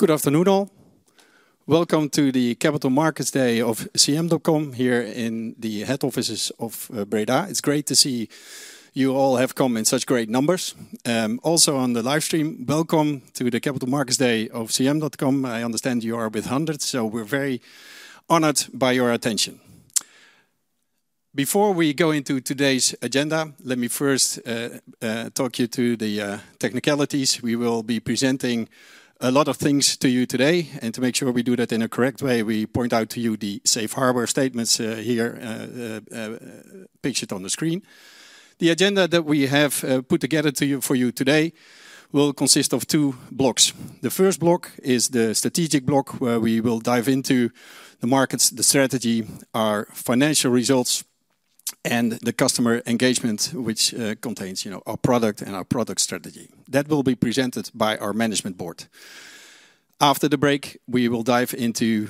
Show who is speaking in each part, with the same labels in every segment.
Speaker 1: Good afternoon all. Welcome to the Capital Markets Day of CM.com here in the head offices of Breda. It's great to see you all have come in such great numbers. Also, on the live stream, welcome to the Capital Markets Day of CM.com. I understand you are with hundreds, so we're very honored by your attention. Before we go into today's agenda, let me first talk you through the technicalities. We will be presenting a lot of things to you today, and to make sure we do that in a correct way, we point out to you the safe harbor statements here, pictured on the screen. The agenda that we have put together for you today will consist of two blocks. The first block is the strategic block, where we will dive into the markets, the strategy, our financial results, and the customer engagement, which contains our product and our product strategy. That will be presented by our management board. After the break, we will dive into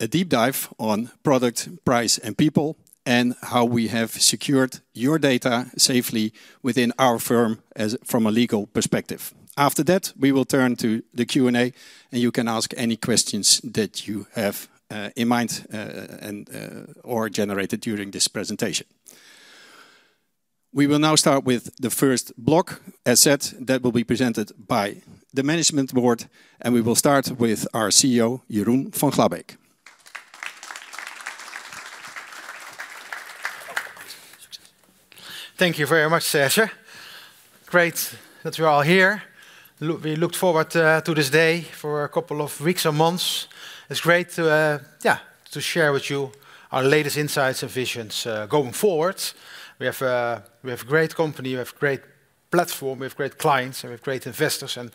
Speaker 1: a deep dive on product, price, and people, and how we have secured your data safely within our firm from a legal perspective. After that, we will turn to the Q&A, and you can ask any questions that you have in mind or generated during this presentation. We will now start with the first block, as said, that will be presented by the management board, and we will start with our CEO, Jeroen van Glabbeek.
Speaker 2: Thank you very much, Serge. Great that you're all here. We looked forward to this day for a couple of weeks or months. It's great to share with you our latest insights and visions going forward. We have a great company, we have a great platform, we have great clients, and we have great investors, and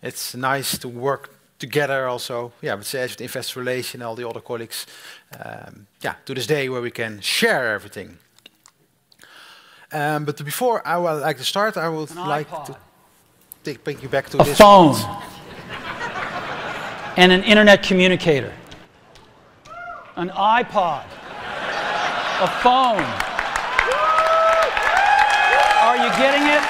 Speaker 2: it's nice to work together also, yeah, with Serge Enneman, Investor Relations, and all the other colleagues to this day where we can share everything. Before I would like to start, I would like to take you back to this.
Speaker 3: A phone. And an internet communicator. An iPod. A phone. Are you getting it?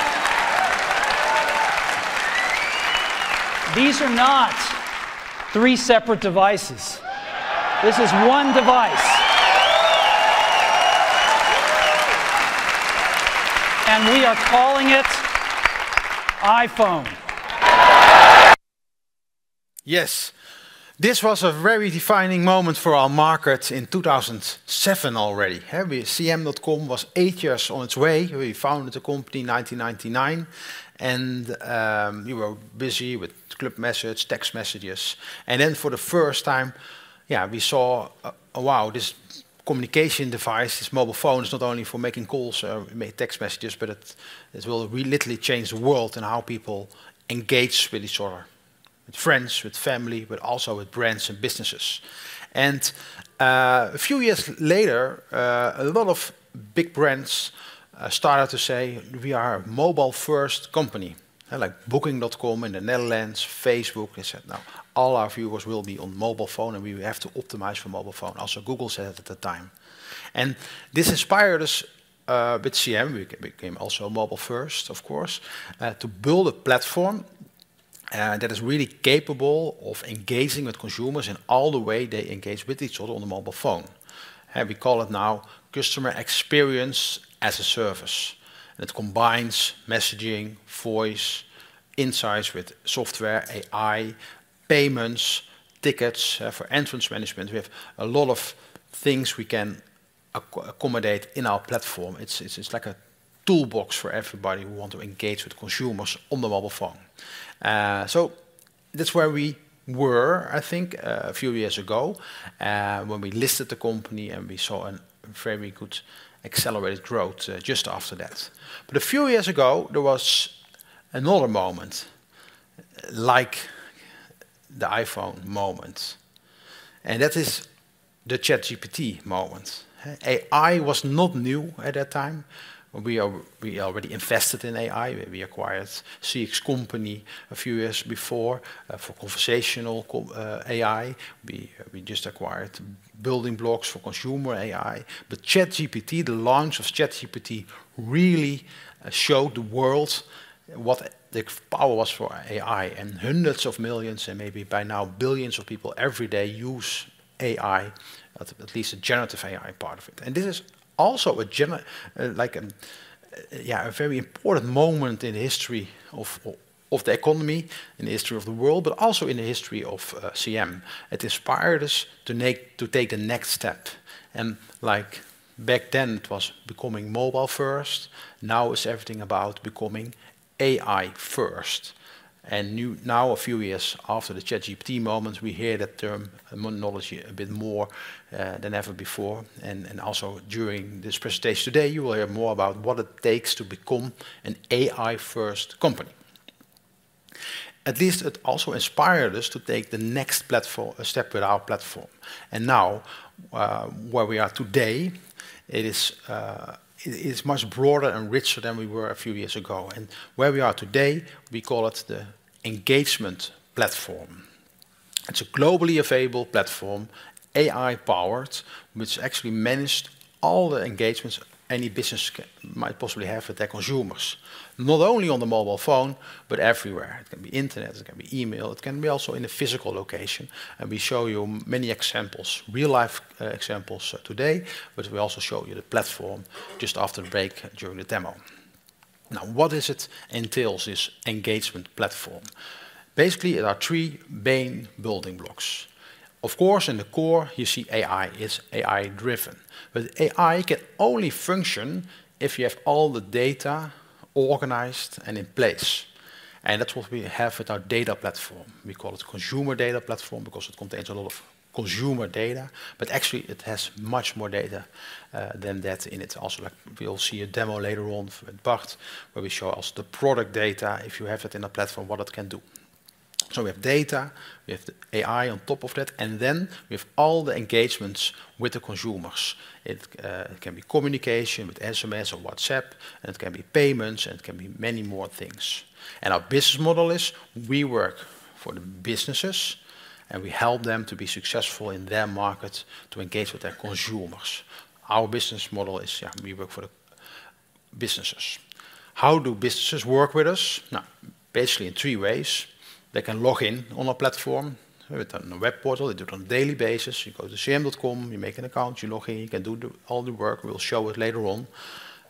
Speaker 3: These are not three separate devices. This is one device. And we are calling it iPhone.
Speaker 2: Yes. This was a very defining moment for our market in 2007 already. CM.com was eight years on its way. We founded the company in 1999, and we were busy with group messages, text messages. Then for the first time, yeah, we saw, wow, this communication device, this mobile phone is not only for making calls or text messages, but it will literally change the world in how people engage with each other, with friends, with family, but also with brands and businesses. A few years later, a lot of big brands started to say, we are a mobile-first company, like Booking.com in the Netherlands, Facebook. They said, no, all our viewers will be on mobile phone, and we have to optimize for mobile phone, also Google said at the time. This inspired us with CM.com. We became also mobile-first, of course, to build a platform that is really capable of engaging with consumers in all the way they engage with each other on the mobile phone. We call it now customer experience as a service. It combines messaging, voice, insights with software, AI, payments, tickets for entrance management. We have a lot of things we can accommodate in our platform. It is like a toolbox for everybody who wants to engage with consumers on the mobile phone. That is where we were, I think, a few years ago when we listed the company and we saw a very good accelerated growth just after that. A few years ago, there was another moment like the iPhone moment, and that is the ChatGPT moment. AI was not new at that time. We already invested in AI. We acquired CX Company a few years before for conversational AI. We just acquired building blocks for consumer AI. ChatGPT, the launch of ChatGPT really showed the world what the power was for AI, and hundreds of millions and maybe by now billions of people every day use AI, at least the generative AI part of it. This is also a very important moment in the history of the economy, in the history of the world, but also in the history of CM. It inspired us to take the next step. Like back then, it was becoming mobile-first. Now it's everything about becoming AI-first. A few years after the ChatGPT moment, we hear that term monology a bit more than ever before. Also during this presentation today, you will hear more about what it takes to become an AI-first company. At least it also inspired us to take the next step with our platform. Where we are today, it is much broader and richer than we were a few years ago. Where we are today, we call it the engagement platform. It is a globally available platform, AI-powered, which actually manages all the engagements any business might possibly have with their consumers, not only on the mobile phone, but everywhere. It can be internet, it can be email, it can be also in a physical location. We show you many examples, real-life examples today, but we also show you the platform just after the break during the demo. Now, what does it entail, this engagement platform? Basically, there are three main building blocks. Of course, in the core, you see AI is AI-driven. AI can only function if you have all the data organized and in place. That is what we have with our data platform. We call it consumer data platform because it contains a lot of consumer data, but actually it has much more data than that in it. Also, you will see a demo later on with Bart, where we show also the product data, if you have it in a platform, what it can do. We have data, we have the AI on top of that, and then we have all the engagements with the consumers. It can be communication with SMS or WhatsApp, it can be payments, and it can be many more things. Our business model is we work for the businesses, and we help them to be successful in their market to engage with their consumers. Our business model is we work for the businesses. How do businesses work with us? Basically in three ways. They can log in on our platform with a web portal. They do it on a daily basis. You go to CM.com, you make an account, you log in, you can do all the work. We'll show it later on.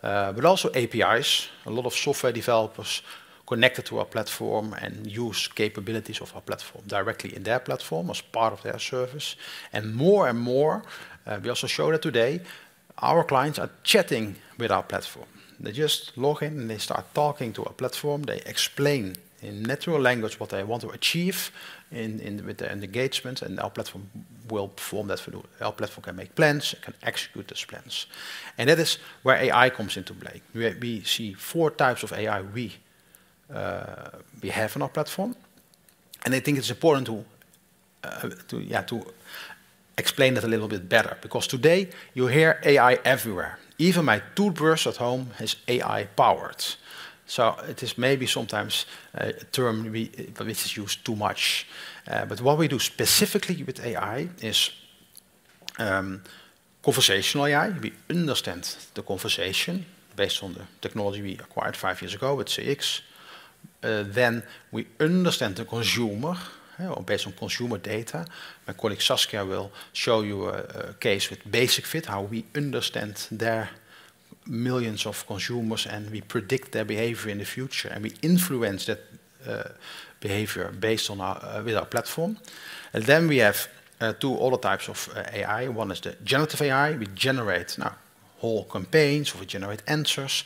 Speaker 2: Also APIs. A lot of software developers connected to our platform and use capabilities of our platform directly in their platform as part of their service. More and more, we also show that today, our clients are chatting with our platform. They just log in and they start talking to our platform. They explain in natural language what they want to achieve with their engagement, and our platform will perform that for them. Our platform can make plans and can execute those plans. That is where AI comes into play. We see four types of AI we have on our platform. I think it's important to explain that a little bit better because today you hear AI everywhere. Even my toolbars at home is AI-powered. It is maybe sometimes a term which is used too much. What we do specifically with AI is conversational AI. We understand the conversation based on the technology we acquired five years ago with CX. Then we understand the consumer based on consumer data. My colleague Saskia will show you a case with Basic-Fit, how we understand their millions of consumers and we predict their behavior in the future. We influence that behavior based on our platform. We have two other types of AI. One is the generative AI. We generate now whole campaigns or we generate answers.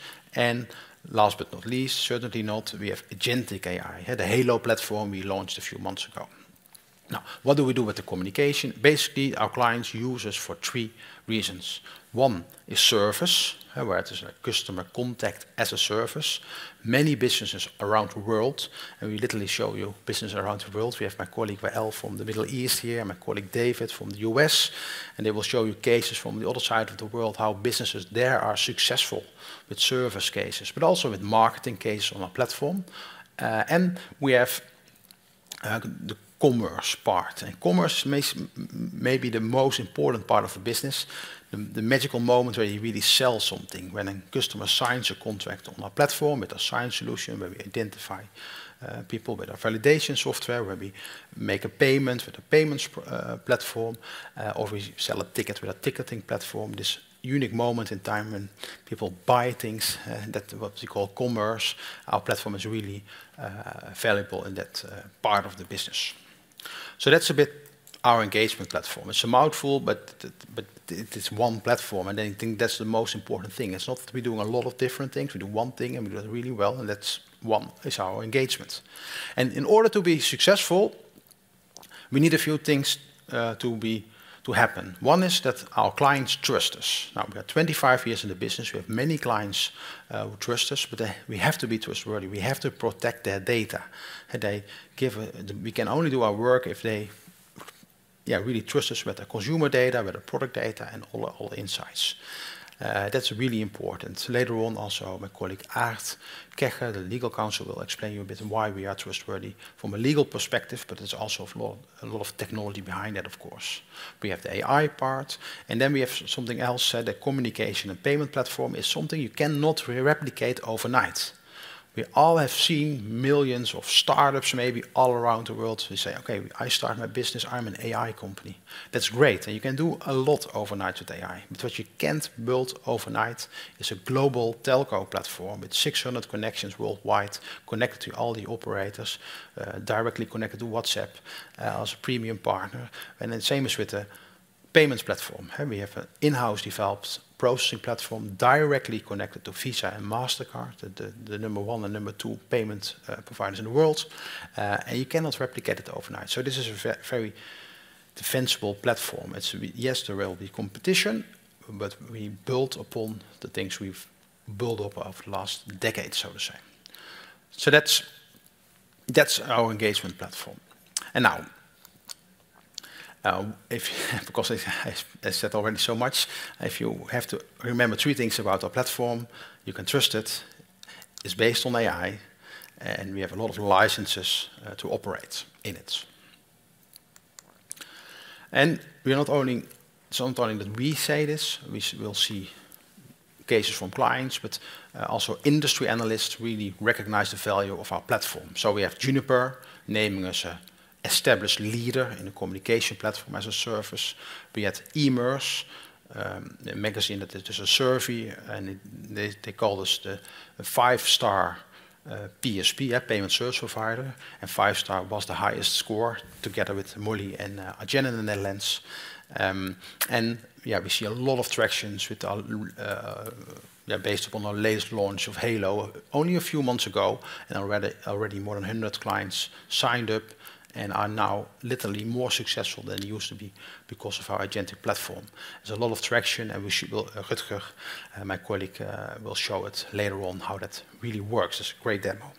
Speaker 2: Last but not least, certainly not, we have agentic AI, the Halo platform we launched a few months ago. Now, what do we do with the communication? Basically, our clients use us for three reasons. One is service, where it is a customer contact as a service. Many businesses around the world, and we literally show you businesses around the world. We have my colleague Wael from the Middle East here, my colleague David from U.S., and they will show you cases from the other side of the world, how businesses there are successful with service cases, but also with marketing cases on our platform. We have the commerce part. Commerce is maybe the most important part of a business, the magical moment where you really sell something, when a customer signs a contract on our platform with a signed solution, where we identify people with our validation software, where we make a payment with a payments platform, or we sell a ticket with a ticketing platform. This unique moment in time when people buy things, what we call commerce, our platform is really valuable in that part of the business. That is a bit our engagement platform. It is a mouthful, but it is one platform. I think that is the most important thing. It is not that we are doing a lot of different things. We do one thing and we do it really well, and that one is our engagement. In order to be successful, we need a few things to happen. One is that our clients trust us. Now, we are 25 years in the business. We have many clients who trust us, but we have to be trustworthy. We have to protect their data. We can only do our work if they really trust us with our consumer data, with our product data, and all the insights. That's really important. Later on, also my colleague Aard Kegger, the Legal Counsel, will explain to you a bit why we are trustworthy from a legal perspective, but there's also a lot of technology behind that, of course. We have the AI part, and then we have something else. The communication and payment platform is something you cannot replicate overnight. We all have seen millions of startups maybe all around the world. We say, okay, I start my business, I'm an AI company. That's great. You can do a lot overnight with AI. What you can't build overnight is a global telco platform with 600 connections worldwide, connected to all the operators, directly connected to WhatsApp as a premium partner. The same as with the payments platform. We have an in-house developed processing platform directly connected to Visa and MasterCard, the number one and number two payment providers in the world. You cannot replicate it overnight. This is a very defensible platform. Yes, there will be competition, but we build upon the things we've built up over the last decade, so to say. That's our engagement platform. Now, because I said already so much, if you have to remember three things about our platform, you can trust it. It's based on AI, and we have a lot of licenses to operate in it. We're not only that we say this, we will see cases from clients, but also industry analysts really recognize the value of our platform. We have Juniper naming us an established leader in the communication platform as a service. We had Emerce, a magazine that did a survey, and they called us the five-star PSP, payment service provider, and five-star was the highest score together with Mollie and Adyen in the Netherlands. Yeah, we see a lot of tractions based upon our latest launch of Halo only a few months ago, and already more than 100 clients signed up and are now literally more successful than they used to be because of our agentic platform. There's a lot of traction, and Rutger, my colleague, will show it later on how that really works. It's a great demo.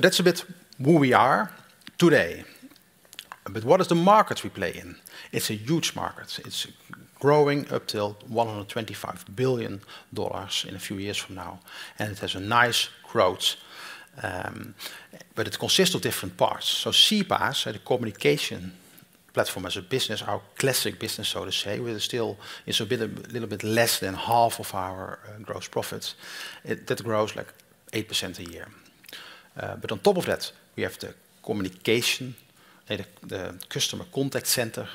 Speaker 2: That's a bit where we are today. What is the market we play in? It's a huge market. It's growing up to $125 billion in a few years from now, and it has a nice growth. It consists of different parts. CPaaS, the communication platform as a business, our classic business, so to say, still is a little bit less than half of our gross profits. That grows like 8% a year. On top of that, we have the communication, the customer contact center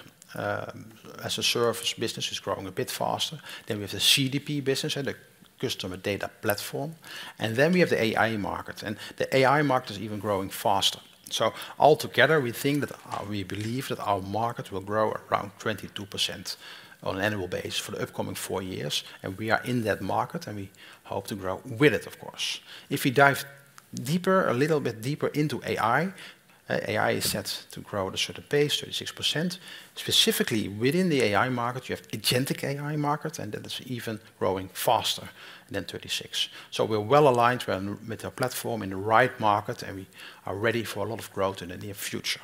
Speaker 2: as a service business is growing a bit faster. We have the CDP business, the customer data platform. We have the AI market. The AI market is even growing faster. Altogether, we think that we believe that our market will grow around 22% on an annual base for the upcoming four years. We are in that market, and we hope to grow with it, of course. If we dive a little bit deeper into AI, AI is set to grow at a certain pace, 36%. Specifically within the AI market, you have agentic AI market, and that is even growing faster than 36%. We are well aligned with our platform in the right market, and we are ready for a lot of growth in the near future.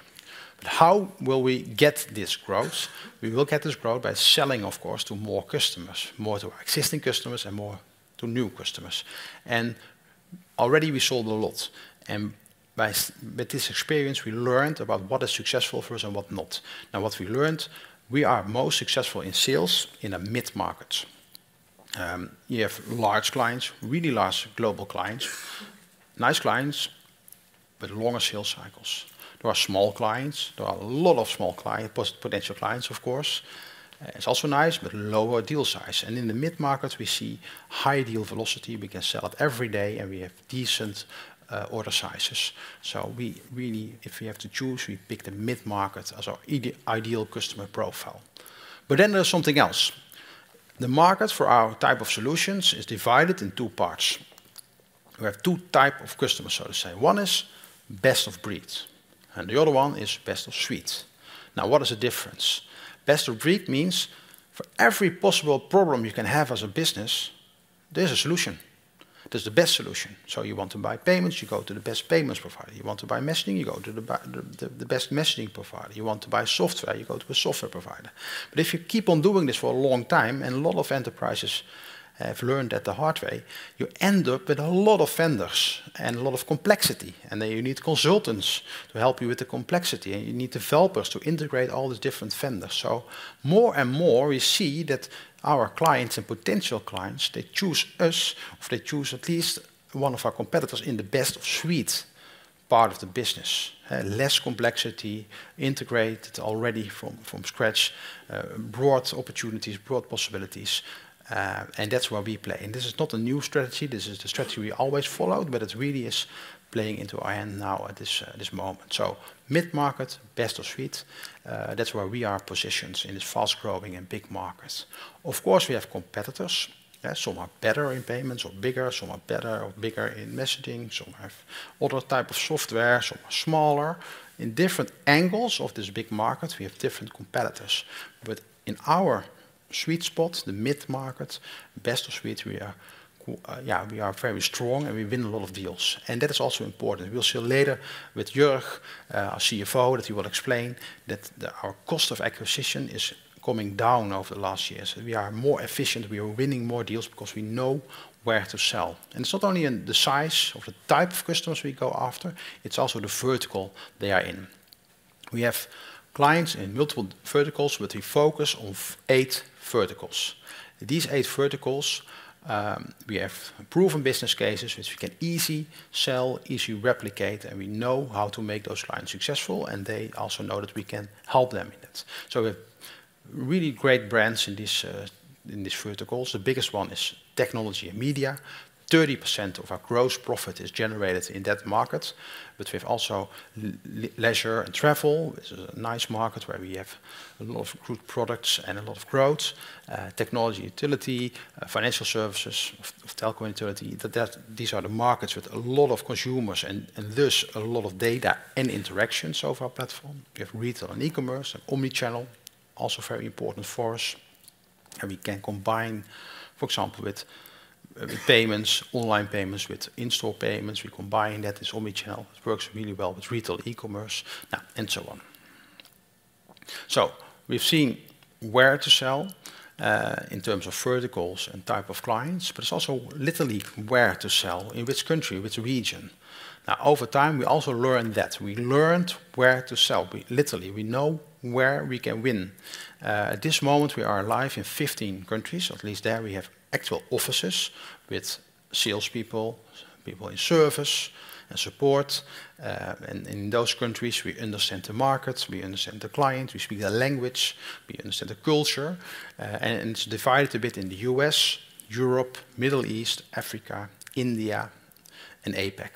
Speaker 2: How will we get this growth? We will get this growth by selling, of course, to more customers, more to our existing customers, and more to new customers. Already we sold a lot. With this experience, we learned about what is successful for us and what not. What we learned, we are most successful in sales in a mid-market. You have large clients, really large global clients, nice clients, but longer sales cycles. There are small clients. There are a lot of small clients, potential clients, of course. It's also nice, but lower deal size. In the mid-market, we see high deal velocity. We can sell it every day, and we have decent order sizes. Really, if we have to choose, we pick the mid-market as our ideal customer profile. There is something else. The market for our type of solutions is divided in two parts. We have two types of customers, so to say. One is best of breed. The other one is best of suite. Now, what is the difference? Best of breed means for every possible problem you can have as a business, there's a solution. There's the best solution. You want to buy payments, you go to the best payments provider. You want to buy messaging, you go to the best messaging provider. You want to buy software, you go to a software provider. If you keep on doing this for a long time, and a lot of enterprises have learned that the hard way, you end up with a lot of vendors and a lot of complexity. You need consultants to help you with the complexity, and you need developers to integrate all the different vendors. More and more, we see that our clients and potential clients, they choose us, or they choose at least one of our competitors in the best of suite part of the business. Less complexity, integrated already from scratch, broad opportunities, broad possibilities. That is where we play. This is not a new strategy. This is the strategy we always followed, but it really is playing into our hand now at this moment. Mid-market, best of suite, that's where we are positioned in this fast-growing and big market. Of course, we have competitors. Some are better in payments or bigger. Some are better or bigger in messaging. Some have other types of software. Some are smaller. In different angles of this big market, we have different competitors. In our sweet spot, the mid-market, best of suite, we are very strong and we win a lot of deals. That is also important. We will see later with Jörg, our CFO, that he will explain that our cost of acquisition is coming down over the last years. We are more efficient. We are winning more deals because we know where to sell. It's not only the size of the type of customers we go after, it's also the vertical they are in. We have clients in multiple verticals, but we focus on eight verticals. These eight verticals, we have proven business cases, which we can easily sell, easily replicate, and we know how to make those clients successful, and they also know that we can help them in it. We have really great brands in these verticals. The biggest one is technology and media. 30% of our gross profit is generated in that market. We have also leisure and travel. This is a nice market where we have a lot of good products and a lot of growth. Technology utility, financial services, telco utility. These are the markets with a lot of consumers and thus a lot of data and interactions over our platform. We have retail and e-commerce and omnichannel, also very important for us. We can combine, for example, with payments, online payments with in-store payments. We combine that as omnichannel. It works really well with retail e-commerce, and so on. We have seen where to sell in terms of verticals and type of clients, but it is also literally where to sell, in which country, which region. Over time, we also learned that. We learned where to sell. Literally, we know where we can win. At this moment, we are live in 15 countries. At least there, we have actual offices with salespeople, people in service and support. In those countries, we understand the markets. We understand the clients. We speak the language. We understand the culture. It is divided a bit in the US, Europe, Middle East, Africa, India, and APAC.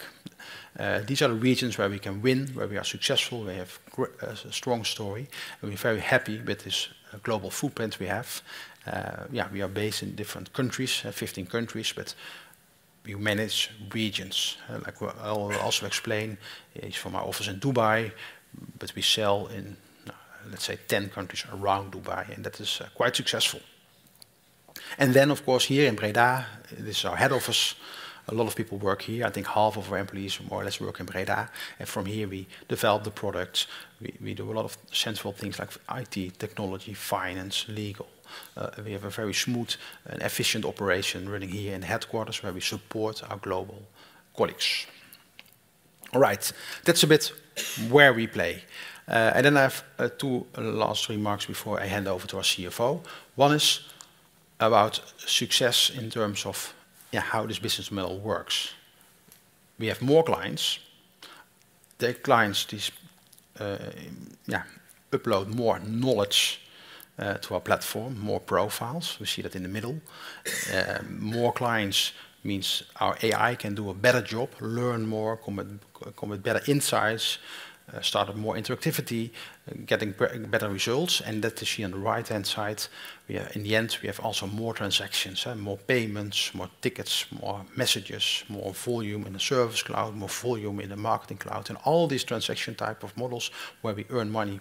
Speaker 2: These are the regions where we can win, where we are successful. We have a strong story. We're very happy with this global footprint we have. We are based in different countries, 15 countries, but we manage regions. Like I'll also explain, from our office in Dubai, but we sell in, let's say, 10 countries around Dubai, and that is quite successful. Of course, here in Breda, this is our head office. A lot of people work here. I think half of our employees more or less work in Breda. From here, we develop the products. We do a lot of central things like IT, technology, finance, legal. We have a very smooth and efficient operation running here in headquarters where we support our global colleagues. All right. That's a bit where we play. I have two last remarks before I hand over to our CFO. One is about success in terms of how this business model works. We have more clients. The clients upload more knowledge to our platform, more profiles. We see that in the middle. More clients means our AI can do a better job, learn more, come with better insights, start more interactivity, getting better results. That you see on the right-hand side. In the end, we have also more transactions, more payments, more tickets, more messages, more volume in the Service Cloud, more volume in the Marketing Cloud. All these transaction type of models where we earn money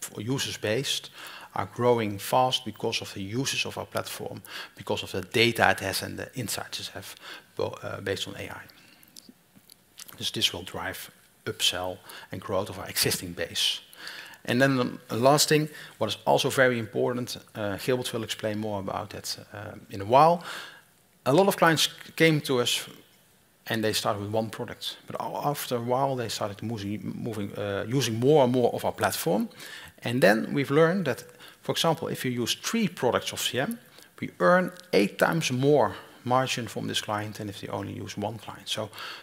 Speaker 2: for users-based are growing fast because of the users of our platform, because of the data it has and the insights it has based on AI. This will drive upsell and growth of our existing base. The last thing, what is also very important, Gilbert will explain more about that in a while. A lot of clients came to us and they started with one product. After a while, they started using more and more of our platform. We have learned that, for example, if you use three products of CM.com, we earn eight times more margin from this client than if they only use one product.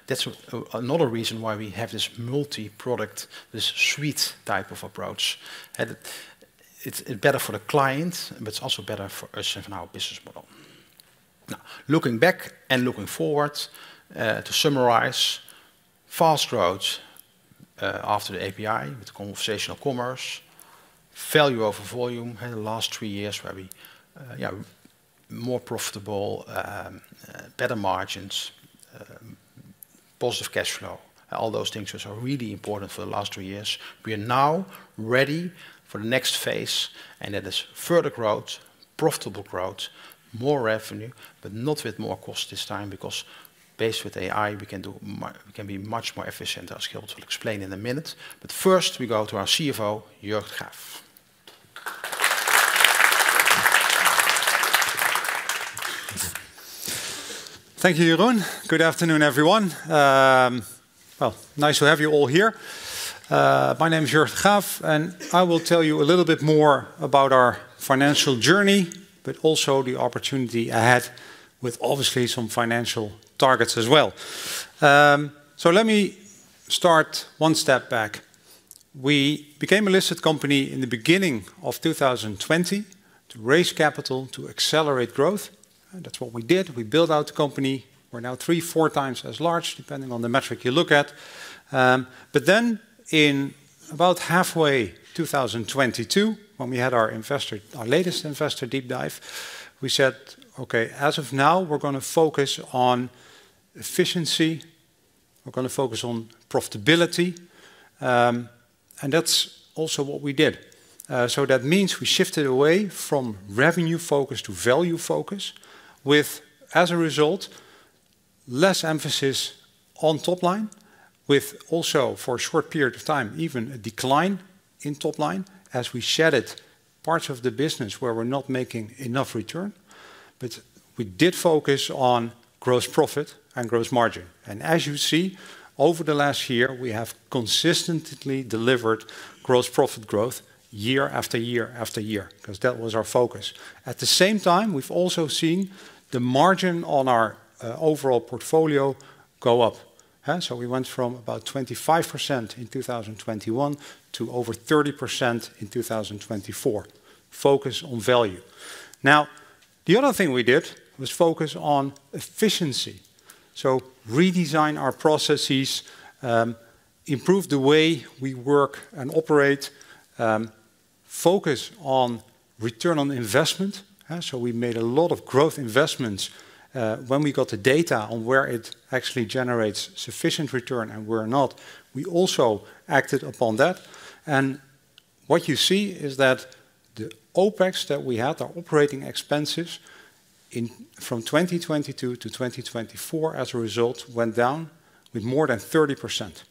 Speaker 2: That is another reason why we have this multi-product, this suite type of approach. It is better for the client, but it is also better for us and for our business model. Now, looking back and looking forward, to summarize, fast growth after the API with conversational commerce, value over volume in the last three years where we are more profitable, better margins, positive cash flow, all those things are really important for the last three years. We are now ready for the next phase, and that is further growth, profitable growth, more revenue, but not with more costs this time because based with AI, we can be much more efficient. I'll explain in a minute. First, we go to our CFO, Jörg Graff.
Speaker 4: Thank you, Jeroen. Good afternoon, everyone. Nice to have you all here. My name is Jörg Graff, and I will tell you a little bit more about our financial journey, but also the opportunity ahead with obviously some financial targets as well. Let me start one step back. We became a listed company in the beginning of 2020 to raise capital to accelerate growth. That's what we did. We built out the company. We're now three, four times as large, depending on the metric you look at. Then in about halfway 2022, when we had our latest investor deep dive, we said, "Okay, as of now, we're going to focus on efficiency. We're going to focus on profitability." That is also what we did. That means we shifted away from revenue focus to value focus with, as a result, less emphasis on top line, with also for a short period of time, even a decline in top line as we shed parts of the business where we're not making enough return. We did focus on gross profit and gross margin. As you see, over the last year, we have consistently delivered gross profit growth year after year after year because that was our focus. At the same time, we've also seen the margin on our overall portfolio go up. We went from about 25% in 2021 to over 30% in 2024, focus on value. The other thing we did was focus on efficiency. We redesigned our processes, improved the way we work and operate, focus on return on investment. We made a lot of growth investments. When we got the data on where it actually generates sufficient return and where not, we also acted upon that. What you see is that the OpEx that we had, our operating expenses from 2022 to 2024, as a result, went down with more than 30%.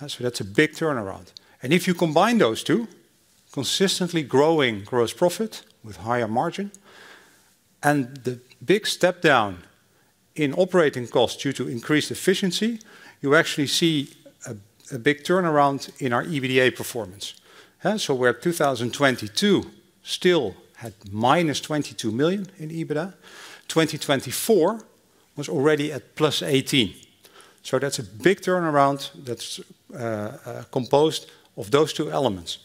Speaker 4: That is a big turnaround. If you combine those two, consistently growing gross profit with higher margin, and the big step down in operating costs due to increased efficiency, you actually see a big turnaround in our EBITDA performance. Where 2022 still had minus 22 million in EBITDA, 2024 was already at plus 18 million. That is a big turnaround that is composed of those two elements.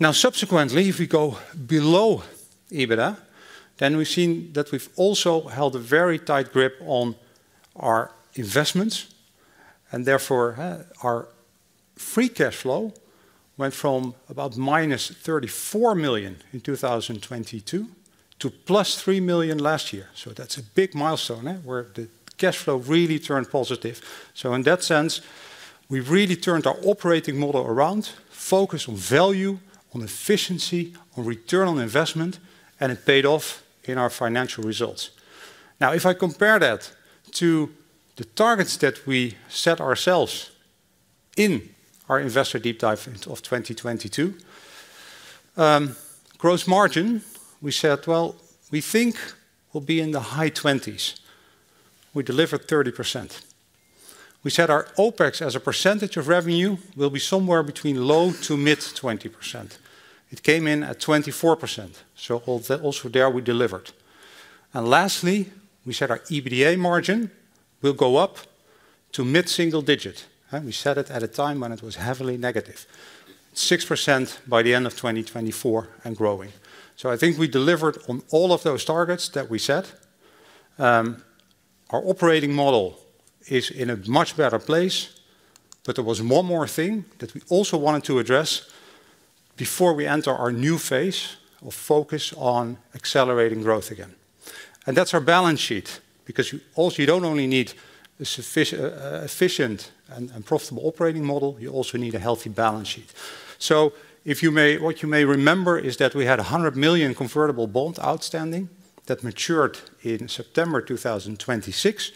Speaker 4: Now, subsequently, if we go below EBITDA, then we have seen that we have also held a very tight grip on our investments. Therefore, our free cash flow went from about minus 34 million in 2022 to plus 3 million last year. That is a big milestone where the cash flow really turned positive. In that sense, we really turned our operating model around, focused on value, on efficiency, on return on investment, and it paid off in our financial results. If I compare that to the targets that we set ourselves in our investor deep dive of 2022, gross margin, we said, "We think we will be in the high 20s." We delivered 30%. We said our OpEx as a percentage of revenue will be somewhere between low to mid 20%. It came in at 24%. Also there, we delivered. Lastly, we said our EBITDA margin will go up to mid single digit. We said it at a time when it was heavily negative, 6% by the end of 2024 and growing. I think we delivered on all of those targets that we set. Our operating model is in a much better place, but there was one more thing that we also wanted to address before we enter our new phase of focus on accelerating growth again. That is our balance sheet because you do not only need an efficient and profitable operating model, you also need a healthy balance sheet. What you may remember is that we had 100 million convertible bond outstanding that matured in September 2026.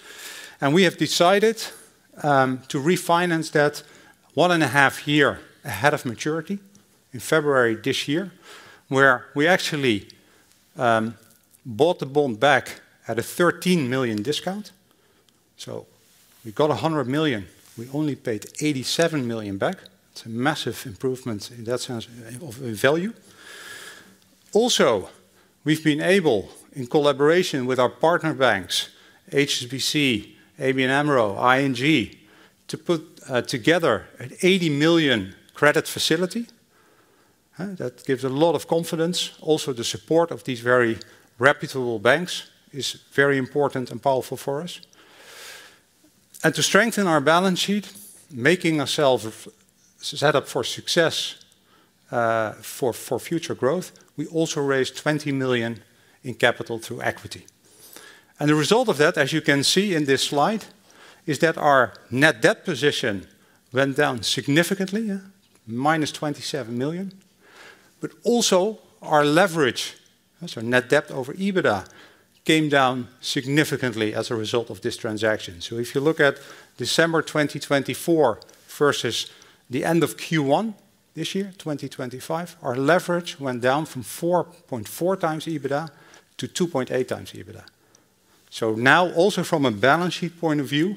Speaker 4: We have decided to refinance that one and a half year ahead of maturity in February this year, where we actually bought the bond back at a 13 million discount. We got 100 million. We only paid 87 million back. It's a massive improvement in that sense of value. Also, we've been able, in collaboration with our partner banks, HSBC, ABN Amro, ING, to put together a 80 million credit facility. That gives a lot of confidence. Also, the support of these very reputable banks is very important and powerful for us. To strengthen our balance sheet, making ourselves set up for success for future growth, we also raised 20 million in capital through equity. The result of that, as you can see in this slide, is that our net debt position went down significantly, minus 27 million. Also our leverage, so net debt over EBITDA, came down significantly as a result of this transaction. If you look at December 2024 versus the end of Q1 this year, 2025, our leverage went down from 4.4 times EBITDA to 2.8 times EBITDA. Now, also from a balance sheet point of view,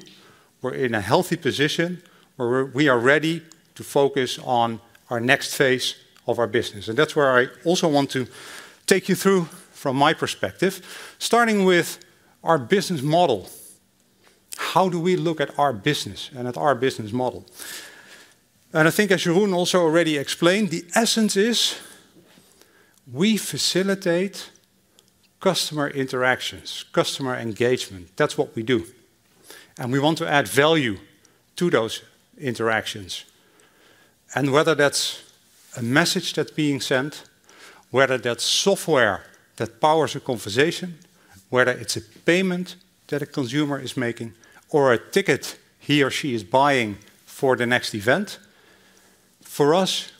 Speaker 4: we're in a healthy position where we are ready to focus on our next phase of our business. That is where I also want to take you through from my perspective, starting with our business model. How do we look at our business and at our business model? I think, as Jeroen also already explained, the essence is we facilitate customer interactions, customer engagement. That is what we do. We want to add value to those interactions. Whether that's a message that's being sent, whether that's software that powers a conversation, whether it's a payment that a consumer is making or a ticket he or she is buying for the next event, for us,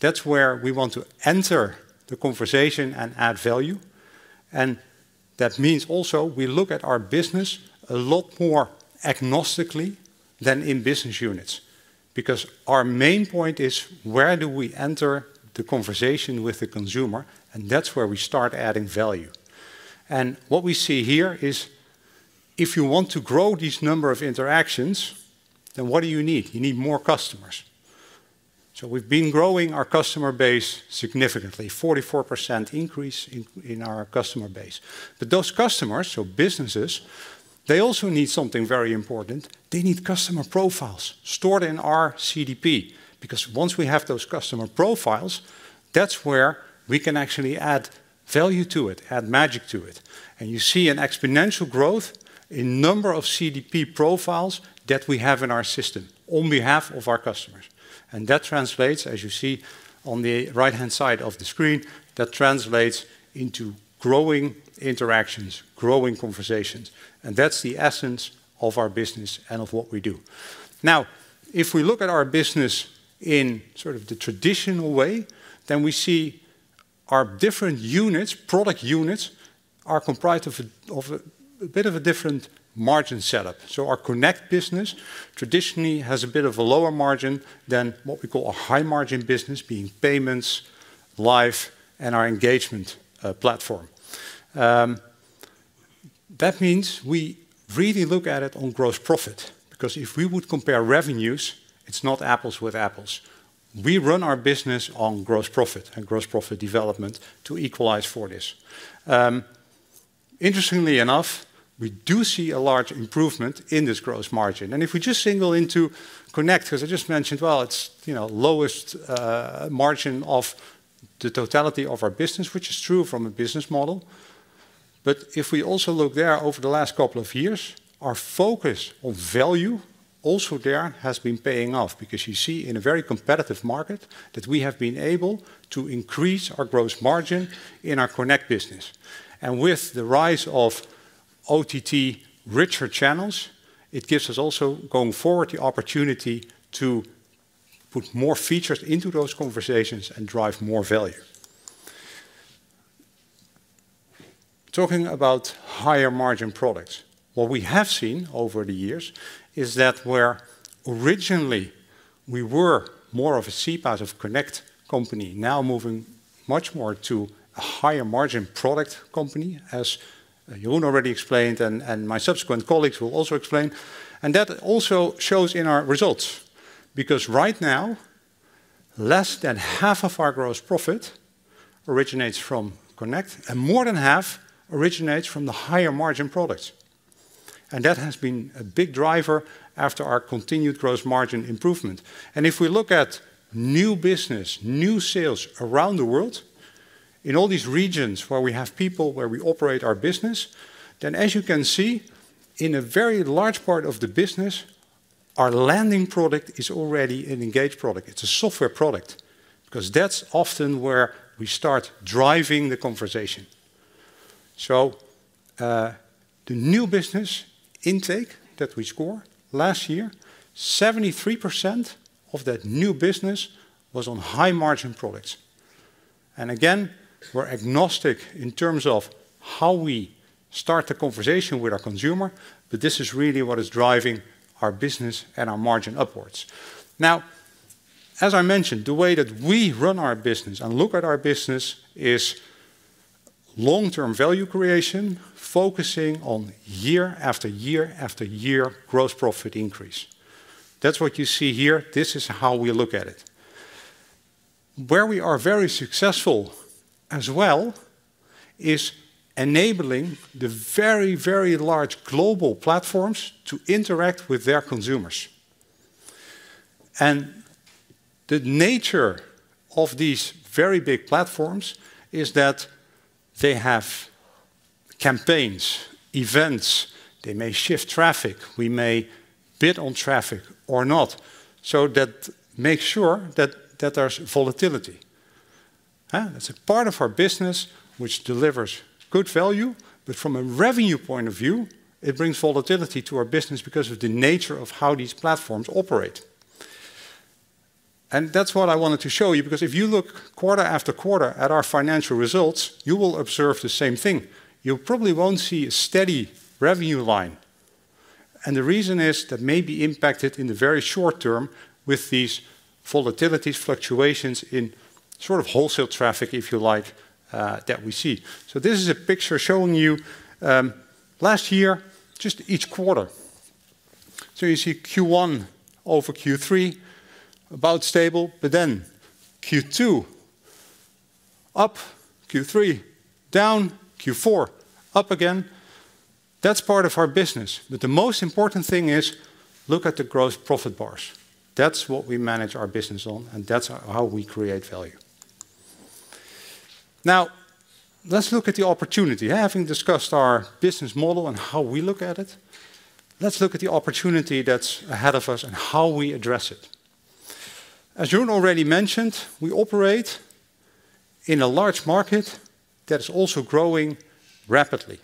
Speaker 4: that's where we want to enter the conversation and add value. That means also we look at our business a lot more agnostically than in business units because our main point is where do we enter the conversation with the consumer, and that's where we start adding value. What we see here is if you want to grow this number of interactions, then what do you need? You need more customers. We've been growing our customer base significantly, 44% increase in our customer base. Those customers, so businesses, they also need something very important. They need customer profiles stored in our CDP because once we have those customer profiles, that's where we can actually add value to it, add magic to it. You see an exponential growth in number of CDP profiles that we have in our system on behalf of our customers. That translates, as you see on the right-hand side of the screen, that translates into growing interactions, growing conversations. That's the essence of our business and of what we do. Now, if we look at our business in sort of the traditional way, we see our different units, product units, are comprised of a bit of a different margin setup. Our Connect business traditionally has a bit of a lower margin than what we call a high margin business, being Payments, Live, and our Engagement Platform. That means we really look at it on gross profit because if we would compare revenues, it's not apples with apples. We run our business on gross profit and gross profit development to equalize for this. Interestingly enough, we do see a large improvement in this gross margin. If we just single into Connect, as I just mentioned, it's lowest margin of the totality of our business, which is true from a business model. If we also look there over the last couple of years, our focus on value also there has been paying off because you see in a very competitive market that we have been able to increase our gross margin in our Connect business. With the rise of OTT richer channels, it gives us also going forward the opportunity to put more features into those conversations and drive more value. Talking about higher margin products, what we have seen over the years is that where originally we were more of a CPaaS or Connect company, now moving much more to a higher margin product company, as Jeroen already explained and my subsequent colleagues will also explain. That also shows in our results because right now, less than half of our gross profit originates from Connect and more than half originates from the higher margin products. That has been a big driver after our continued gross margin improvement. If we look at new business, new sales around the world in all these regions where we have people where we operate our business, then as you can see, in a very large part of the business, our landing product is already an Engage product. It's a software product because that's often where we start driving the conversation. The new business intake that we score last year, 73% of that new business was on high margin products. Again, we're agnostic in terms of how we start the conversation with our consumer, but this is really what is driving our business and our margin upwards. Now, as I mentioned, the way that we run our business and look at our business is long-term value creation, focusing on year after year after year gross profit increase. That's what you see here. This is how we look at it. Where we are very successful as well is enabling the very, very large global platforms to interact with their consumers. The nature of these very big platforms is that they have campaigns, events, they may shift traffic, we may bid on traffic or not, so that makes sure that there's volatility. That's a part of our business which delivers good value, but from a revenue point of view, it brings volatility to our business because of the nature of how these platforms operate. That is what I wanted to show you because if you look quarter after quarter at our financial results, you will observe the same thing. You probably won't see a steady revenue line. The reason is that may be impacted in the very short term with these volatilities, fluctuations in sort of wholesale traffic, if you like, that we see. This is a picture showing you last year, just each quarter. You see Q1 over Q3, about stable, then Q2 up, Q3 down, Q4 up again. That is part of our business. The most important thing is look at the gross profit bars. That's what we manage our business on, and that's how we create value. Now, let's look at the opportunity. Having discussed our business model and how we look at it, let's look at the opportunity that's ahead of us and how we address it. As Jeroen already mentioned, we operate in a large market that is also growing rapidly.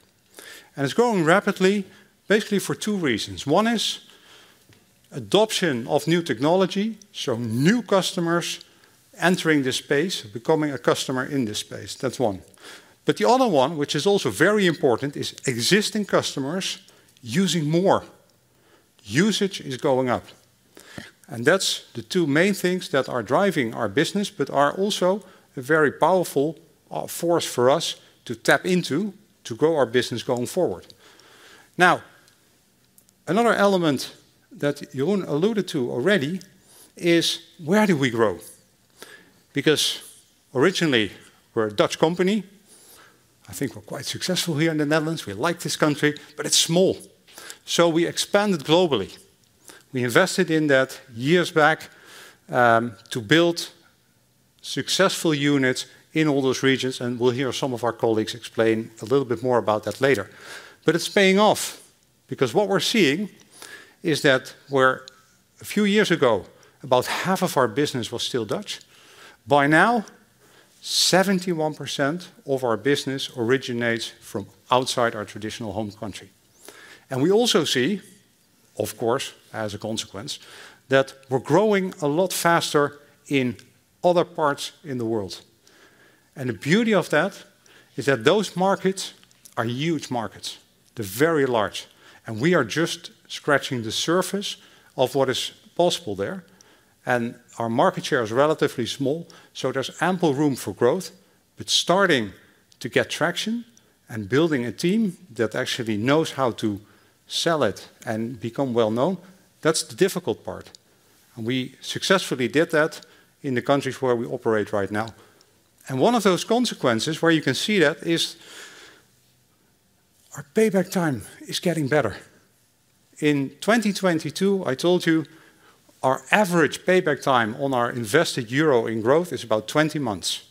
Speaker 4: It's growing rapidly basically for two reasons. One is adoption of new technology, so new customers entering this space, becoming a customer in this space. That's one. The other one, which is also very important, is existing customers using more. Usage is going up. That's the two main things that are driving our business, but are also a very powerful force for us to tap into to grow our business going forward. Now, another element that Jeroen alluded to already is where do we grow? Because originally, we're a Dutch company. I think we're quite successful here in the Netherlands. We like this country, but it's small. We expanded globally. We invested in that years back to build successful units in all those regions. We'll hear some of our colleagues explain a little bit more about that later. It's paying off because what we're seeing is that where a few years ago, about half of our business was still Dutch, by now, 71% of our business originates from outside our traditional home country. We also see, of course, as a consequence, that we're growing a lot faster in other parts in the world. The beauty of that is that those markets are huge markets, they're very large. We are just scratching the surface of what is possible there. Our market share is relatively small, so there's ample room for growth. Starting to get traction and building a team that actually knows how to sell it and become well-known, that's the difficult part. We successfully did that in the countries where we operate right now. One of those consequences where you can see that is our payback time is getting better. In 2022, I told you our average payback time on our invested EUR in growth is about 20 months.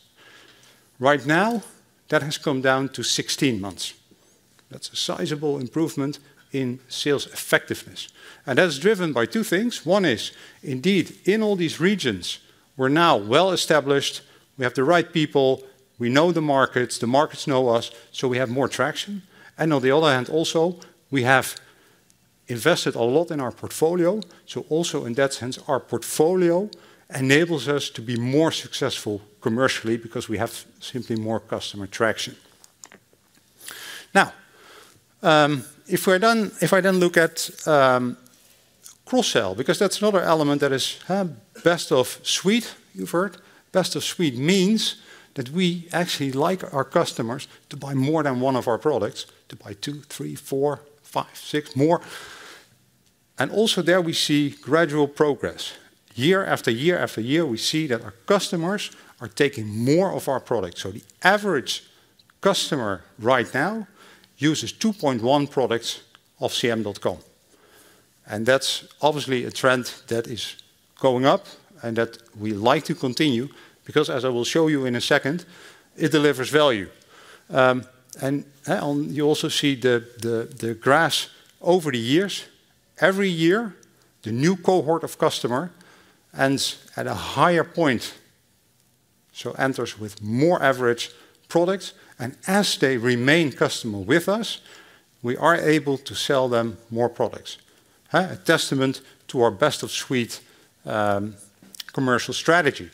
Speaker 4: Right now, that has come down to 16 months. That's a sizable improvement in sales effectiveness. That's driven by two things. One is indeed in all these regions, we're now well established. We have the right people. We know the markets. The markets know us, so we have more traction. On the other hand, also, we have invested a lot in our portfolio. Also in that sense, our portfolio enables us to be more successful commercially because we have simply more customer traction. Now, if I then look at cross-sell, because that's another element that is best of suite, you've heard. Best of suite means that we actually like our customers to buy more than one of our products, to buy two, three, four, five, six more. Also there we see gradual progress. Year after year after year, we see that our customers are taking more of our products. The average customer right now uses 2.1 products of CM.com. That's obviously a trend that is going up and that we like to continue because, as I will show you in a second, it delivers value. You also see the graphs over the years. Every year, the new cohort of customers ends at a higher point, so enters with more average products. As they remain customers with us, we are able to sell them more products, a testament to our best of suite commercial strategy.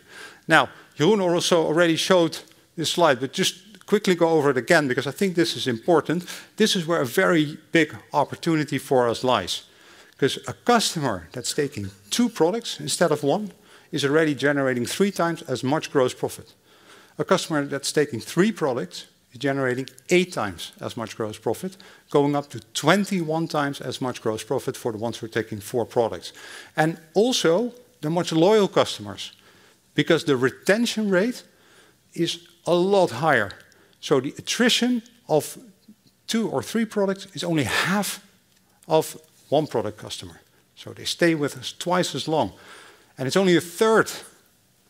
Speaker 4: Jeroen also already showed this slide, but just quickly go over it again because I think this is important. This is where a very big opportunity for us lies because a customer that is taking two products instead of one is already generating three times as much gross profit. A customer that is taking three products is generating eight times as much gross profit, going up to 21 times as much gross profit for the ones who are taking four products. Also, the much loyal customers because the retention rate is a lot higher. The attrition of two or three products is only half of one product customer. They stay with us twice as long. It is only a third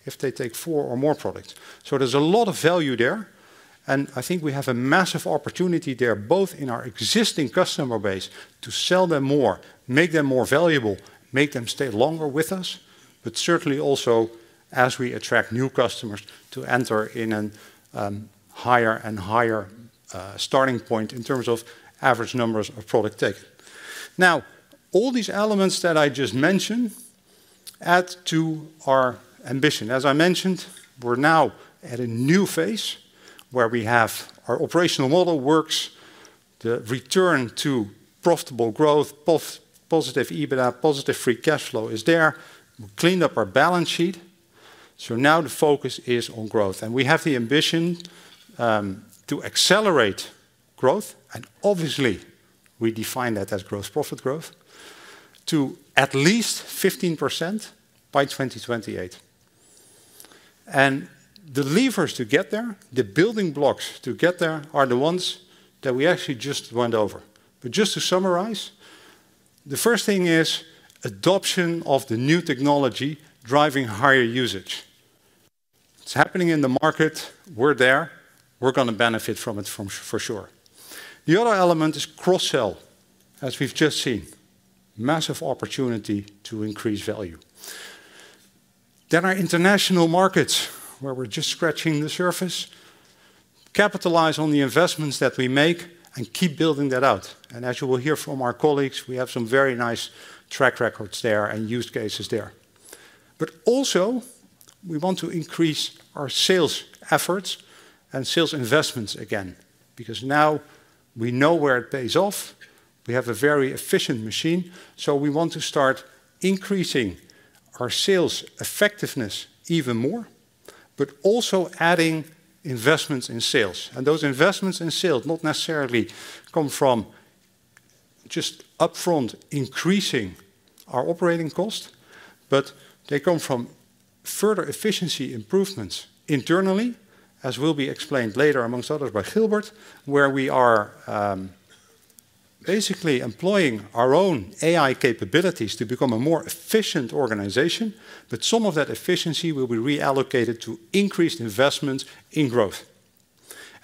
Speaker 4: if they take four or more products. There is a lot of value there. I think we have a massive opportunity there, both in our existing customer base, to sell them more, make them more valuable, make them stay longer with us, but certainly also as we attract new customers to enter in a higher and higher starting point in terms of average numbers of product taken. Now, all these elements that I just mentioned add to our ambition. As I mentioned, we are now at a new phase where our operational model works, the return to profitable growth, positive EBITDA, positive free cash flow is there. We cleaned up our balance sheet. Now the focus is on growth. We have the ambition to accelerate growth. Obviously, we define that as gross profit growth to at least 15% by 2028. The levers to get there, the building blocks to get there, are the ones that we actually just went over. Just to summarize, the first thing is adoption of the new technology driving higher usage. It's happening in the market. We're there. We're going to benefit from it for sure. The other element is cross-sell, as we've just seen. Massive opportunity to increase value. Our international markets, where we're just scratching the surface, capitalize on the investments that we make and keep building that out. As you will hear from our colleagues, we have some very nice track records there and use cases there. Also, we want to increase our sales efforts and sales investments again because now we know where it pays off. We have a very efficient machine. We want to start increasing our sales effectiveness even more, but also adding investments in sales. Those investments in sales not necessarily come from just upfront increasing our operating cost, but they come from further efficiency improvements internally, as will be explained later, amongst others, by Gilbert, where we are basically employing our own AI capabilities to become a more efficient organization. Some of that efficiency will be reallocated to increased investment in growth.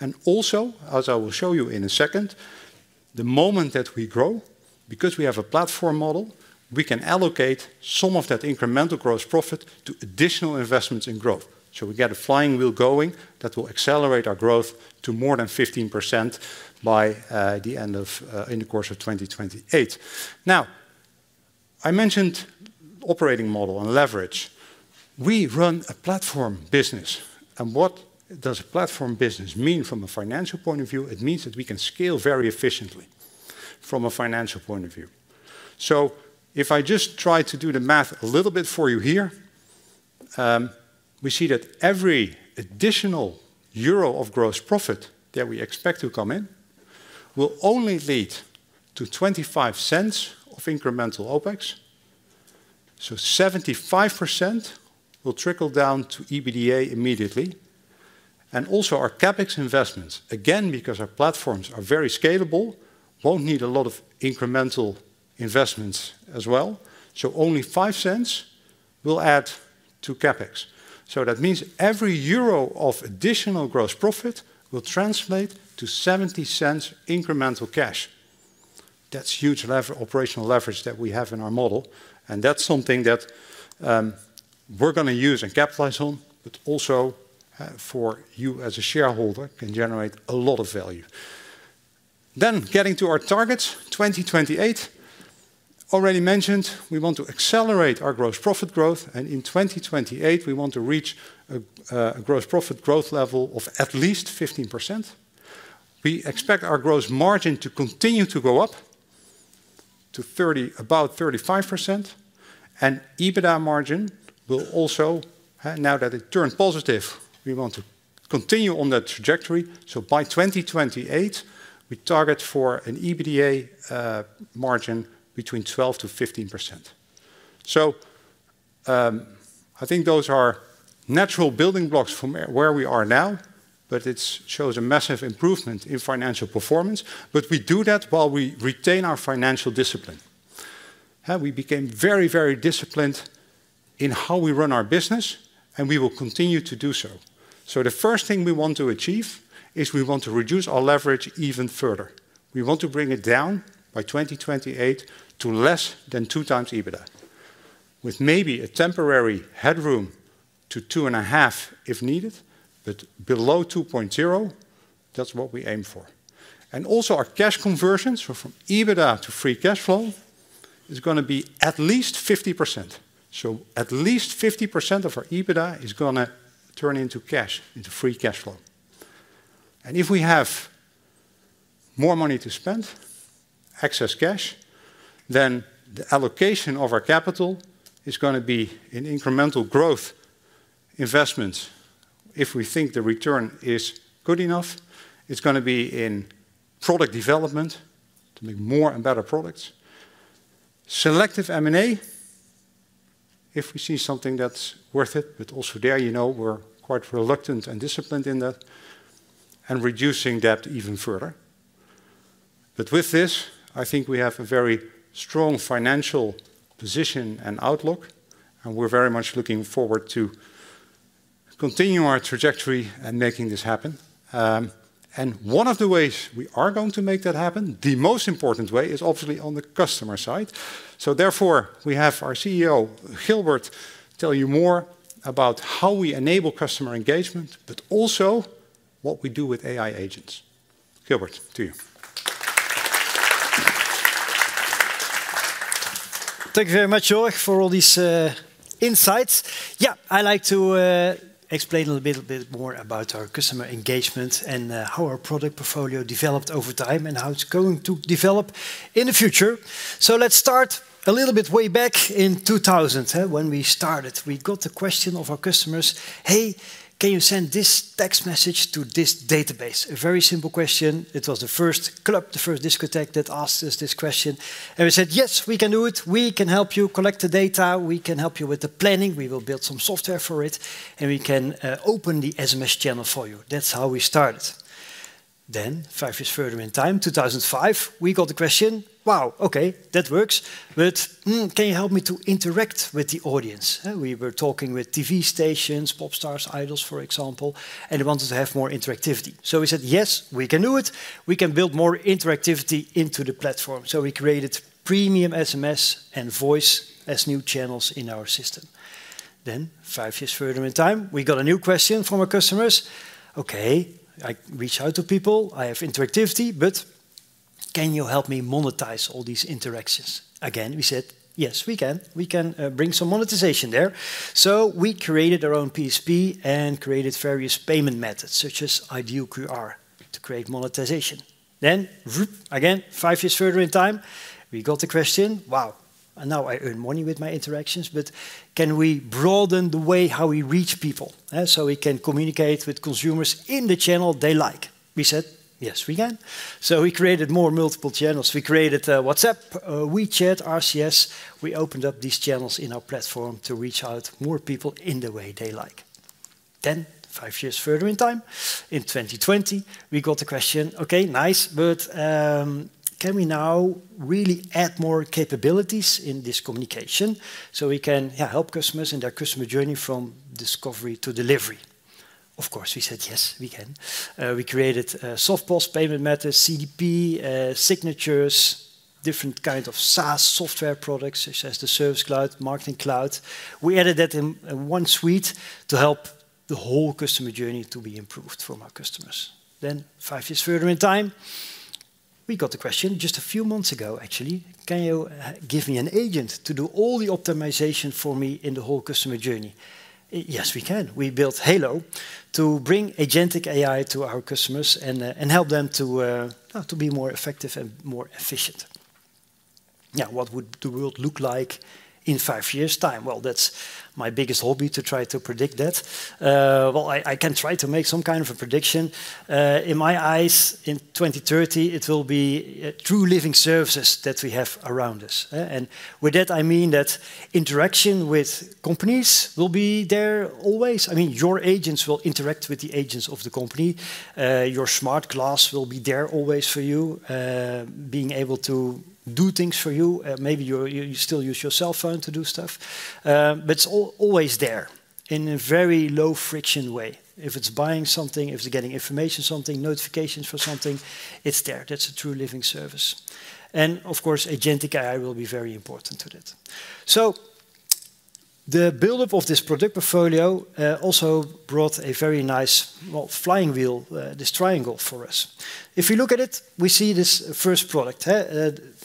Speaker 4: As I will show you in a second, the moment that we grow, because we have a platform model, we can allocate some of that incremental gross profit to additional investments in growth. We get a flying wheel going that will accelerate our growth to more than 15% by the end of in the course of 2028. I mentioned operating model and leverage. We run a platform business. What does a platform business mean from a financial point of view? It means that we can scale very efficiently from a financial point of view. If I just try to do the math a little bit for you here, we see that every additional EUR 1 of gross profit that we expect to come in will only lead to 0.25 of incremental OpEx. 75% will trickle down to EBITDA immediately. Also our CapEx investments, again, because our platforms are very scalable, will not need a lot of incremental investments as well. Only 0.05 will add to CapEx. That means every EUR of additional gross profit will translate to 70 cents incremental cash. That's huge operational leverage that we have in our model. That's something that we're going to use and capitalize on, but also for you as a shareholder can generate a lot of value. Getting to our targets, 2028, already mentioned, we want to accelerate our gross profit growth. In 2028, we want to reach a gross profit growth level of at least 15%. We expect our gross margin to continue to go up to about 35%. EBITDA margin will also, now that it turned positive, we want to continue on that trajectory. By 2028, we target for an EBITDA margin between 12%-15%. I think those are natural building blocks from where we are now, but it shows a massive improvement in financial performance. We do that while we retain our financial discipline. We became very, very disciplined in how we run our business, and we will continue to do so. The first thing we want to achieve is we want to reduce our leverage even further. We want to bring it down by 2028 to less than two times EBITDA, with maybe a temporary headroom to two and a half if needed, but below 2.0, that is what we aim for. Also, our cash conversion, from EBITDA to free cash flow, is going to be at least 50%. At least 50% of our EBITDA is going to turn into cash, into free cash flow. If we have more money to spend, excess cash, then the allocation of our capital is going to be in incremental growth investments. If we think the return is good enough, it's going to be in product development to make more and better products. Selective M&A, if we see something that's worth it, but also there, you know, we're quite reluctant and disciplined in that and reducing that even further. With this, I think we have a very strong financial position and outlook, and we're very much looking forward to continue our trajectory and making this happen. One of the ways we are going to make that happen, the most important way, is obviously on the customer side. Therefore, we have our COO, Gilbert, tell you more about how we enable customer engagement, but also what we do with AI agents. Gilbert, to you.
Speaker 5: Thank you very much, Jörg, for all these insights. Yeah, I like to explain a little bit more about our customer engagement and how our product portfolio developed over time and how it's going to develop in the future. Let's start a little bit way back in 2000, when we started. We got the question of our customers, "Hey, can you send this text message to this database?" A very simple question. It was the first club, the first discotheque that asked us this question. We said, "Yes, we can do it. We can help you collect the data. We can help you with the planning. We will build some software for it, and we can open the SMS channel for you." That's how we started. Five years further in time, 2005, we got the question, "Wow, okay, that works, but can you help me to interact with the audience?" We were talking with TV stations, pop stars, idols, for example, and they wanted to have more interactivity. We said, "Yes, we can do it. We can build more interactivity into the platform." We created premium SMS and voice as new channels in our system. Five years further in time, we got a new question from our customers. "Okay, I reach out to people. I have interactivity, but can you help me monetize all these interactions?" Again, we said, "Yes, we can. We can bring some monetization there." We created our own PSP and created various payment methods, such as iDEAL QR, to create monetization. Five years further in time, we got the question, "Wow, now I earn money with my interactions, but can we broaden the way how we reach people so we can communicate with consumers in the channel they like?" We said, "Yes, we can." We created more multiple channels. We created WhatsApp, WeChat, RCS. We opened up these channels in our platform to reach out to more people in the way they like. Five years further in time, in 2020, we got the question, "Okay, nice, but can we now really add more capabilities in this communication so we can help customers in their customer journey from discovery to delivery?" Of course, we said, "Yes, we can." We created soft pulse payment methods, CDP, signatures, different kinds of SaaS software products, such as the Service Cloud, Marketing Cloud. We added that in one suite to help the whole customer journey to be improved for our customers. Five years further in time, we got the question just a few months ago, actually, "Can you give me an agent to do all the optimization for me in the whole customer journey?" Yes, we can. We built Halo to bring agentic AI to our customers and help them to be more effective and more efficient. What would the world look like in five years' time? That's my biggest hobby, to try to predict that. I can try to make some kind of a prediction. In my eyes, in 2030, it will be true living services that we have around us. With that, I mean that interaction with companies will be there always. I mean, your agents will interact with the agents of the company. Your smart glass will be there always for you, being able to do things for you. Maybe you still use your cell phone to do stuff, but it's always there in a very low-friction way. If it's buying something, if it's getting information on something, notifications for something, it's there. That's a true living service. Agentic AI will be very important to that. The buildup of this product portfolio also brought a very nice flywheel, this triangle for us. If we look at it, we see this first product.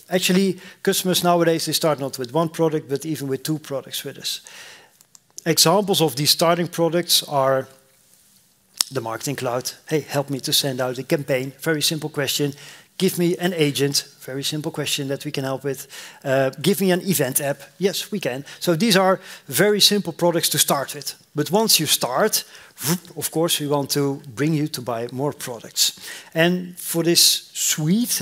Speaker 5: Actually, customers nowadays, they start not with one product, but even with two products with us. Examples of these starting products are the Marketing Cloud. "Hey, help me to send out a campaign." Very simple question. "Give me an agent." Very simple question that we can help with. "Give me an event app." Yes, we can. These are very simple products to start with. Once you start, of course, we want to bring you to buy more products. For these suites,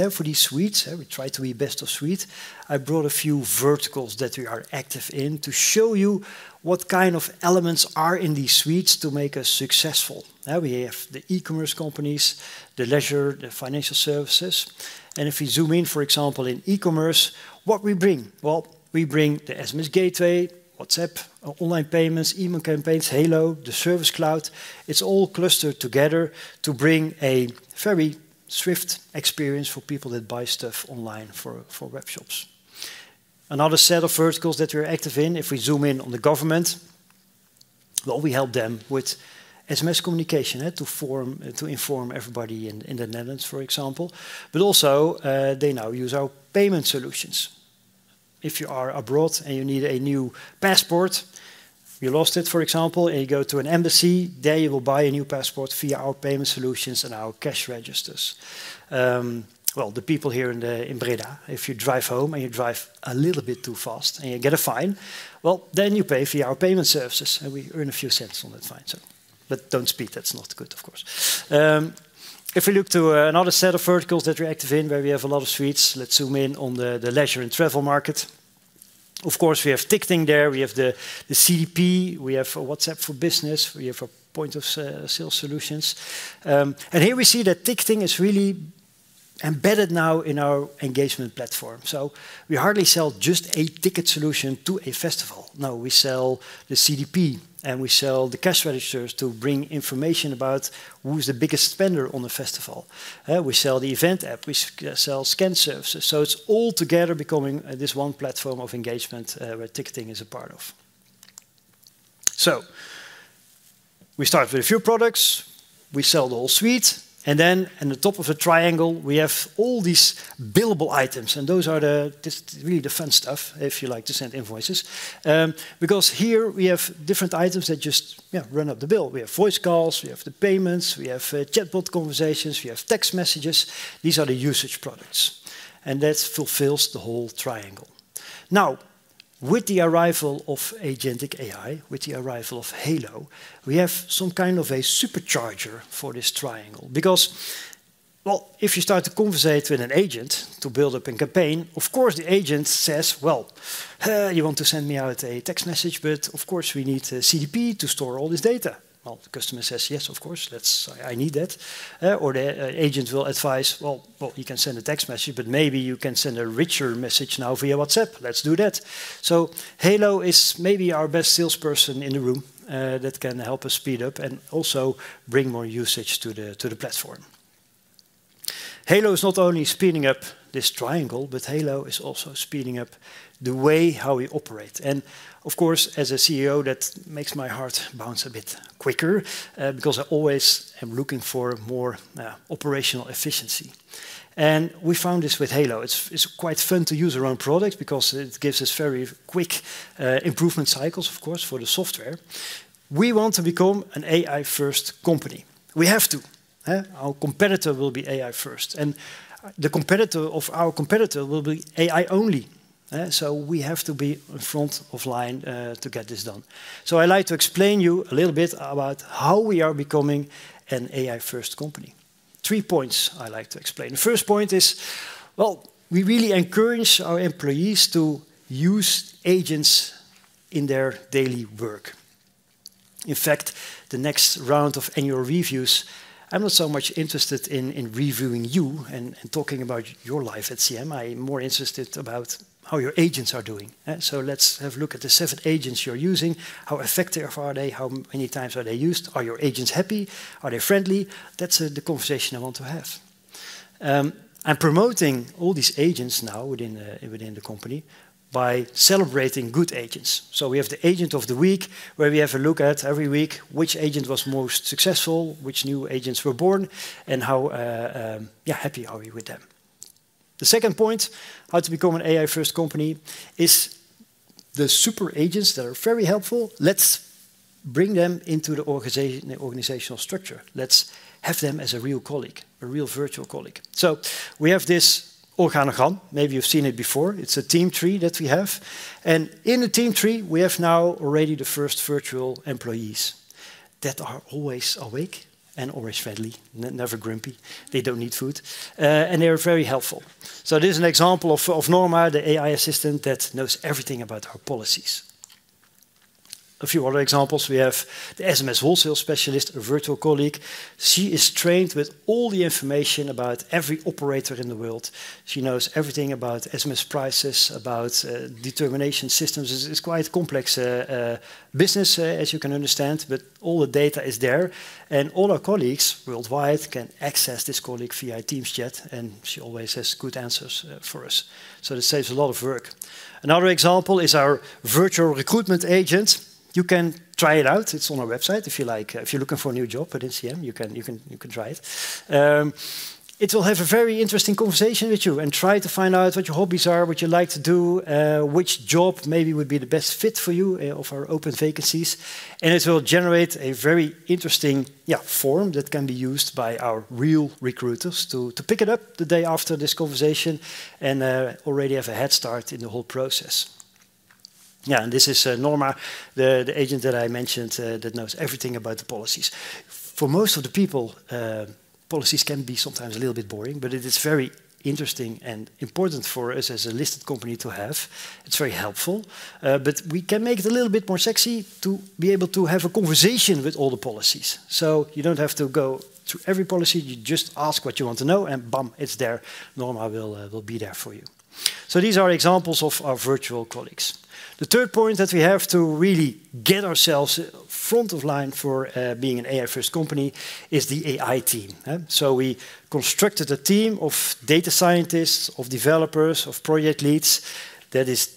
Speaker 5: we try to be best of suite. I brought a few verticals that we are active in to show you what kind of elements are in these suites to make us successful. We have the e-commerce companies, the leisure, the financial services. If we zoom in, for example, in e-commerce, what do we bring? We bring the SMS Gateway, WhatsApp, online payments, email campaigns, Halo, the Service Cloud. It is all clustered together to bring a very swift experience for people that buy stuff online for web shops. Another set of verticals that we are active in, if we zoom in on the government, we help them with SMS communication to inform everybody in the Netherlands, for example. Also, they now use our payment solutions. If you are abroad and you need a new passport, you lost it, for example, and you go to an embassy, there you will buy a new passport via our payment solutions and our cash registers. The people here in Breda, if you drive home and you drive a little bit too fast and you get a fine, then you pay via our payment services and we earn a few cents on that fine. Do not speed. That is not good, of course. If we look to another set of verticals that we are active in, where we have a lot of suites, let's zoom in on the leisure and travel market. Of course, we have ticketing there. We have the CDP. We have WhatsApp for Business. We have our point of sale solutions. Here we see that ticketing is really embedded now in our engagement platform. We hardly sell just a ticket solution to a festival. No, we sell the CDP and we sell the cash registers to bring information about who's the biggest spender on the festival. We sell the event app. We sell scan services. It is all together becoming this one platform of engagement where ticketing is a part of. We start with a few products. We sell the whole suite. At the top of the triangle, we have all these billable items. Those are really the fun stuff, if you like to send invoices. Here we have different items that just run up the bill. We have voice calls. We have the payments. We have chatbot conversations. We have text messages. These are the usage products. That fulfills the whole triangle. Now, with the arrival of agentic AI, with the arrival of Halo, we have some kind of a supercharger for this triangle. If you start to conversate with an agent to build up a campaign, of course, the agent says, "You want to send me out a text message, but of course, we need a CDP to store all this data." The customer says, "Yes, of course. I need that." The agent will advise, "You can send a text message, but maybe you can send a richer message now via WhatsApp. Let's do that." Halo is maybe our best salesperson in the room that can help us speed up and also bring more usage to the platform. Halo is not only speeding up this triangle, but Halo is also speeding up the way how we operate. Of course, as a CEO, that makes my heart bounce a bit quicker because I always am looking for more operational efficiency. We found this with Halo. It is quite fun to use our own product because it gives us very quick improvement cycles, of course, for the software. We want to become an AI-first company. We have to. Our competitor will be AI-first. The competitor of our competitor will be AI-only. We have to be in front of line to get this done. I like to explain to you a little bit about how we are becoming an AI-first company. Three points I like to explain. The first point is, we really encourage our employees to use agents in their daily work. In fact, the next round of annual reviews, I'm not so much interested in reviewing you and talking about your life at CM.com. I'm more interested in how your agents are doing. Let's have a look at the seven agents you're using. How effective are they? How many times are they used? Are your agents happy? Are they friendly? That's the conversation I want to have. I'm promoting all these agents now within the company by celebrating good agents. We have the agent of the week where we have a look at every week which agent was most successful, which new agents were born, and how happy are we with them. The second point, how to become an AI-first company is the super agents that are very helpful. Let's bring them into the organizational structure. Let's have them as a real colleague, a real virtual colleague. We have this organigram. Maybe you've seen it before. It's a team tree that we have. In the team tree, we have now already the first virtual employees that are always awake and always friendly, never grumpy. They don't need food. They are very helpful. This is an example of Norma, the AI assistant that knows everything about our policies. A few other examples. We have the SMS wholesale specialist, a virtual colleague. She is trained with all the information about every operator in the world. She knows everything about SMS prices, about determination systems. It's quite a complex business, as you can understand, but all the data is there. All our colleagues worldwide can access this colleague via Teams chat, and she always has good answers for us. It saves a lot of work. Another example is our virtual recruitment agent. You can try it out. It's on our website. If you're looking for a new job at CM.com, you can try it. It will have a very interesting conversation with you and try to find out what your hobbies are, what you like to do, which job maybe would be the best fit for you of our open vacancies. It will generate a very interesting form that can be used by our real recruiters to pick it up the day after this conversation and already have a head start in the whole process. Yeah, and this is Norma, the agent that I mentioned that knows everything about the policies. For most of the people, policies can be sometimes a little bit boring, but it is very interesting and important for us as a listed company to have. It's very helpful, but we can make it a little bit more sexy to be able to have a conversation with all the policies. You do not have to go through every policy. You just ask what you want to know and bum, it's there. Norma will be there for you. These are examples of our virtual colleagues. The third point that we have to really get ourselves front of line for being an AI-first company is the AI team. We constructed a team of data scientists, of developers, of project leads. That is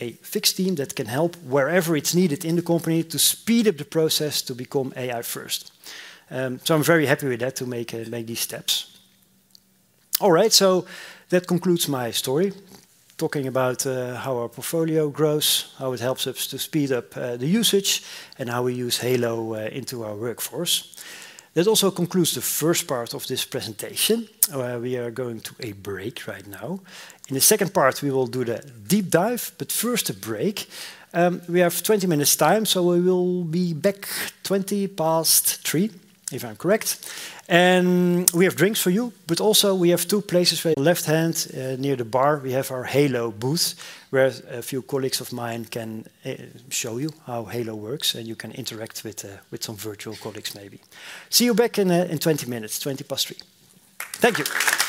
Speaker 5: a fixed team that can help wherever it's needed in the company to speed up the process to become AI-first. I'm very happy with that to make these steps. All right, so that concludes my story talking about how our portfolio grows, how it helps us to speed up the usage, and how we use Halo into our workforce. That also concludes the first part of this presentation. We are going to a break right now. In the second part, we will do the deep dive, but first a break. We have 20 minutes time, so we will be back 3:20 P.M., if I'm correct. And we have drinks for you, but also we have two places. Left hand near the bar, we have our Halo booth where a few colleagues of mine can show you how Halo works and you can interact with some virtual colleagues maybe. See you back in 20 minutes, 3:20 P.M. Thank you.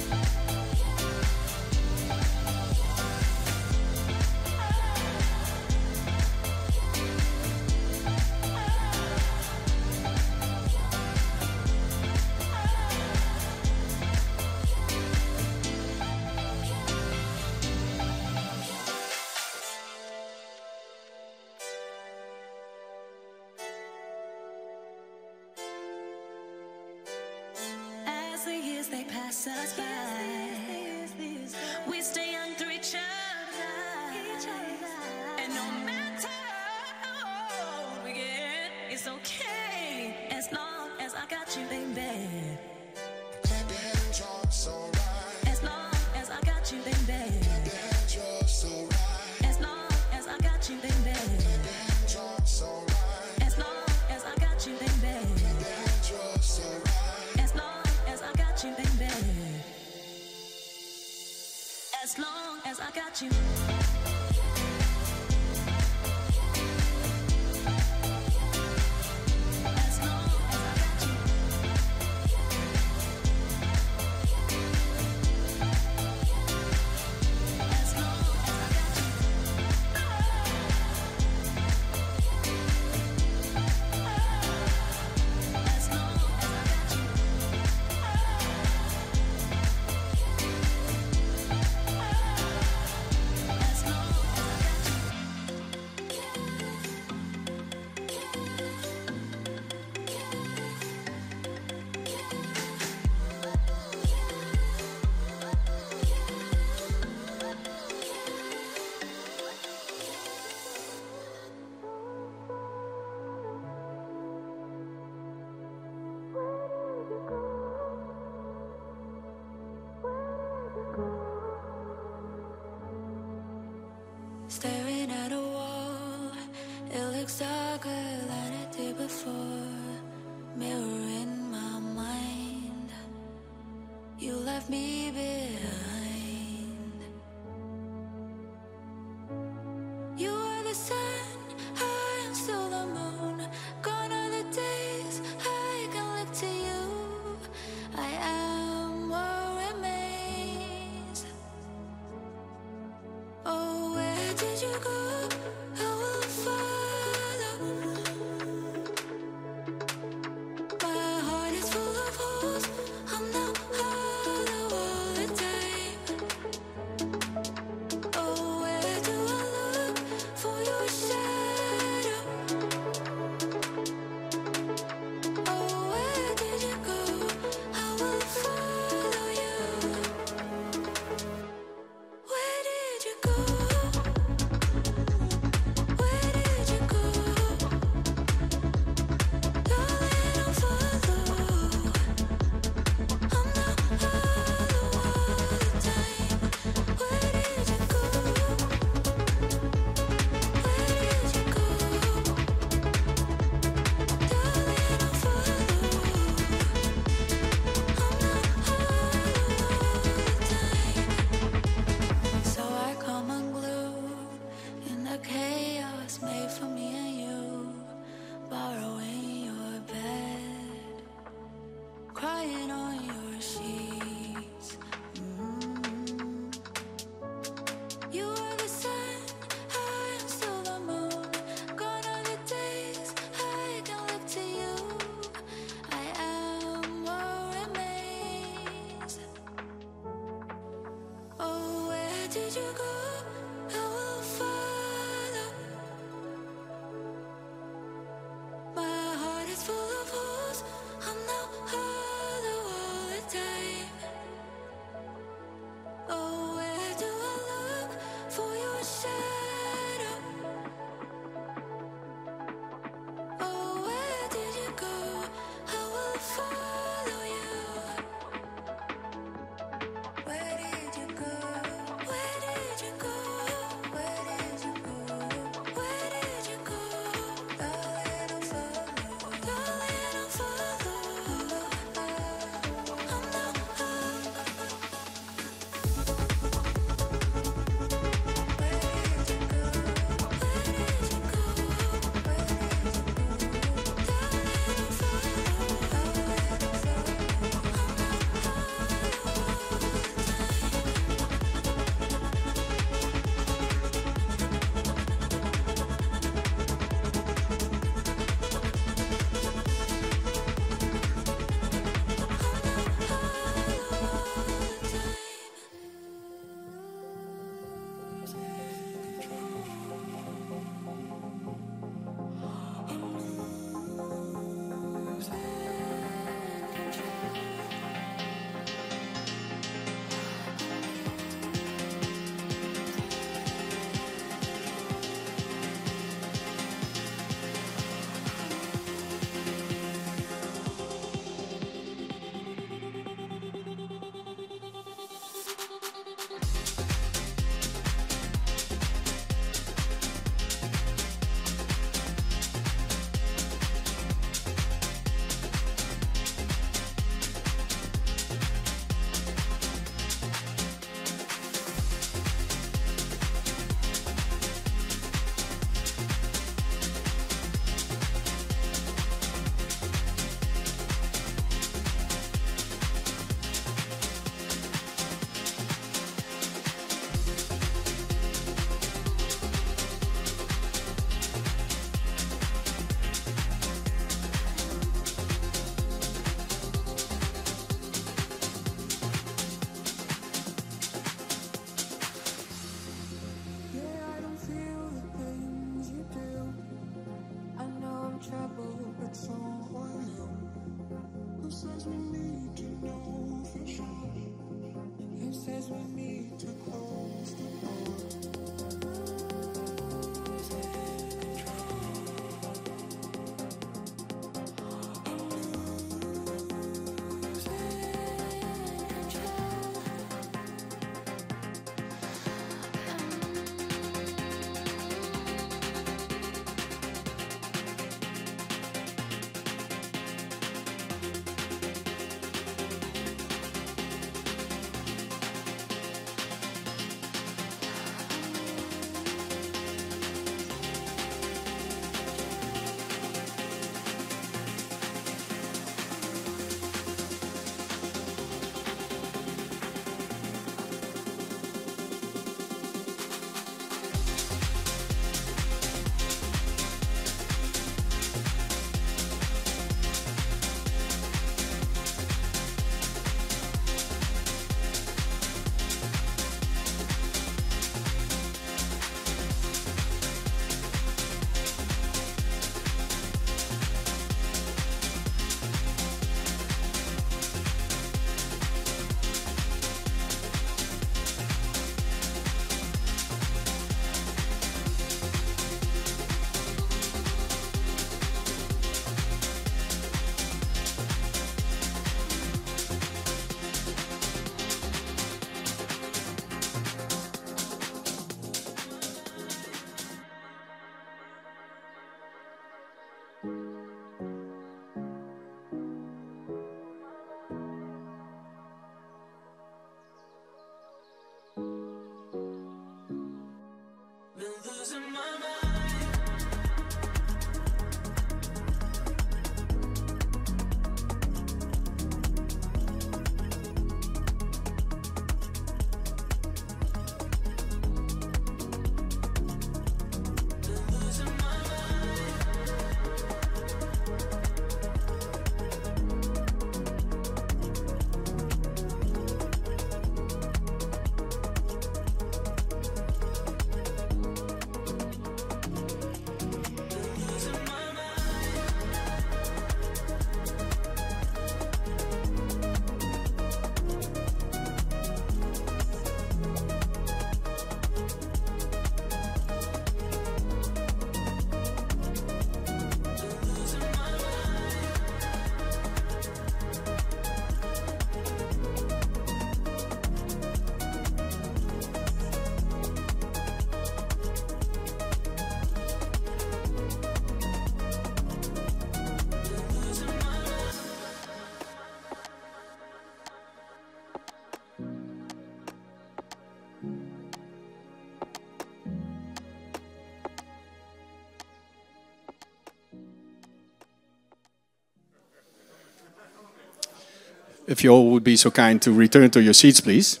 Speaker 1: If you all would be so kind to return to your seats, please.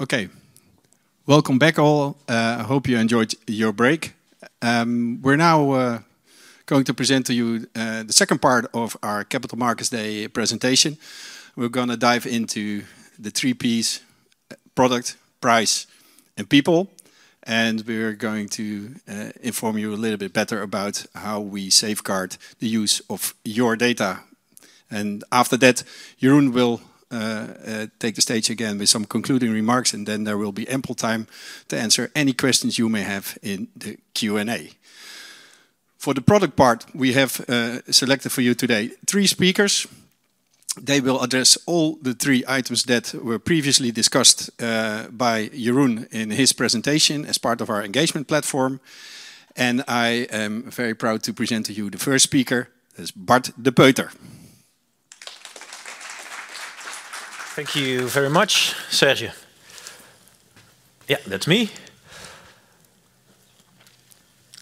Speaker 1: Okay, welcome back all. I hope you enjoyed your break. We're now going to present to you the second part of our Capital Markets Day presentation. We're going to dive into the three P's: product, price, and people. We're going to inform you a little bit better about how we safeguard the use of your data. After that, Jeroen will take the stage again with some concluding remarks, and then there will be ample time to answer any questions you may have in the Q&A. For the product part, we have selected for you today three speakers. They will address all the three items that were previously discussed by Jeroen in his presentation as part of our engagement platform. I am very proud to present to you the first speaker. That's Bart De Peuter.
Speaker 6: Thank you very much, Serge. Yeah, that's me.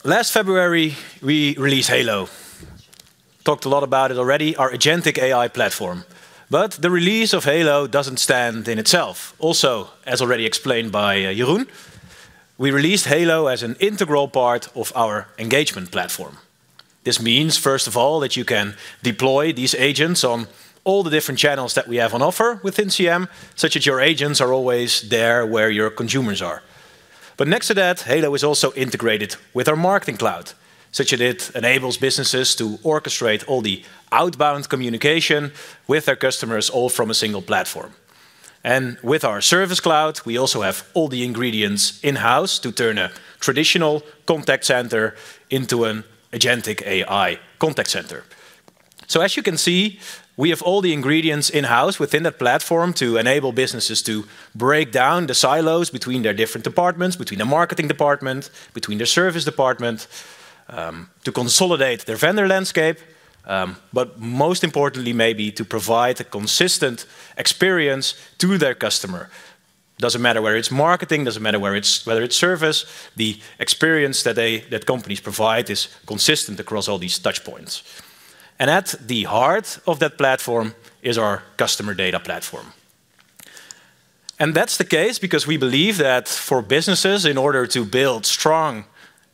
Speaker 6: Last February, we released Halo. Talked a lot about it already, our agentic AI platform. The release of Halo doesn't stand in itself. Also, as already explained by Jeroen, we released Halo as an integral part of our engagement platform. This means, first of all, that you can deploy these agents on all the different channels that we have on offer within CM.com, such as your agents are always there where your consumers are. Next to that, Halo is also integrated with our Marketing Cloud, such that it enables businesses to orchestrate all the outbound communication with their customers all from a single platform. With our Service Cloud, we also have all the ingredients in-house to turn a traditional contact center into an agentic AI contact center. As you can see, we have all the ingredients in-house within that platform to enable businesses to break down the silos between their different departments, between the marketing department, between the service department, to consolidate their vendor landscape. Most importantly, maybe to provide a consistent experience to their customer. Doesn't matter whether it's marketing, doesn't matter whether it's service. The experience that companies provide is consistent across all these touch points. At the heart of that platform is our Customer Data Platform. That is the case because we believe that for businesses, in order to build strong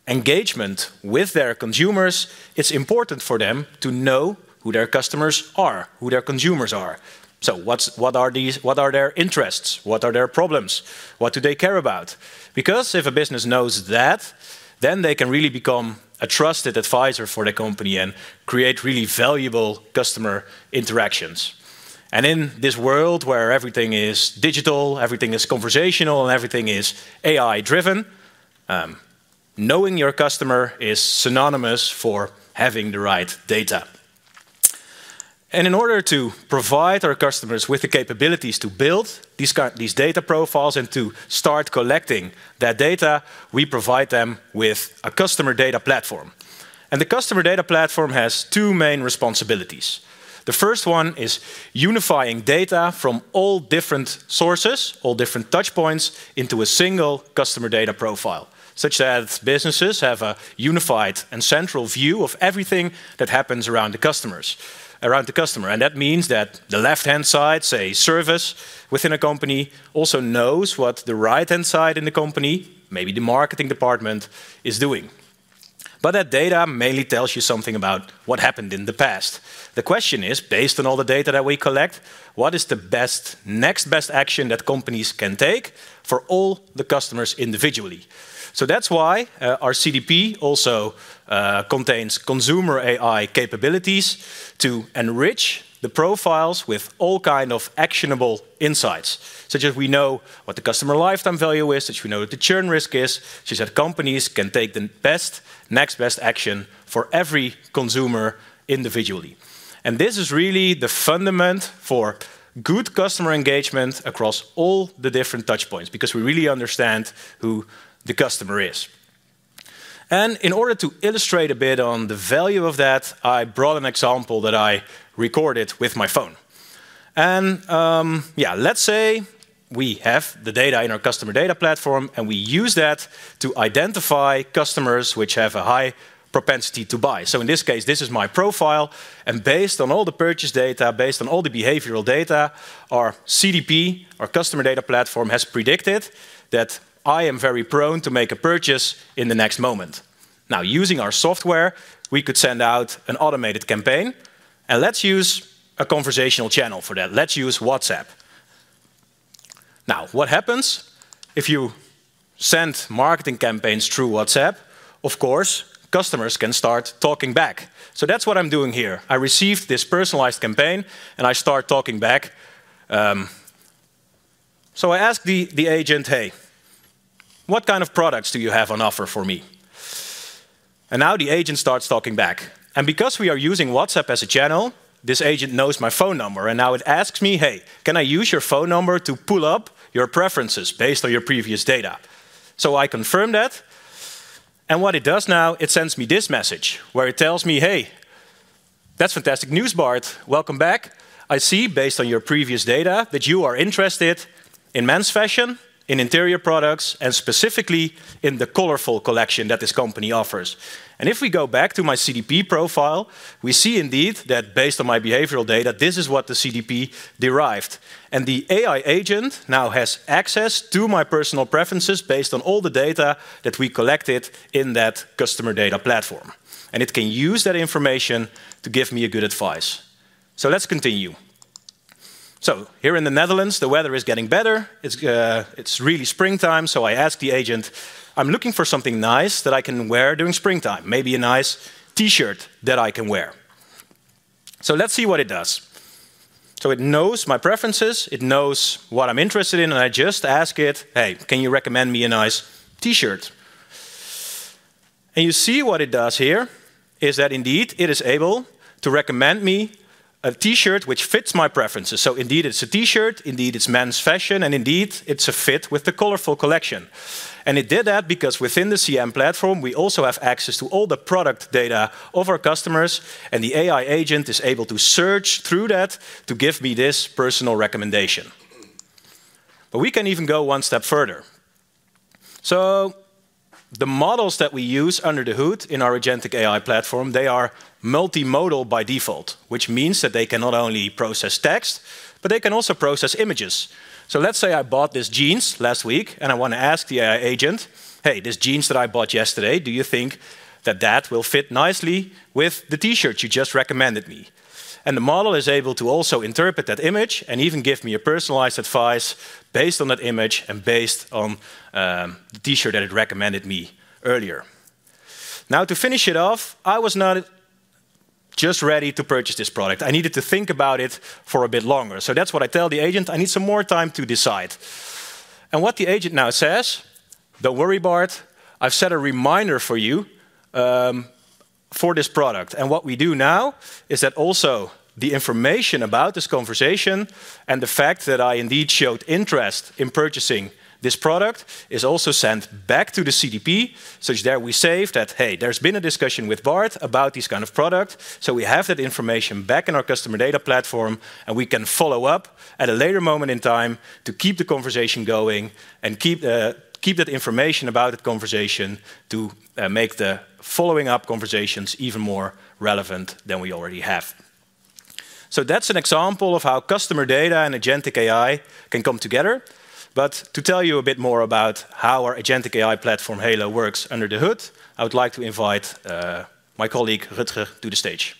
Speaker 6: engagement with their consumers, it is important for them to know who their customers are, who their consumers are. What are their interests? What are their problems? What do they care about? Because if a business knows that, then they can really become a trusted advisor for the company and create really valuable customer interactions. In this world where everything is digital, everything is conversational, and everything is AI-driven, knowing your customer is synonymous with having the right data. In order to provide our customers with the capabilities to build these data profiles and to start collecting that data, we provide them with a customer data platform. The customer data platform has two main responsibilities. The first one is unifying data from all different sources, all different touch points into a single customer data profile, such that businesses have a unified and central view of everything that happens around the customers. That means that the left-hand side, say, service within a company also knows what the right-hand side in the company, maybe the marketing department, is doing. That data mainly tells you something about what happened in the past. The question is, based on all the data that we collect, what is the next best action that companies can take for all the customers individually? That is why our CDP also contains consumer AI capabilities to enrich the profiles with all kinds of actionable insights, such as we know what the customer lifetime value is, such as we know what the churn risk is, such as how companies can take the next best action for every consumer individually. This is really the fundament for good customer engagement across all the different touch points because we really understand who the customer is. In order to illustrate a bit on the value of that, I brought an example that I recorded with my phone. Let's say we have the data in our customer data platform and we use that to identify customers which have a high propensity to buy. In this case, this is my profile. Based on all the purchase data, based on all the behavioral data, our CDP, our customer data platform, has predicted that I am very prone to make a purchase in the next moment. Now, using our software, we could send out an automated campaign. Let's use a conversational channel for that. Let's use WhatsApp. What happens if you send marketing campaigns through WhatsApp? Of course, customers can start talking back. That's what I'm doing here. I received this personalized campaign and I start talking back. I ask the agent, "Hey, what kind of products do you have on offer for me?" Now the agent starts talking back. Because we are using WhatsApp as a channel, this agent knows my phone number. It now asks me, "Hey, can I use your phone number to pull up your preferences based on your previous data?" I confirm that. What it does now is it sends me this message where it tells me, "Hey, that's fantastic news, Bart. Welcome back. I see based on your previous data that you are interested in men's fashion, in interior products, and specifically in the colorful collection that this company offers." If we go back to my CDP profile, we see indeed that based on my behavioral data, this is what the CDP derived. The AI agent now has access to my personal preferences based on all the data that we collected in that customer data platform. It can use that information to give me good advice. Here in the Netherlands, the weather is getting better. It's really springtime. I ask the agent, "I'm looking for something nice that I can wear during springtime, maybe a nice T-shirt that I can wear." Let's see what it does. It knows my preferences. It knows what I'm interested in. I just ask it, "Hey, can you recommend me a nice T-shirt?" You see what it does here is that indeed it is able to recommend me a T-shirt which fits my preferences. Indeed it's a T-shirt. Indeed it's men's fashion. Indeed it's a fit with the colorful collection. It did that because within the CM.com platform, we also have access to all the product data of our customers. The AI agent is able to search through that to give me this personal recommendation. We can even go one step further. The models that we use under the hood in our agentic AI platform, they are multimodal by default, which means that they can not only process text, but they can also process images. Let's say I bought these jeans last week and I want to ask the AI agent, "Hey, these jeans that I bought yesterday, do you think that that will fit nicely with the T-shirt you just recommended me?" The model is able to also interpret that image and even give me personalized advice based on that image and based on the T-shirt that it recommended me earlier. Now, to finish it off, I was not just ready to purchase this product. I needed to think about it for a bit longer. That's what I tell the agent. I need some more time to decide. What the agent now says, "Don't worry, Bart. I've set a reminder for you for this product." What we do now is that also the information about this conversation and the fact that I indeed showed interest in purchasing this product is also sent back to the CDP, such that we save that, "Hey, there's been a discussion with Bart about this kind of product." We have that information back in our customer data platform and we can follow up at a later moment in time to keep the conversation going and keep that information about the conversation to make the following-up conversations even more relevant than we already have. That is an example of how customer data and agentic AI can come together. To tell you a bit more about how our agentic AI platform, Halo, works under the hood, I would like to invite my colleague Rutger to the stage.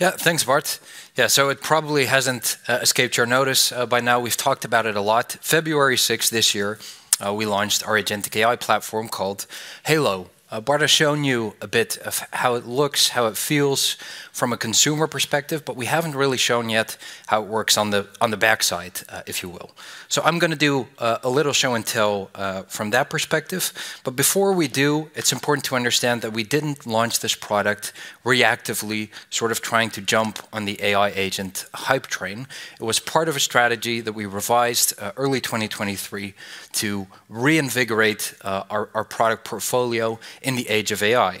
Speaker 7: Yeah, thanks, Bart. Yeah, so it probably hasn't escaped your notice by now. We've talked about it a lot. February 6th this year, we launched our agentic AI platform called Halo. Bart has shown you a bit of how it looks, how it feels from a consumer perspective, but we haven't really shown yet how it works on the backside, if you will. I'm going to do a little show and tell from that perspective. Before we do, it's important to understand that we didn't launch this product reactively, sort of trying to jump on the AI agent hype train. It was part of a strategy that we revised early 2023 to reinvigorate our product portfolio in the age of AI.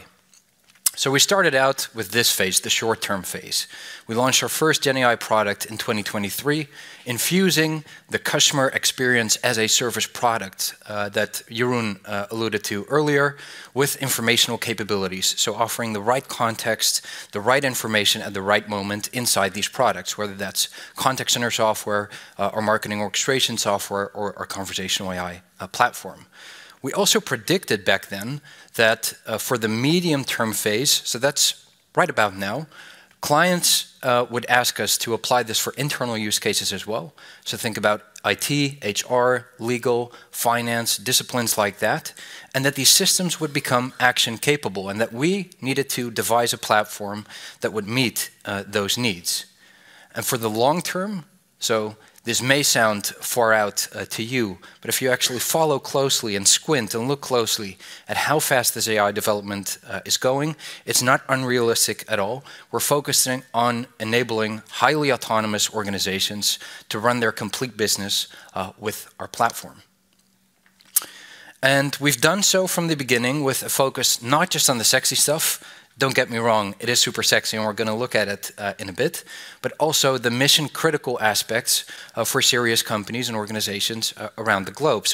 Speaker 7: We started out with this phase, the short-term phase. We launched our first GenAI product in 2023, infusing the customer experience as a service product that Jeroen alluded to earlier with informational capabilities, offering the right context, the right information at the right moment inside these products, whether that is context-centered software or marketing orchestration software or our conversational AI platform. We also predicted back then that for the medium-term phase, that is right about now, clients would ask us to apply this for internal use cases as well. Think about IT, HR, legal, finance, disciplines like that, and that these systems would become action-capable and that we needed to devise a platform that would meet those needs. For the long term, this may sound far out to you, but if you actually follow closely and squint and look closely at how fast this AI development is going, it is not unrealistic at all. We're focusing on enabling highly autonomous organizations to run their complete business with our platform. We've done so from the beginning with a focus not just on the sexy stuff. Don't get me wrong, it is super sexy and we're going to look at it in a bit, but also the mission-critical aspects for serious companies and organizations around the globe.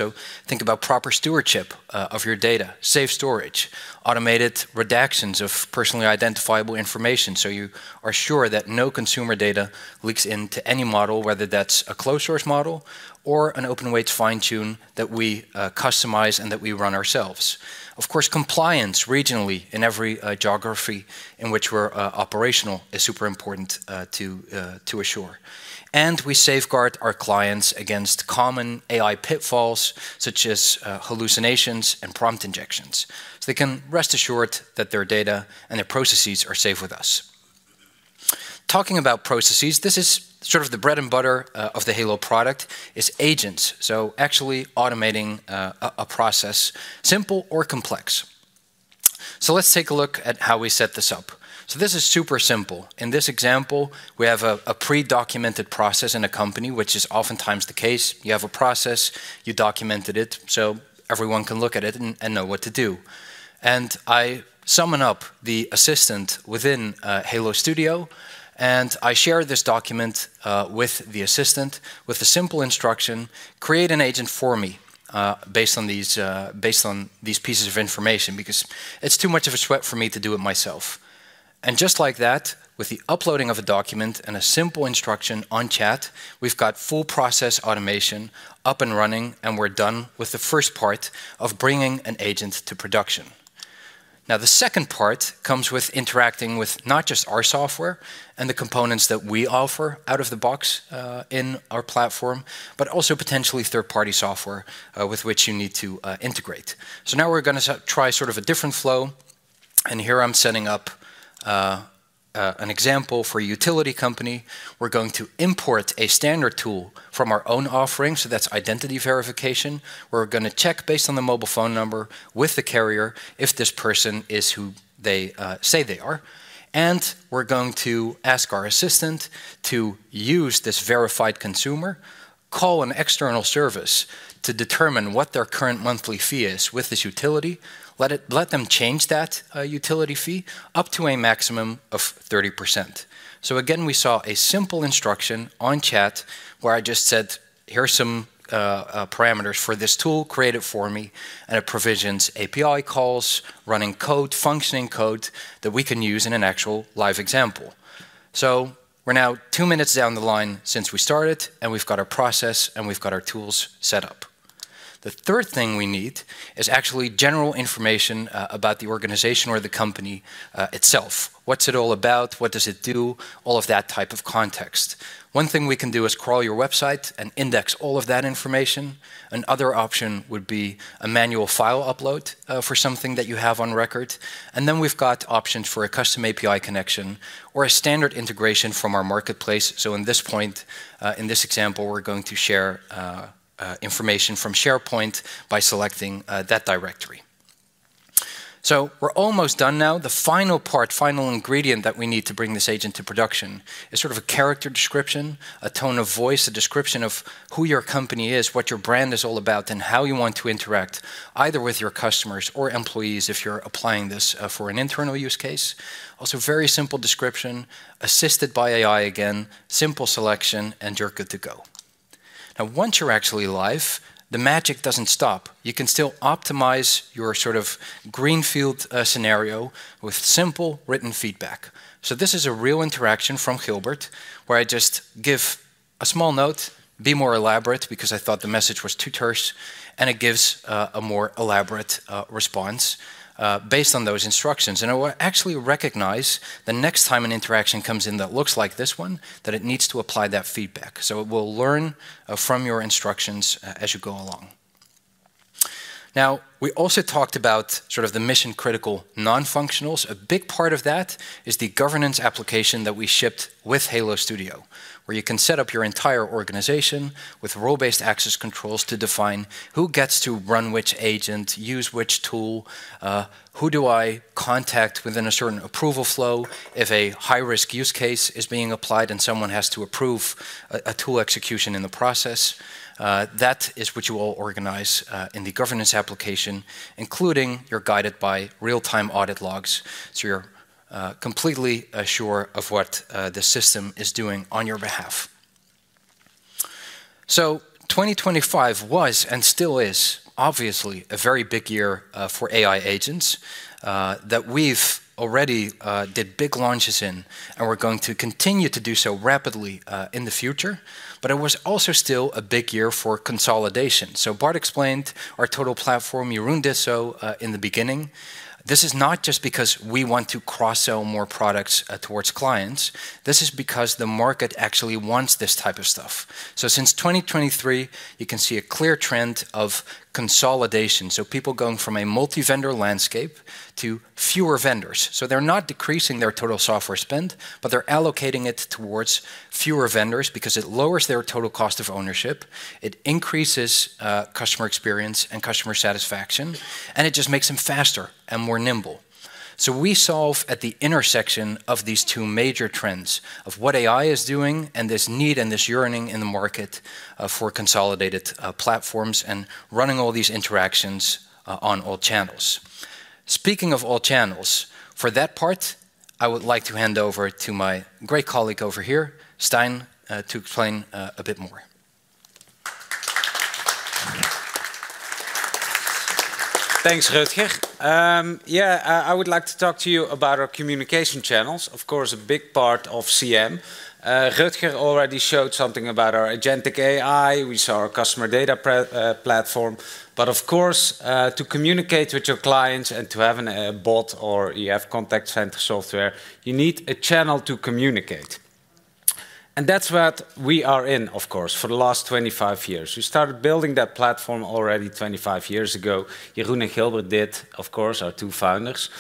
Speaker 7: Think about proper stewardship of your data, safe storage, automated redactions of personally identifiable information, so you are sure that no consumer data leaks into any model, whether that's a closed-source model or an open-weight fine-tune that we customize and that we run ourselves. Of course, compliance regionally in every geography in which we're operational is super important to assure. We safeguard our clients against common AI pitfalls such as hallucinations and prompt injections. They can rest assured that their data and their processes are safe with us. Talking about processes, this is sort of the bread and butter of the Halo product, is agents, so actually automating a process, simple or complex. Let's take a look at how we set this up. This is super simple. In this example, we have a pre-documented process in a company, which is oftentimes the case. You have a process, you documented it, so everyone can look at it and know what to do. I summon up the assistant within Halo Studio and I share this document with the assistant with a simple instruction, "Create an agent for me based on these pieces of information because it's too much of a sweat for me to do it myself." Just like that, with the uploading of a document and a simple instruction on chat, we've got full process automation up and running and we're done with the first part of bringing an agent to production. The second part comes with interacting with not just our software and the components that we offer out of the box in our platform, but also potentially third-party software with which you need to integrate. Now we're going to try sort of a different flow. Here I'm setting up an example for a utility company. We're going to import a standard tool from our own offering, so that's identity verification. We're going to check based on the mobile phone number with the carrier if this person is who they say they are. We're going to ask our assistant to use this verified consumer, call an external service to determine what their current monthly fee is with this utility, let them change that utility fee up to a maximum of 30%. Again, we saw a simple instruction on chat where I just said, "Here's some parameters for this tool, create it for me," and it provisions API calls, running code, functioning code that we can use in an actual live example. We're now two minutes down the line since we started and we've got our process and we've got our tools set up. The third thing we need is actually general information about the organization or the company itself. What's it all about? What does it do? All of that type of context. One thing we can do is crawl your website and index all of that information. Another option would be a manual file upload for something that you have on record. Then we've got options for a custom API connection or a standard integration from our marketplace. In this point, in this example, we're going to share information from SharePoint by selecting that directory. We're almost done now. The final part, final ingredient that we need to bring this agent to production is sort of a character description, a tone of voice, a description of who your company is, what your brand is all about, and how you want to interact either with your customers or employees if you're applying this for an internal use case. Also, very simple description, assisted by AI again, simple selection, and you're good to go. Now, once you're actually live, the magic doesn't stop. You can still optimize your sort of greenfield scenario with simple written feedback. This is a real interaction from Gilbert where I just give a small note, "Be more elaborate," because I thought the message was too terse, and it gives a more elaborate response based on those instructions. It will actually recognize the next time an interaction comes in that looks like this one, that it needs to apply that feedback. It will learn from your instructions as you go along. We also talked about sort of the mission-critical non-functionals. A big part of that is the governance application that we shipped with Halo Studio, where you can set up your entire organization with role-based access controls to define who gets to run which agent, use which tool, who do I contact within a certain approval flow if a high-risk use case is being applied and someone has to approve a tool execution in the process. That is what you all organize in the governance application, including you're guided by real-time audit logs. You are completely sure of what the system is doing on your behalf. 2025 was and still is obviously a very big year for AI agents that we've already did big launches in and we're going to continue to do so rapidly in the future. It was also still a big year for consolidation. Bart explained our total platform, Jeroen did so in the beginning. This is not just because we want to cross-sell more products towards clients. This is because the market actually wants this type of stuff. Since 2023, you can see a clear trend of consolidation. People going from a multi-vendor landscape to fewer vendors. They're not decreasing their total software spend, but they're allocating it towards fewer vendors because it lowers their total cost of ownership, it increases customer experience and customer satisfaction, and it just makes them faster and more nimble. We solve at the intersection of these two major trends of what AI is doing and this need and this yearning in the market for consolidated platforms and running all these interactions on all channels. Speaking of all channels, for that part, I would like to hand over to my great colleague over here, Stein, to explain a bit more.
Speaker 8: Thanks, Rutger. Yeah, I would like to talk to you about our communication channels. Of course, a big part of CM. Rutger already showed something about our agentic AI. We saw our customer data platform. Of course, to communicate with your clients and to have a bot or EF contact center software, you need a channel to communicate. That is what we are in, of course, for the last 25 years. We started building that platform already 25 years ago. Jeroen and Gilbert did, of course, our two founders.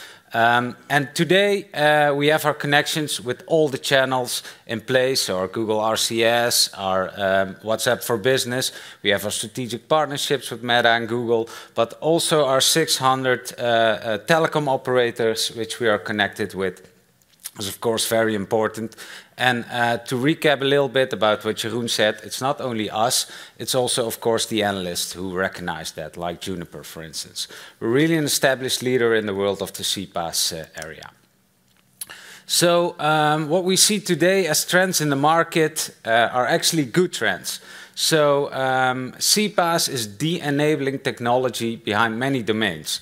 Speaker 8: Today, we have our connections with all the channels in place, our Google RCS, our WhatsApp for Business. We have our strategic partnerships with Meta and Google, but also our 600 telecom operators, which we are connected with. It's of course very important. To recap a little bit about what Jeroen said, it's not only us, it's also of course the analysts who recognize that, like Juniper, for instance. We're really an established leader in the world of the CPaaS area. What we see today as trends in the market are actually good trends. CPaaS is the enabling technology behind many domains.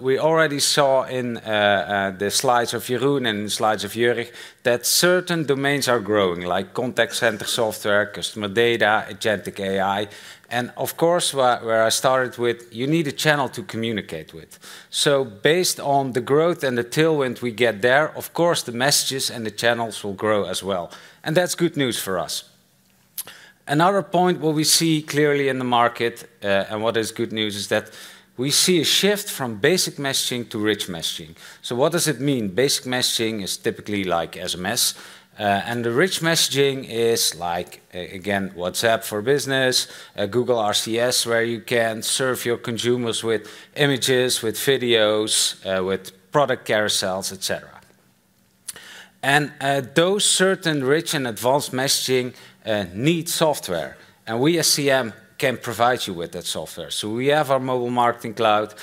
Speaker 8: We already saw in the slides of Jeroen and in the slides of Jörg that certain domains are growing, like contact center software, customer data, agentic AI. Of course, where I started with, you need a channel to communicate with. Based on the growth and the tailwind we get there, the messages and the channels will grow as well. That is good news for us. Another point where we see clearly in the market and what is good news is that we see a shift from basic messaging to rich messaging. What does it mean? Basic messaging is typically like SMS. The rich messaging is like, again, WhatsApp for Business, Google RCS, where you can serve your consumers with images, with videos, with product carousels, etc. Those certain rich and advanced messaging need software. We as CM can provide you with that software. We have our Mobile Marketing Cloud,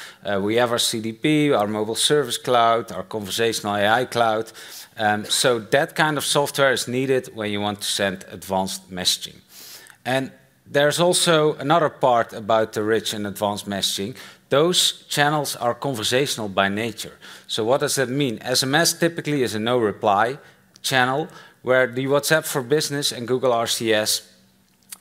Speaker 8: we have our CDP, our Mobile Service Cloud, our Conversational AI Cloud. That kind of software is needed when you want to send advanced messaging. There is also another part about the rich and advanced messaging. Those channels are conversational by nature. What does that mean? SMS typically is a no-reply channel, where the WhatsApp for Business and Google RCS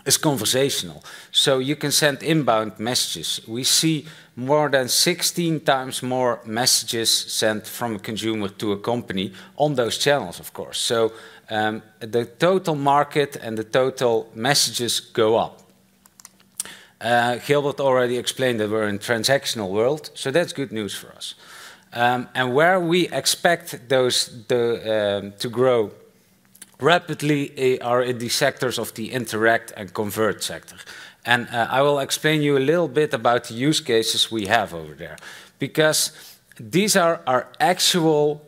Speaker 8: is conversational. You can send inbound messages. We see more than 16 times more messages sent from a consumer to a company on those channels, of course. The total market and the total messages go up. Gilbert already explained that we're in a transactional world, so that's good news for us. Where we expect those to grow rapidly are in the sectors of the interact and convert sector. I will explain to you a little bit about the use cases we have over there because these are our actual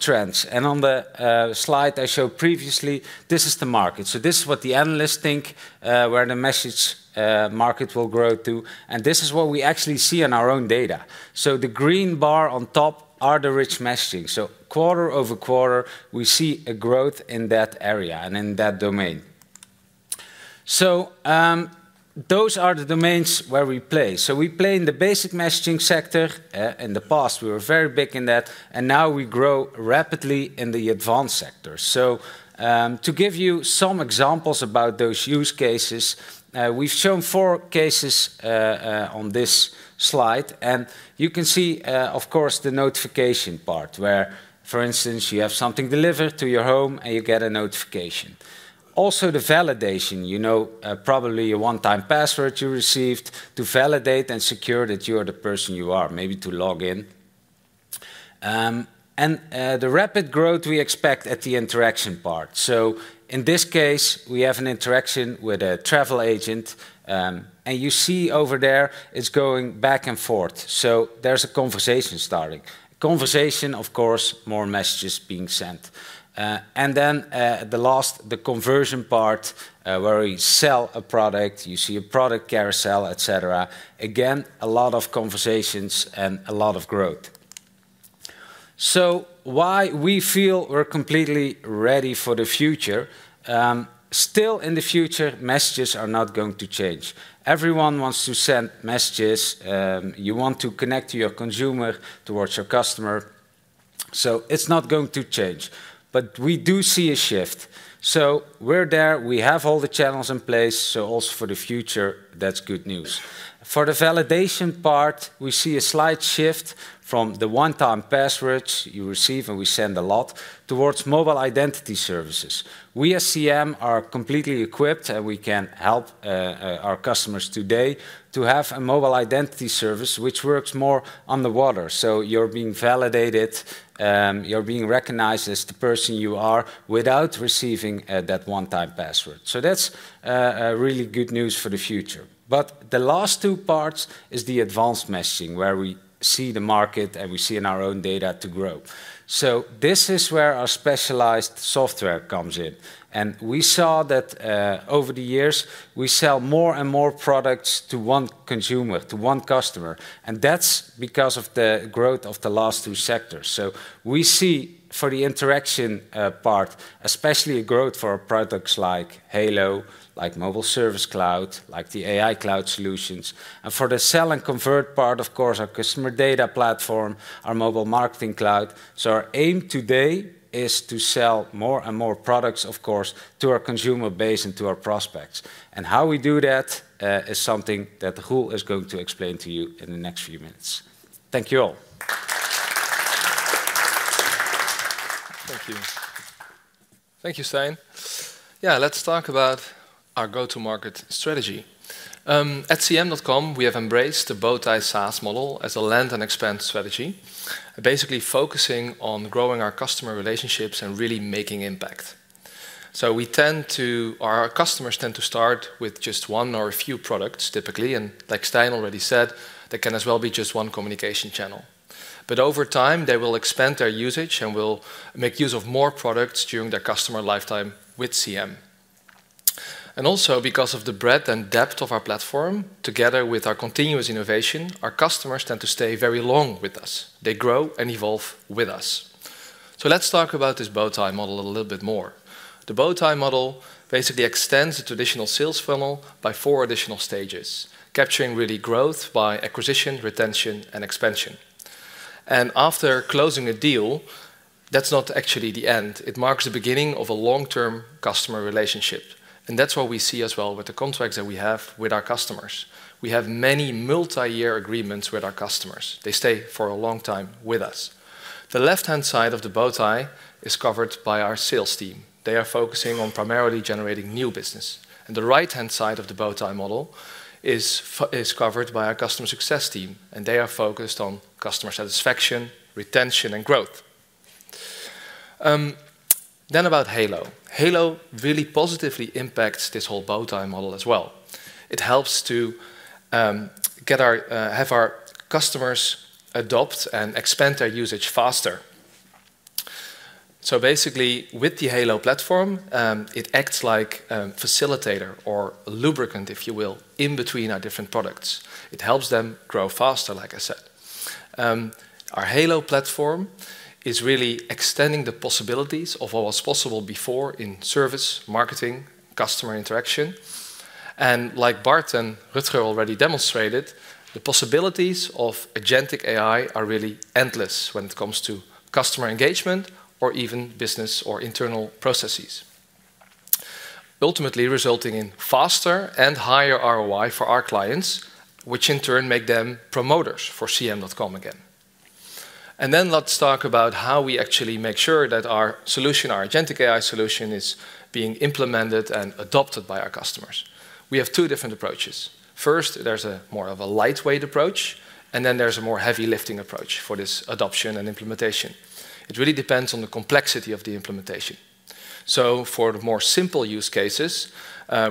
Speaker 8: trends. On the slide I showed previously, this is the market. This is what the analysts think where the message market will grow to. This is what we actually see in our own data. The green bar on top are the rich messaging. Quarter over quarter, we see a growth in that area and in that domain. Those are the domains where we play. We play in the basic messaging sector. In the past, we were very big in that. Now we grow rapidly in the advanced sector. To give you some examples about those use cases, we've shown four cases on this slide. You can see, of course, the notification part where, for instance, you have something delivered to your home and you get a notification. Also, the validation, you know, probably a one-time password you received to validate and secure that you are the person you are, maybe to log in. The rapid growth we expect at the interaction part. In this case, we have an interaction with a travel agent. You see over there it is going back and forth. There is a conversation starting. Conversation, of course, more messages being sent. The last, the conversion part where we sell a product, you see a product carousel, etc. Again, a lot of conversations and a lot of growth. Why we feel we are completely ready for the future? Still in the future, messages are not going to change. Everyone wants to send messages. You want to connect to your consumer, towards your customer. It is not going to change. We do see a shift. We are there. We have all the channels in place. Also for the future, that's good news. For the validation part, we see a slight shift from the one-time passwords you receive and we send a lot towards mobile identity services. We as CM.com are completely equipped and we can help our customers today to have a mobile identity service which works more on the water. You're being validated, you're being recognized as the person you are without receiving that one-time password. That's really good news for the future. The last two parts is the advanced messaging where we see the market and we see in our own data to grow. This is where our specialized software comes in. We saw that over the years, we sell more and more products to one consumer, to one customer. That is because of the growth of the last two sectors. We see for the interaction part, especially a growth for our products like Halo, like Mobile Service Cloud, like the AI cloud solutions. For the sell and convert part, of course, our Customer Data Platform, our Mobile Marketing Cloud. Our aim today is to sell more and more products, of course, to our consumer base and to our prospects. How we do that is something that Jeroen is going to explain to you in the next few minutes. Thank you all.
Speaker 2: Thank you. Thank you, Stein. Yeah, let's talk about our go-to-market strategy. At CM.com, we have embraced the Bowtie SaaS Model as a land and expand strategy, basically focusing on growing our customer relationships and really making impact. We tend to, our customers tend to start with just one or a few products typically. Like Stein already said, that can as well be just one communication channel. Over time, they will expand their usage and will make use of more products during their customer lifetime with CM. Also, because of the breadth and depth of our platform, together with our continuous innovation, our customers tend to stay very long with us. They grow and evolve with us. Let's talk about this bowtie model a little bit more. The bowtie model basically extends the traditional sales funnel by four additional stages, capturing really growth by acquisition, retention, and expansion. After closing a deal, that's not actually the end. It marks the beginning of a long-term customer relationship. That's what we see as well with the contracts that we have with our customers. We have many multi-year agreements with our customers. They stay for a long time with us. The left-hand side of the bowtie is covered by our sales team. They are focusing on primarily generating new business. The right-hand side of the bowtie model is covered by our customer success team. They are focused on customer satisfaction, retention, and growth. About Halo. Halo really positively impacts this whole bowtie model as well. It helps to have our customers adopt and expand their usage faster. Basically, with the Halo platform, it acts like a facilitator or a lubricant, if you will, in between our different products. It helps them grow faster, like I said. Our Halo platform is really extending the possibilities of what was possible before in service, marketing, customer interaction. Like Bart and Rutger already demonstrated, the possibilities of agentic AI are really endless when it comes to customer engagement or even business or internal processes, ultimately resulting in faster and higher ROI for our clients, which in turn make them promoters for CM.com again. Let's talk about how we actually make sure that our solution, our agentic AI solution, is being implemented and adopted by our customers. We have two different approaches. First, there is more of a lightweight approach, and then there is a more heavy-lifting approach for this adoption and implementation. It really depends on the complexity of the implementation. For the more simple use cases,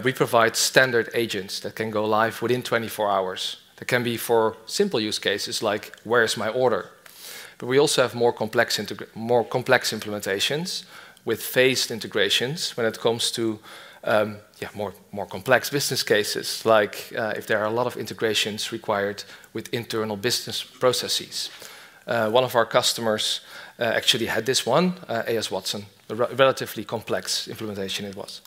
Speaker 2: we provide standard agents that can go live within 24 hours. That can be for simple use cases like where is my order. We also have more complex implementations with phased integrations when it comes to more complex business cases, like if there are a lot of integrations required with internal business processes. One of our customers actually had this one, AS Watson, a relatively complex implementation it was.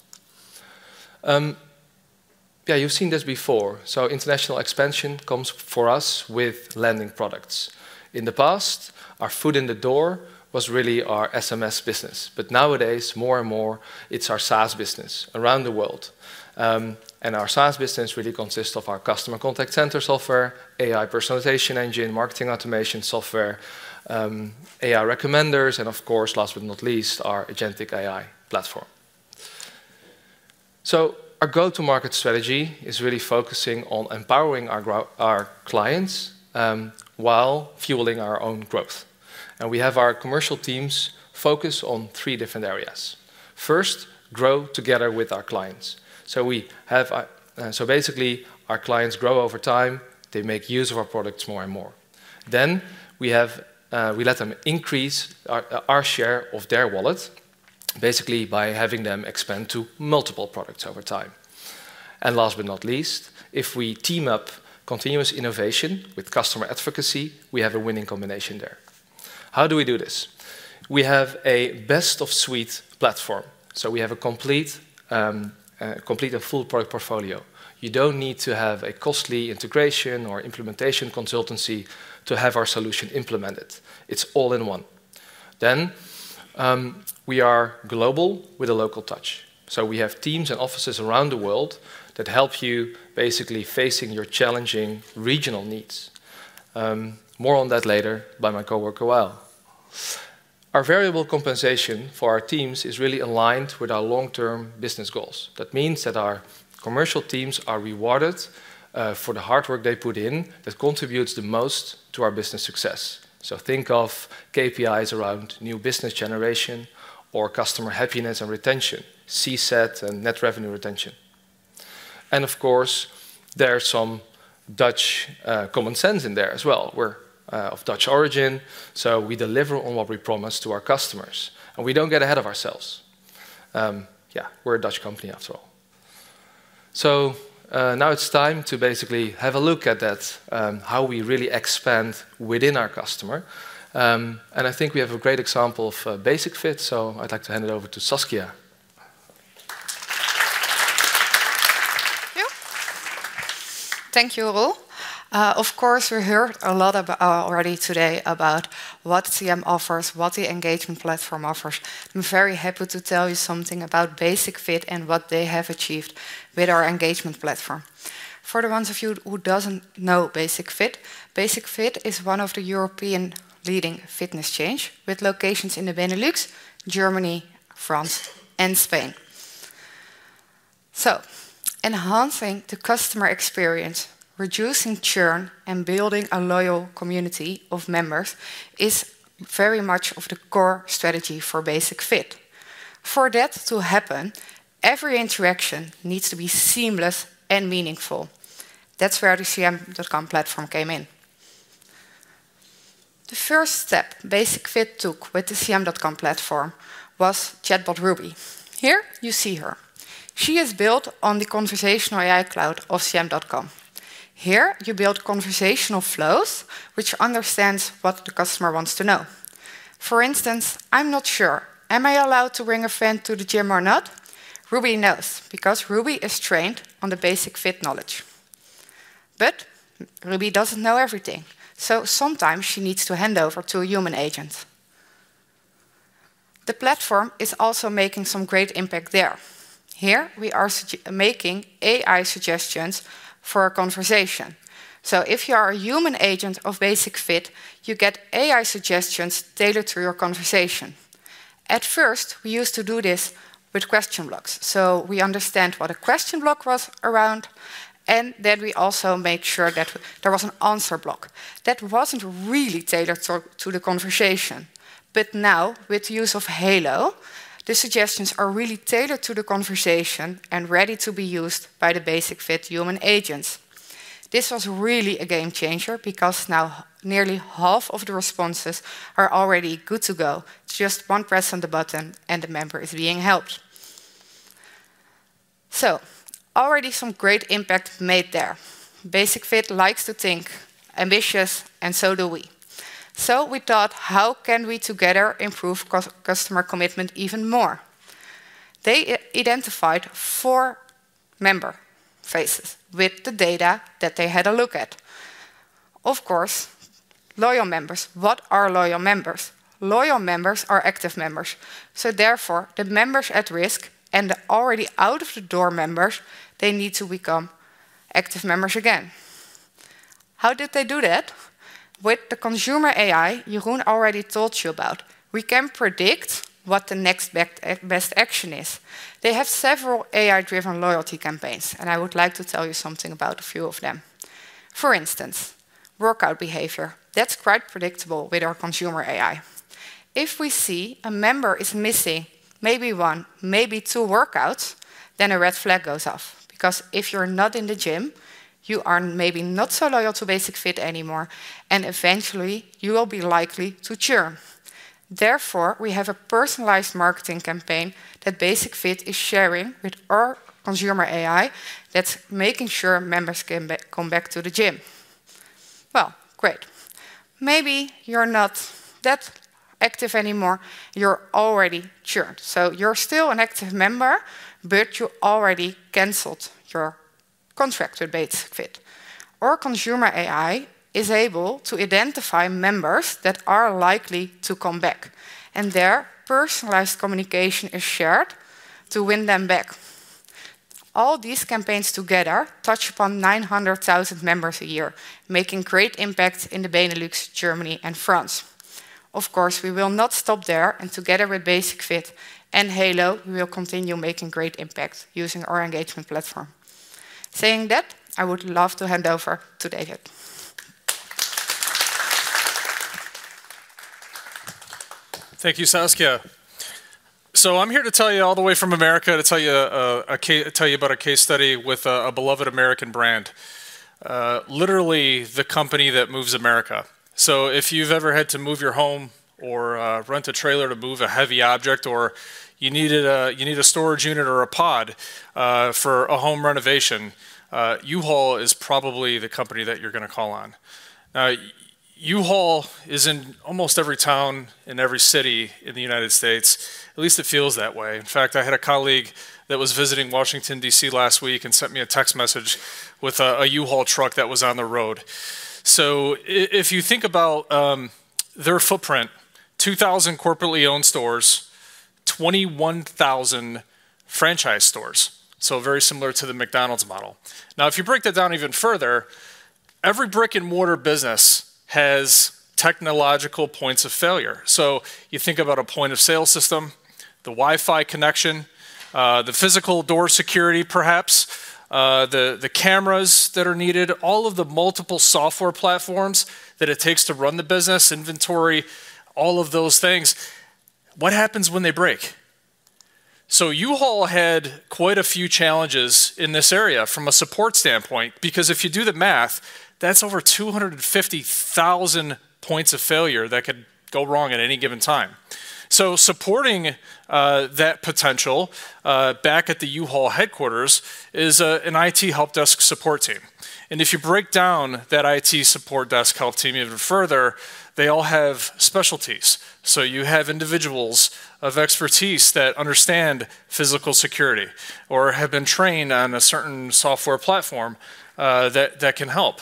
Speaker 2: Yeah, you've seen this before. International expansion comes for us with landing products. In the past, our foot in the door was really our SMS business. Nowadays, more and more, it's our SaaS business around the world. Our SaaS business really consists of our customer contact center software, AI personalization engine, marketing automation software, AI recommenders, and of course, last but not least, our agentic AI platform. Our go-to-market strategy is really focusing on empowering our clients while fueling our own growth. We have our commercial teams focused on three different areas. First, grow together with our clients. We have, so basically, our clients grow over time. They make use of our products more and more. Then we let them increase our share of their wallet, basically by having them expand to multiple products over time. Last but not least, if we team up continuous innovation with customer advocacy, we have a winning combination there. How do we do this? We have a best-of-suite platform. We have a complete and full product portfolio. You do not need to have a costly integration or implementation consultancy to have our solution implemented. It is all in one. We are global with a local touch. We have teams and offices around the world that help you basically facing your challenging regional needs. More on that later by my coworker Wael. Our variable compensation for our teams is really aligned with our long-term business goals. That means that our commercial teams are rewarded for the hard work they put in that contributes the most to our business success. Think of KPIs around new business generation or customer happiness and retention, CSAT and net revenue retention. Of course, there's some Dutch common sense in there as well. We're of Dutch origin. We deliver on what we promise to our customers. We do not get ahead of ourselves. Yeah, we're a Dutch company after all. Now it's time to basically have a look at that, how we really expand within our customer. I think we have a great example of Basic-Fit. I'd like to hand it over to Saskia.
Speaker 9: Thank you all. Of course, we heard a lot already today about what CM.com offers, what the Engagement Platform offers. I'm very happy to tell you something about Basic-Fit and what they have achieved with our Engagement Platform. For the ones of you who don't know Basic-Fit, Basic-Fit is one of the European leading fitness chains with locations in the Benelux, Germany, France, and Spain. Enhancing the customer experience, reducing churn, and building a loyal community of members is very much of the core strategy for Basic-Fit. For that to happen, every interaction needs to be seamless and meaningful. That's where the CM.com platform came in. The first step Basic-Fit took with the CM.com platform was Chatbot Ruby. Here you see her. She is built on the Conversational AI cloud of CM.com. Here, you build conversational flows, which understand what the customer wants to know. For instance, I'm not sure. Am I allowed to bring a friend to the gym or not? Ruby knows because Ruby is trained on the Basic-Fit knowledge. But Ruby does not know everything. Sometimes she needs to hand over to a human agent. The platform is also making some great impact there. Here, we are making AI suggestions for a conversation. If you are a human agent of Basic-Fit, you get AI suggestions tailored to your conversation. At first, we used to do this with question blocks. We understand what a question block was around, and then we also make sure that there was an answer block that was not really tailored to the conversation. Now, with the use of Halo, the suggestions are really tailored to the conversation and ready to be used by the Basic-Fit human agents. This was really a game changer because now nearly half of the responses are already good to go. Just one press on the button and the member is being helped. Already some great impact made there. Basic-Fit likes to think ambitious, and so do we. We thought, how can we together improve customer commitment even more? They identified four member faces with the data that they had a look at. Of course, loyal members. What are loyal members? Loyal members are active members. Therefore, the members at risk and the already out-of-the-door members, they need to become active members again. How did they do that? With the consumer AI Jeroen already told you about, we can predict what the next best action is. They have several AI-driven loyalty campaigns. I would like to tell you something about a few of them. For instance, workout behavior. That is quite predictable with our consumer AI. If we see a member is missing maybe one, maybe two workouts, then a red flag goes off. Because if you're not in the gym, you are maybe not so loyal to Basic-Fit anymore. Eventually, you will be likely to churn. Therefore, we have a personalized marketing campaign that Basic-Fit is sharing with our consumer AI that's making sure members can come back to the gym. Maybe you're not that active anymore. You're already churned. You're still an active member, but you already canceled your contract with Basic-Fit. Our consumer AI is able to identify members that are likely to come back. Their personalized communication is shared to win them back. All these campaigns together touch upon 900,000 members a year, making great impact in the Benelux, Germany, and France. Of course, we will not stop there. Together with Basic-Fit and Halo, we will continue making great impact using our engagement platform. Saying that, I would love to hand over to David.
Speaker 10: Thank you, Saskia. I am here to tell you all the way from America to tell you about a case study with a beloved American brand, literally the company that moves America. If you have ever had to move your home or rent a trailer to move a heavy object, or you need a storage unit or a pod for a home renovation, U-Haul is probably the company that you are going to call on. Now, U-Haul is in almost every town and every city in the United States. At least it feels that way. In fact, I had a colleague that was visiting Washington, DC, last week and sent me a text message with a U-Haul truck that was on the road. If you think about their footprint, 2,000 corporately owned stores, 21,000 franchise stores. Very similar to the McDonald's model. If you break that down even further, every brick-and-mortar business has technological points of failure. You think about a point of sale system, the Wi-Fi connection, the physical door security, perhaps, the cameras that are needed, all of the multiple software platforms that it takes to run the business, inventory, all of those things. What happens when they break? U-Haul had quite a few challenges in this area from a support standpoint. If you do the math, that's over 250,000 points of failure that could go wrong at any given time. Supporting that potential back at the U-Haul headquarters is an IT help desk support team. If you break down that IT support desk help team even further, they all have specialties. You have individuals of expertise that understand physical security or have been trained on a certain software platform that can help.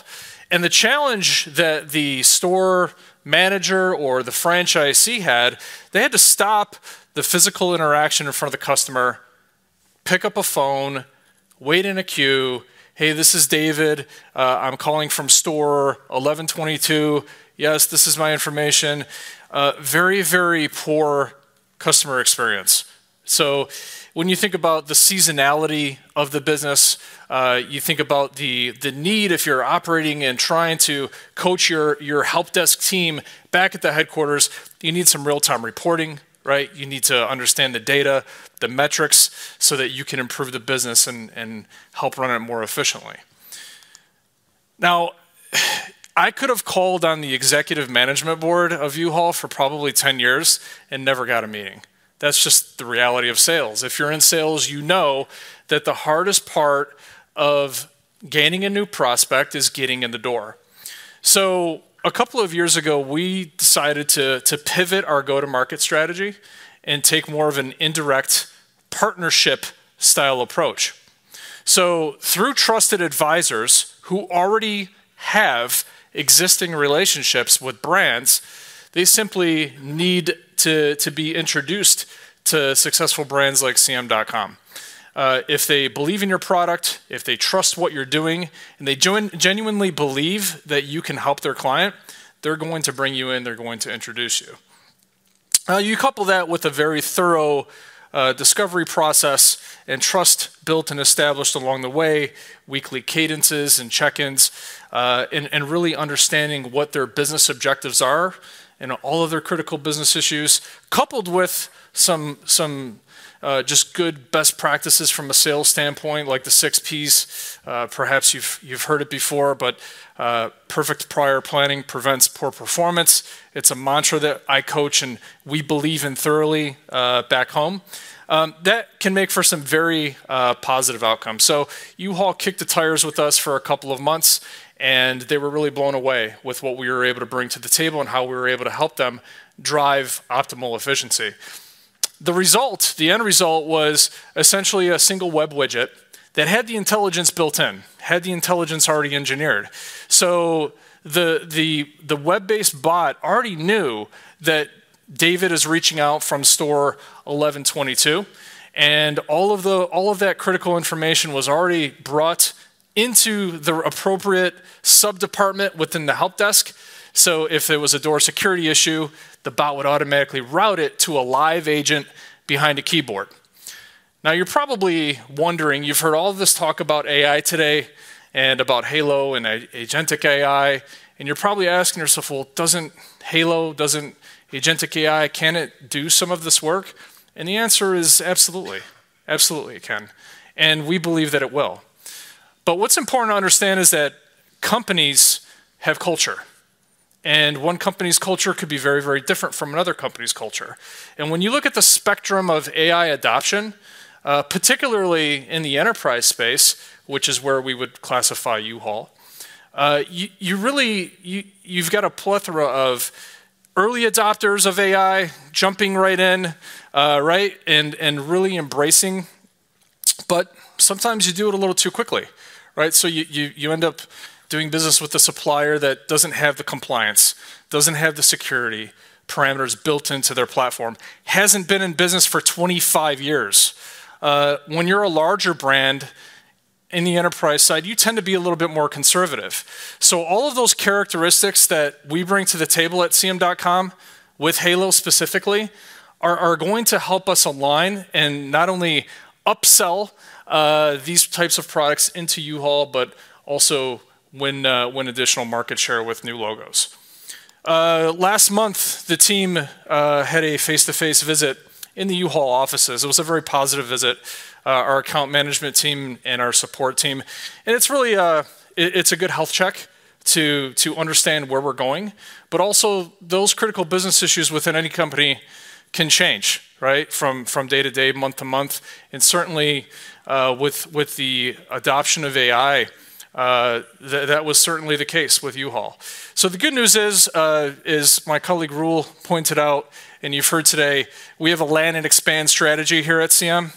Speaker 10: The challenge that the store manager or the franchisee had, they had to stop the physical interaction in front of the customer, pick up a phone, wait in a queue. Hey, this is David. I'm calling from store 1122. Yes, this is my information. Very, very poor customer experience. When you think about the seasonality of the business, you think about the need if you're operating and trying to coach your help desk team back at the headquarters, you need some real-time reporting, right? You need to understand the data, the metrics, so that you can improve the business and help run it more efficiently. I could have called on the executive management board of U-Haul for probably 10 years and never got a meeting. That's just the reality of sales. If you're in sales, you know that the hardest part of gaining a new prospect is getting in the door. A couple of years ago, we decided to pivot our go-to-market strategy and take more of an indirect partnership-style approach. Through trusted advisors who already have existing relationships with brands, they simply need to be introduced to successful brands like CM.com. If they believe in your product, if they trust what you're doing, and they genuinely believe that you can help their client, they're going to bring you in. They're going to introduce you. Now, you couple that with a very thorough discovery process and trust built and established along the way, weekly cadences and check-ins, and really understanding what their business objectives are and all of their critical business issues, coupled with some just good best practices from a sales standpoint, like the six P's. Perhaps you've heard it before, but perfect prior planning prevents poor performance. It's a mantra that I coach and we believe in thoroughly back home. That can make for some very positive outcomes. U-Haul kicked the tires with us for a couple of months, and they were really blown away with what we were able to bring to the table and how we were able to help them drive optimal efficiency. The result, the end result, was essentially a single web widget that had the intelligence built in, had the intelligence already engineered. The web-based bot already knew that David is reaching out from store 1122. All of that critical information was already brought into the appropriate sub-department within the help desk. If there was a door security issue, the bot would automatically route it to a live agent behind a keyboard. Now, you're probably wondering, you've heard all of this talk about AI today and about Halo and agentic AI. You're probably asking yourself, doesn't Halo, doesn't agentic AI, can it do some of this work? The answer is absolutely. Absolutely, it can. We believe that it will. What's important to understand is that companies have culture. One company's culture could be very, very different from another company's culture. When you look at the spectrum of AI adoption, particularly in the enterprise space, which is where we would classify U-Haul, you've got a plethora of early adopters of AI jumping right in, right, and really embracing. Sometimes you do it a little too quickly, right? You end up doing business with a supplier that doesn't have the compliance, doesn't have the security parameters built into their platform, hasn't been in business for 25 years. When you're a larger brand in the enterprise side, you tend to be a little bit more conservative. All of those characteristics that we bring to the table at CM.com with Halo specifically are going to help us align and not only upsell these types of products into U-Haul, but also win additional market share with new logos. Last month, the team had a face-to-face visit in the U-Haul offices. It was a very positive visit. Our account management team and our support team. It is a good health check to understand where we're going. Also, those critical business issues within any company can change, right, from day to day, month to month. Certainly, with the adoption of AI, that was certainly the case with U-Haul. The good news is, as my colleague Rutger pointed out, and you've heard today, we have a land and expand strategy here at CM.com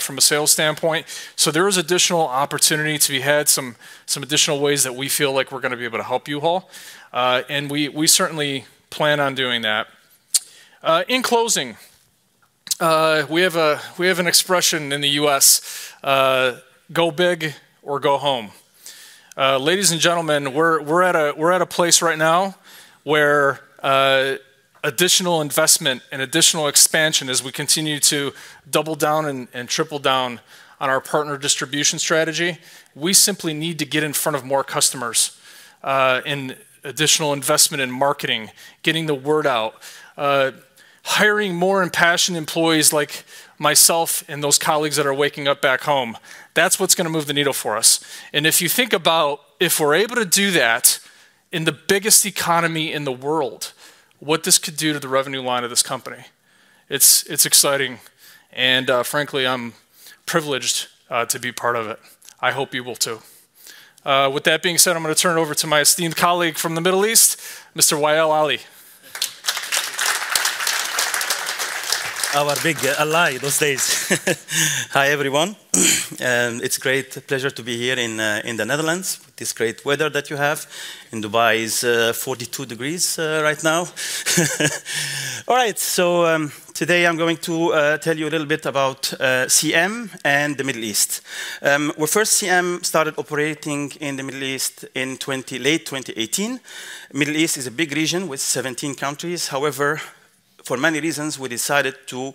Speaker 10: from a sales standpoint. There is additional opportunity to be had, some additional ways that we feel like we're going to be able to help U-Haul. We certainly plan on doing that. In closing, we have an expression in the U.S., "Go big or go home." Ladies and gentlemen, we're at a place right now where additional investment and additional expansion, as we continue to double down and triple down on our partner distribution strategy, we simply need to get in front of more customers and additional investment in marketing, getting the word out, hiring more impassioned employees like myself and those colleagues that are waking up back home. That's what's going to move the needle for us. If you think about if we're able to do that in the biggest economy in the world, what this could do to the revenue line of this company, it's exciting. Frankly, I'm privileged to be part of it. I hope you will too. With that being said, I'm going to turn it over to my esteemed colleague from the Middle East, Mr. Wael Ali.
Speaker 11: Hi everyone. It's a great pleasure to be here in the Netherlands with this great weather that you have. In Dubai, it's 42 degrees right now. All right. Today, I'm going to tell you a little bit about CM and the Middle East. First, CM started operating in the Middle East in late 2018. The Middle East is a big region with 17 countries. However, for many reasons, we decided to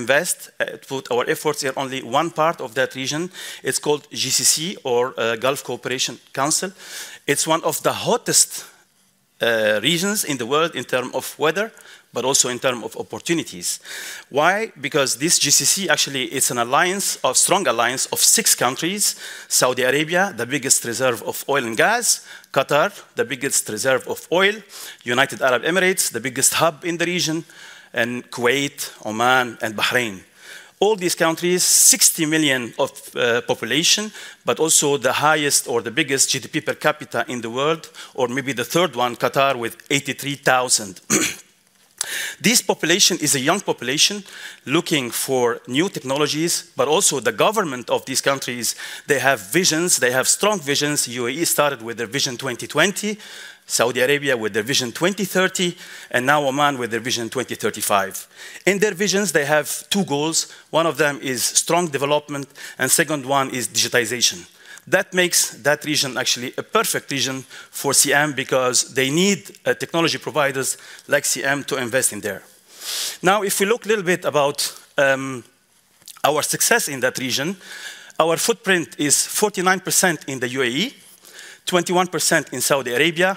Speaker 11: invest, put our efforts in only one part of that region. It's called GCC or Gulf Cooperation Council. It's one of the hottest regions in the world in terms of weather, but also in terms of opportunities. Why? Because this GCC actually is an alliance, a strong alliance of six countries: Saudi Arabia, the biggest reserve of oil and gas; Qatar, the biggest reserve of oil; United Arab Emirates, the biggest hub in the region; and Kuwait, Oman, and Bahrain. All these countries, 60 million of population, but also the highest or the biggest GDP per capita in the world, or maybe the third one, Qatar, with 83,000. This population is a young population looking for new technologies, but also the government of these countries, they have visions, they have strong visions. UAE started with their Vision 2020, Saudi Arabia with their Vision 2030, and now Oman with their Vision 2035. In their visions, they have two goals. One of them is strong development, and the second one is digitization. That makes that region actually a perfect region for CM because they need technology providers like CM to invest in there. Now, if we look a little bit about our success in that region, our footprint is 49% in the UAE, 21% in Saudi Arabia,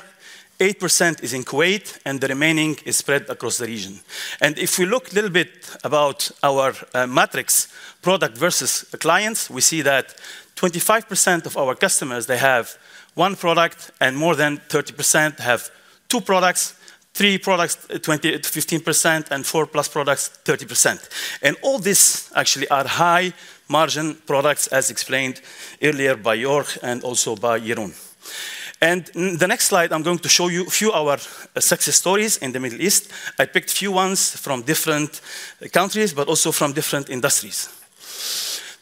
Speaker 11: 8% is in Kuwait, and the remaining is spread across the region. If we look a little bit about our metrics, product versus clients, we see that 25% of our customers, they have one product, and more than 30% have two products, three products, 15%, and four plus products, 30%. All these actually are high-margin products, as explained earlier by Jörg and also by Jeroen. The next slide, I am going to show you a few of our success stories in the Middle East. I picked a few ones from different countries, but also from different industries.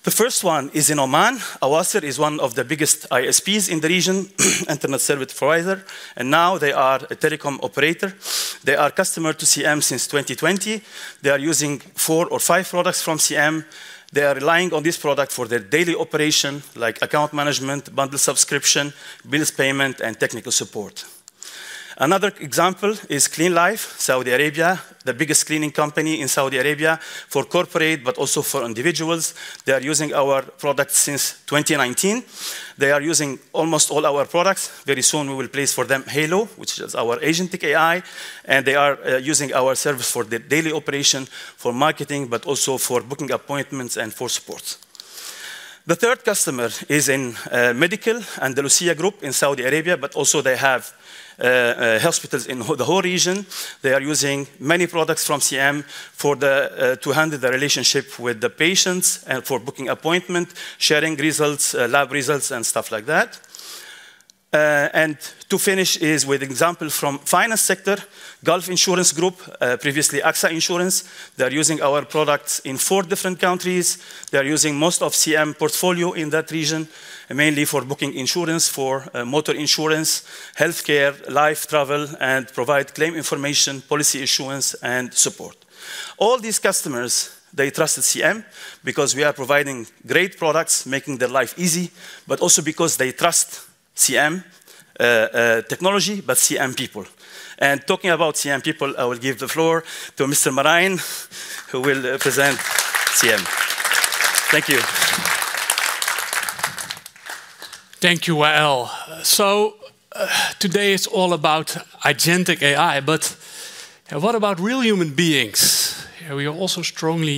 Speaker 11: The first one is in Oman. Awasir is one of the biggest ISPs in the region, Internet Service Provider. Now they are a telecom operator. They are a customer to CM.com since 2020. They are using four or five products from CM.com. They are relying on this product for their daily operation, like account management, bundle subscription, bills payment, and technical support. Another example is Cleanlife, Saudi Arabia, the biggest cleaning company in Saudi Arabia for corporate, but also for individuals. They are using our product since 2019. They are using almost all our products. Very soon, we will place for them Halo, which is our agentic AI. They are using our service for the daily operation, for marketing, but also for booking appointments and for support. The third customer is in medical, Andalusia Group in Saudi Arabia, but also they have hospitals in the whole region. They are using many products from CM.com to handle the relationship with the patients and for booking appointment, sharing results, lab results, and stuff like that. To finish is with an example from the finance sector, Gulf Insurance Group, previously AXA Insurance. They are using our products in four different countries. They are using most of CM.com's portfolio in that region, mainly for booking insurance, for motor insurance, healthcare, life, travel, and provide claim information, policy issuance, and support. All these customers, they trust CM.com because we are providing great products, making their life easy, but also because they trust CM.com technology, but CM.com people. Talking about CM.com people, I will give the floor to Mr. Marine, who will present CM.com. Thank you.
Speaker 8: Thank you, Wael. Today it's all about agentic AI, but what about real human beings? We are also strongly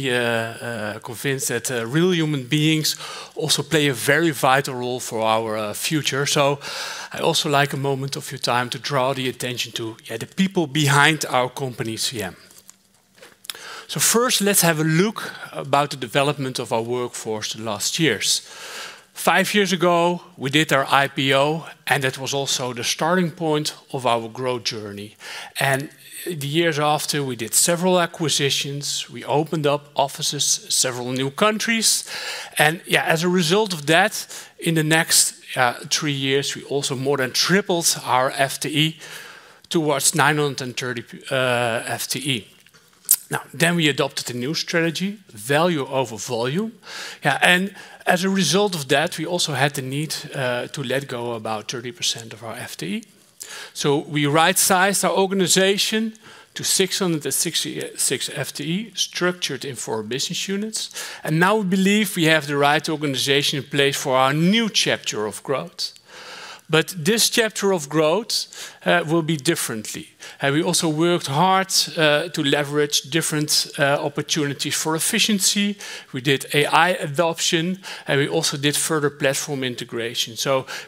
Speaker 8: convinced that real human beings also play a very vital role for our future. So, I'd also like a moment of your time to draw the attention to the people behind our company, CM.com. First, let's have a look at the development of our workforce in the last years. Five years ago, we did our IPO, and that was also the starting point of our growth journey. In the years after, we did several acquisitions. We opened up offices in several new countries. Yeah, as a result of that, in the next three years, we also more than tripled our FTE towards 930 FTE. Now, we adopted a new strategy, value over volume. Yeah, as a result of that, we also had the need to let go of about 30% of our FTE. We right-sized our organization to 666 FTE, structured in four business units. Now we believe we have the right organization in place for our new chapter of growth. This chapter of growth will be differently. We also worked hard to leverage different opportunities for efficiency. We did AI adoption, and we also did further platform integration.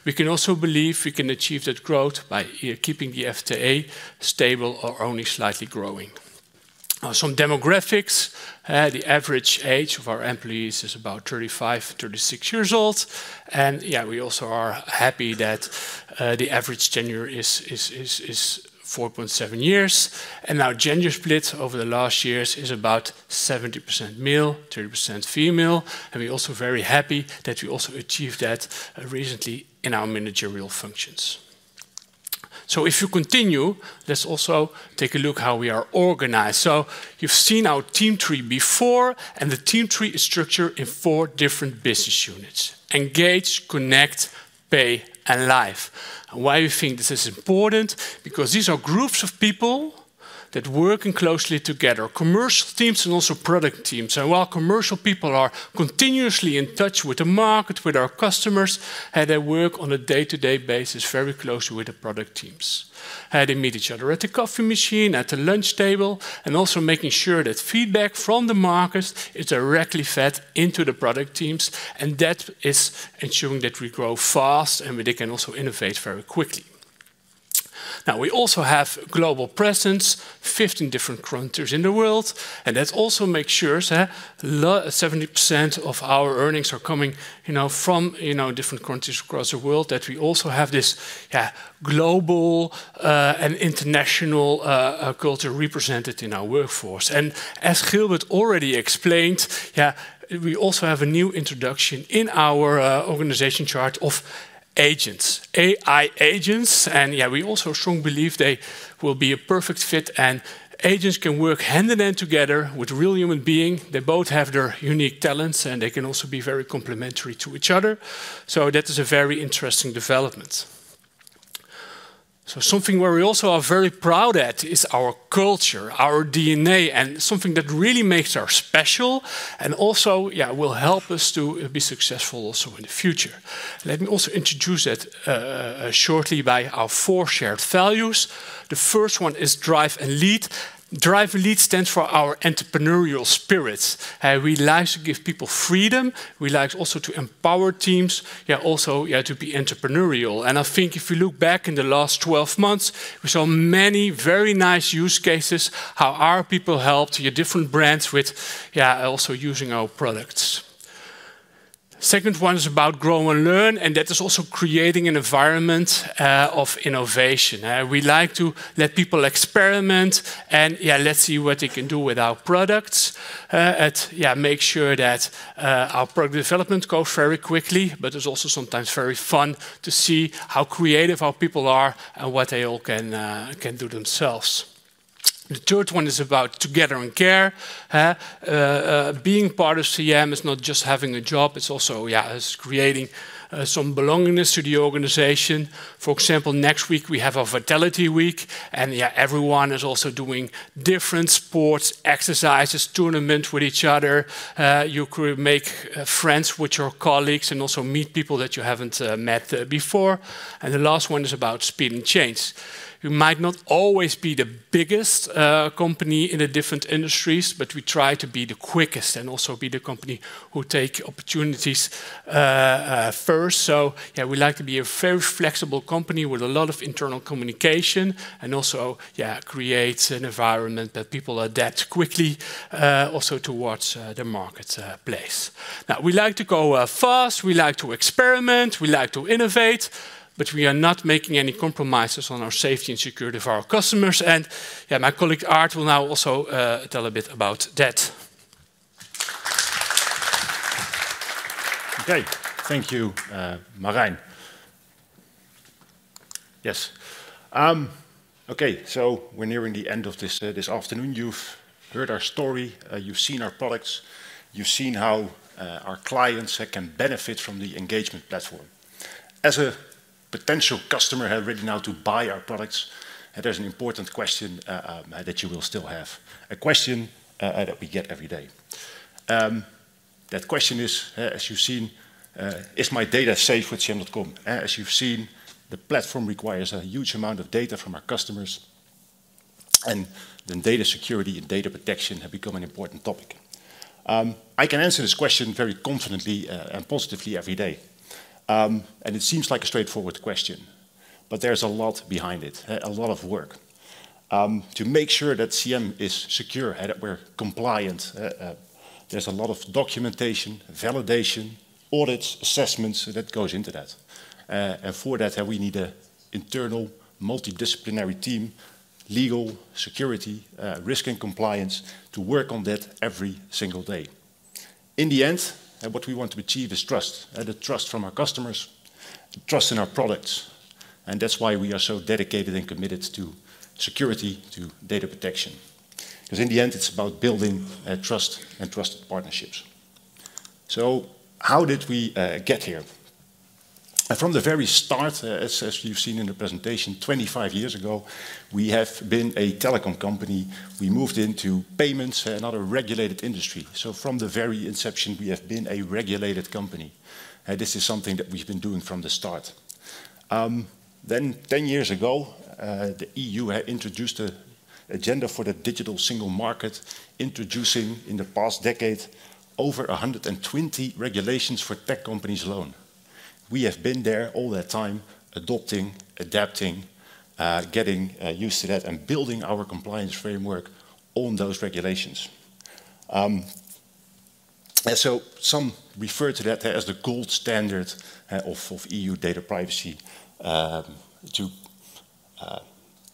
Speaker 8: We can also believe we can achieve that growth by keeping the FTE stable or only slightly growing. Some demographics, the average age of our employees is about 35 to 36 years old. Yeah, we also are happy that the average tenure is 4.7 years. Our gender split over the last years is about 70% male, 30% female. We're also very happy that we also achieved that recently in our managerial functions. If you continue, let's also take a look at how we are organized. You've seen our team tree before, and the team tree is structured in four different business units: engage, connect, pay, and live. Why do you think this is important? Because these are groups of people that work closely together, commercial teams and also product teams. While commercial people are continuously in touch with the market, with our customers, they work on a day-to-day basis very closely with the product teams. They meet each other at the coffee machine, at the lunch table, and also make sure that feedback from the market is directly fed into the product teams. That is ensuring that we grow fast and they can also innovate very quickly. We also have a global presence, 15 different countries in the world. That also makes sure 70% of our earnings are coming from different countries across the world, that we also have this global and international culture represented in our workforce. As Gilbert already explained, yeah, we also have a new introduction in our organization chart of agents, AI agents. Yeah, we also strongly believe they will be a perfect fit. Agents can work hand in hand together with real human beings. They both have their unique talents, and they can also be very complementary to each other. That is a very interesting development. Something where we also are very proud at is our culture, our DNA, and something that really makes us special and also will help us to be successful also in the future. Let me also introduce that shortly by our four shared values. The first one is drive and lead. Drive and lead stands for our entrepreneurial spirits. We like to give people freedom. We like also to empower teams, yeah, also to be entrepreneurial. I think if you look back in the last 12 months, we saw many very nice use cases, how our people helped different brands with, yeah, also using our products. The second one is about grow and learn, and that is also creating an environment of innovation. We like to let people experiment and, yeah, let's see what they can do with our products and make sure that our product developments go very quickly. It is also sometimes very fun to see how creative our people are and what they all can do themselves. The third one is about together and care. Being part of CM is not just having a job. It is also, yeah, creating some belongingness to the organization. For example, next week, we have a Vitality Week. Yeah, everyone is also doing different sports, exercises, tournaments with each other. You could make friends with your colleagues and also meet people that you have not met before. The last one is about speed and change. You might not always be the biggest company in the different industries, but we try to be the quickest and also be the company who takes opportunities first. Yeah, we like to be a very flexible company with a lot of internal communication and also, yeah, create an environment that people adapt quickly also towards the marketplace. Now, we like to go fast. We like to experiment. We like to innovate. We are not making any compromises on our safety and security of our customers. Yeah, my colleague Aard will now also tell a bit about that.
Speaker 12: Okay, thank you, Marine. Yes. Okay, so we're nearing the end of this afternoon. You've heard our story. You've seen our products. You've seen how our clients can benefit from the engagement platform. As a potential customer ready now to buy our products, there's an important question that you will still have, a question that we get every day. That question is, as you've seen, is my data safe with CM.com? As you've seen, the platform requires a huge amount of data from our customers. Data security and data protection have become an important topic. I can answer this question very confidently and positively every day. It seems like a straightforward question, but there's a lot behind it, a lot of work to make sure that CM.com is secure and we're compliant. There's a lot of documentation, validation, audits, assessments that go into that. For that, we need an internal multidisciplinary team, legal, security, risk, and compliance to work on that every single day. In the end, what we want to achieve is trust, the trust from our customers, trust in our products. That is why we are so dedicated and committed to security, to data protection. Because in the end, it is about building trust and trusted partnerships. How did we get here? From the very start, as you have seen in the presentation, 25 years ago, we have been a telecom company. We moved into payments and other regulated industries. From the very inception, we have been a regulated company. This is something that we have been doing from the start. Ten years ago, the EU introduced an agenda for the digital single market, introducing in the past decade over 120 regulations for tech companies alone. We have been there all that time, adopting, adapting, getting used to that, and building our compliance framework on those regulations. Some refer to that as the gold standard of EU data privacy to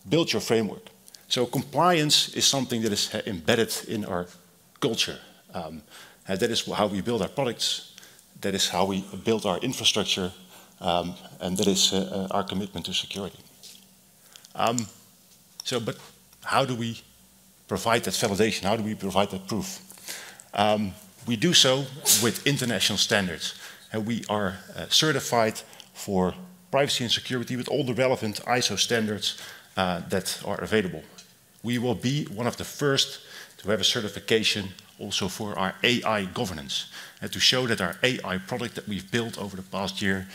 Speaker 12: build your framework. Compliance is something that is embedded in our culture. That is how we build our products. That is how we build our infrastructure. That is our commitment to security. How do we provide that validation? How do we provide that proof? We do so with international standards. We are certified for privacy and security with all the relevant ISO standards that are available. We will be one of the first to have a certification also for our AI governance and to show that our AI product that we've built over the past year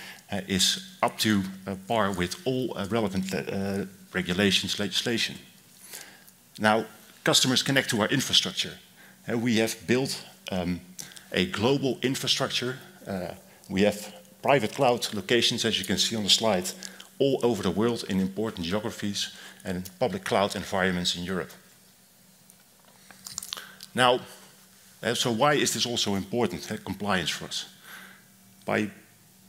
Speaker 12: is up to par with all relevant regulations, legislation. Now, customers connect to our infrastructure. We have built a global infrastructure. We have private cloud locations, as you can see on the slide, all over the world in important geographies and public cloud environments in Europe. Now, why is this also important compliance for us? By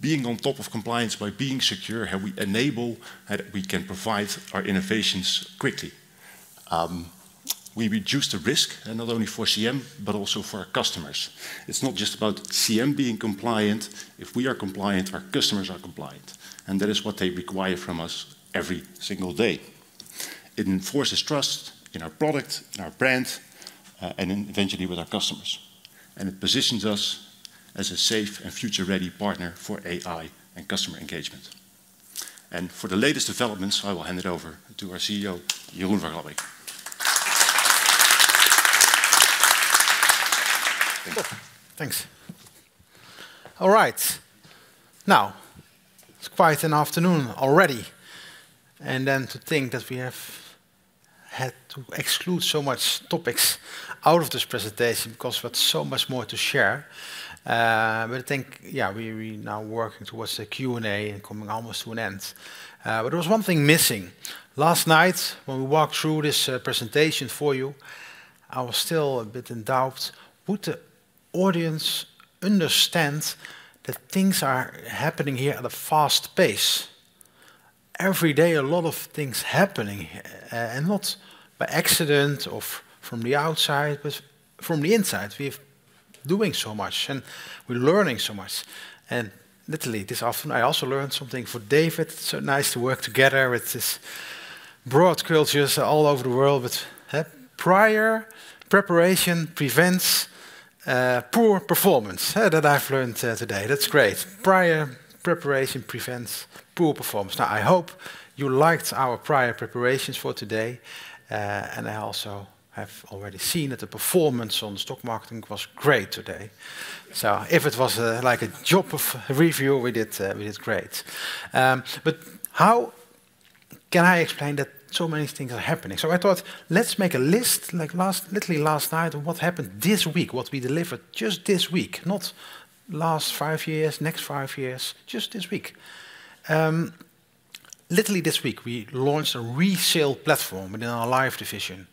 Speaker 12: being on top of compliance, by being secure, we enable that we can provide our innovations quickly. We reduce the risk, not only for CM.com, but also for our customers. It is not just about CM.com being compliant. If we are compliant, our customers are compliant. That is what they require from us every single day. It enforces trust in our product, in our brand, and eventually with our customers. It positions us as a safe and future-ready partner for AI and customer engagement. For the latest developments, I will hand it over to our CEO, Jeroen van Glabbeek.
Speaker 2: Thanks.All right. Now, it's quite an afternoon already. To think that we have had to exclude so many topics out of this presentation because we have so much more to share. I think, yeah, we're now working towards the Q&A and coming almost to an end. There was one thing missing. Last night, when we walked through this presentation for you, I was still a bit in doubt. Would the audience understand that things are happening here at a fast pace? Every day, a lot of things happening, and not by accident or from the outside, but from the inside. We're doing so much, and we're learning so much. Literally, this afternoon, I also learned something from David. It's so nice to work together with this broad cultures all over the world. Prior preparation prevents poor performance. That I've learned today. That's great. Prior preparation prevents poor performance. I hope you liked our prior preparations for today. I also have already seen that the performance on stock marketing was great today. If it was like a job review, we did great. How can I explain that so many things are happening? I thought, let's make a list, like literally last night, of what happened this week, what we delivered just this week, not last five years, next five years, just this week. Literally this week, we launched a resale platform within our live division.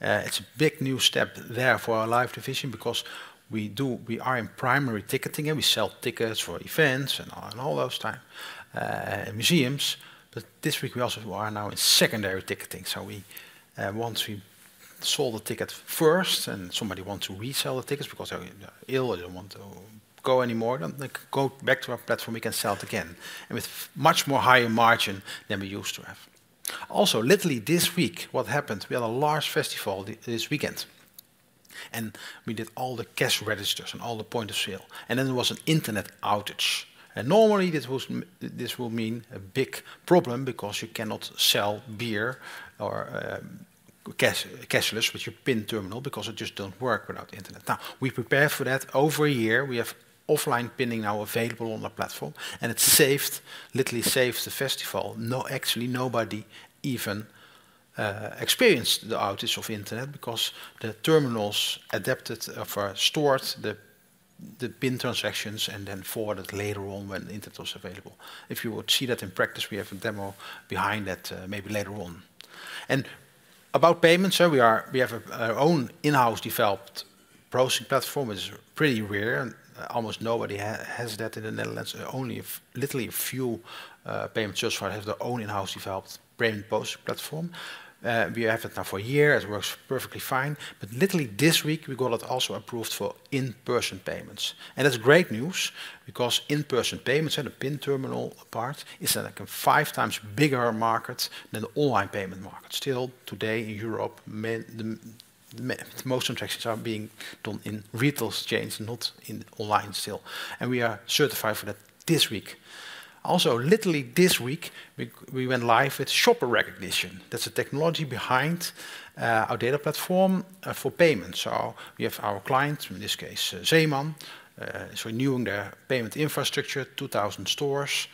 Speaker 2: It's a big new step there for our live division because we are in primary ticketing and we sell tickets for events and all those times, museums. This week, we also are now in secondary ticketing. Once we sold a ticket first and somebody wants to resell the tickets because they're ill or they don't want to go anymore, they go back to our platform, we can sell it again with much more higher margin than we used to have. Also, literally this week, what happened? We had a large festival this weekend. We did all the cash registers and all the point of sale. There was an internet outage. Normally, this will mean a big problem because you cannot sell beer or cashless with your PIN terminal because it just doesn't work without internet. Now, we prepared for that over a year. We have offline PINning now available on the platform. It literally saved the festival. Actually, nobody even experienced the outage of internet because the terminals adapted for storing the PIN transactions and then forwarded later on when the internet was available. If you would see that in practice, we have a demo behind that maybe later on. About payments, we have our own in-house developed processing platform. It's pretty rare. Almost nobody has that in the Netherlands. Only literally a few payment service providers have their own in-house developed payment processing platform. We have it now for years. It works perfectly fine. Literally this week, we got it also approved for in-person payments. That's great news because in-person payments and a PIN terminal part is like a five times bigger market than the online payment market. Still, today in Europe, most transactions are being done in retail chains, not online still. We are certified for that this week. Also, literally this week, we went live with shopper recognition. That is the technology behind our data platform for payments. We have our clients, in this case, Zeeman. Renewing their payment infrastructure, 2,000 stores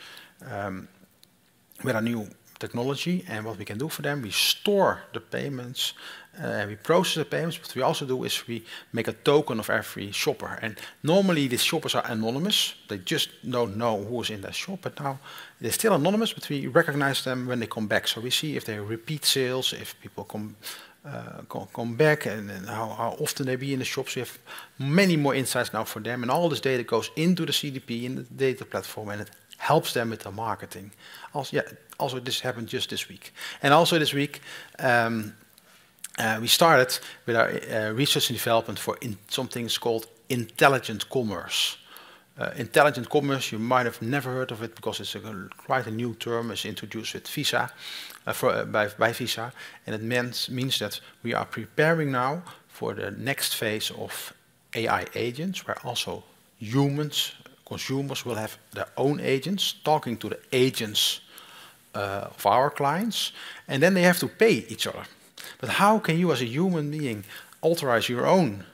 Speaker 2: with our new technology. What we can do for them, we store the payments. We process the payments. What we also do is we make a token of every shopper. Normally, these shoppers are anonymous. They just do not know who is in that shop. Now, they are still anonymous, but we recognize them when they come back. We see if they repeat sales, if people come back, and how often they will be in the shops. We have many more insights now for them. All this data goes into the CDP and the data platform, and it helps them with their marketing. Also, this happened just this week. Also this week, we started with our research and development for something called intelligent commerce. Intelligent commerce, you might have never heard of it because it's quite a new term. It's introduced by Visa. It means that we are preparing now for the next phase of AI agents, where also humans, consumers, will have their own agents talking to the agents of our clients. They have to pay each other. How can you, as a human being, authorize your own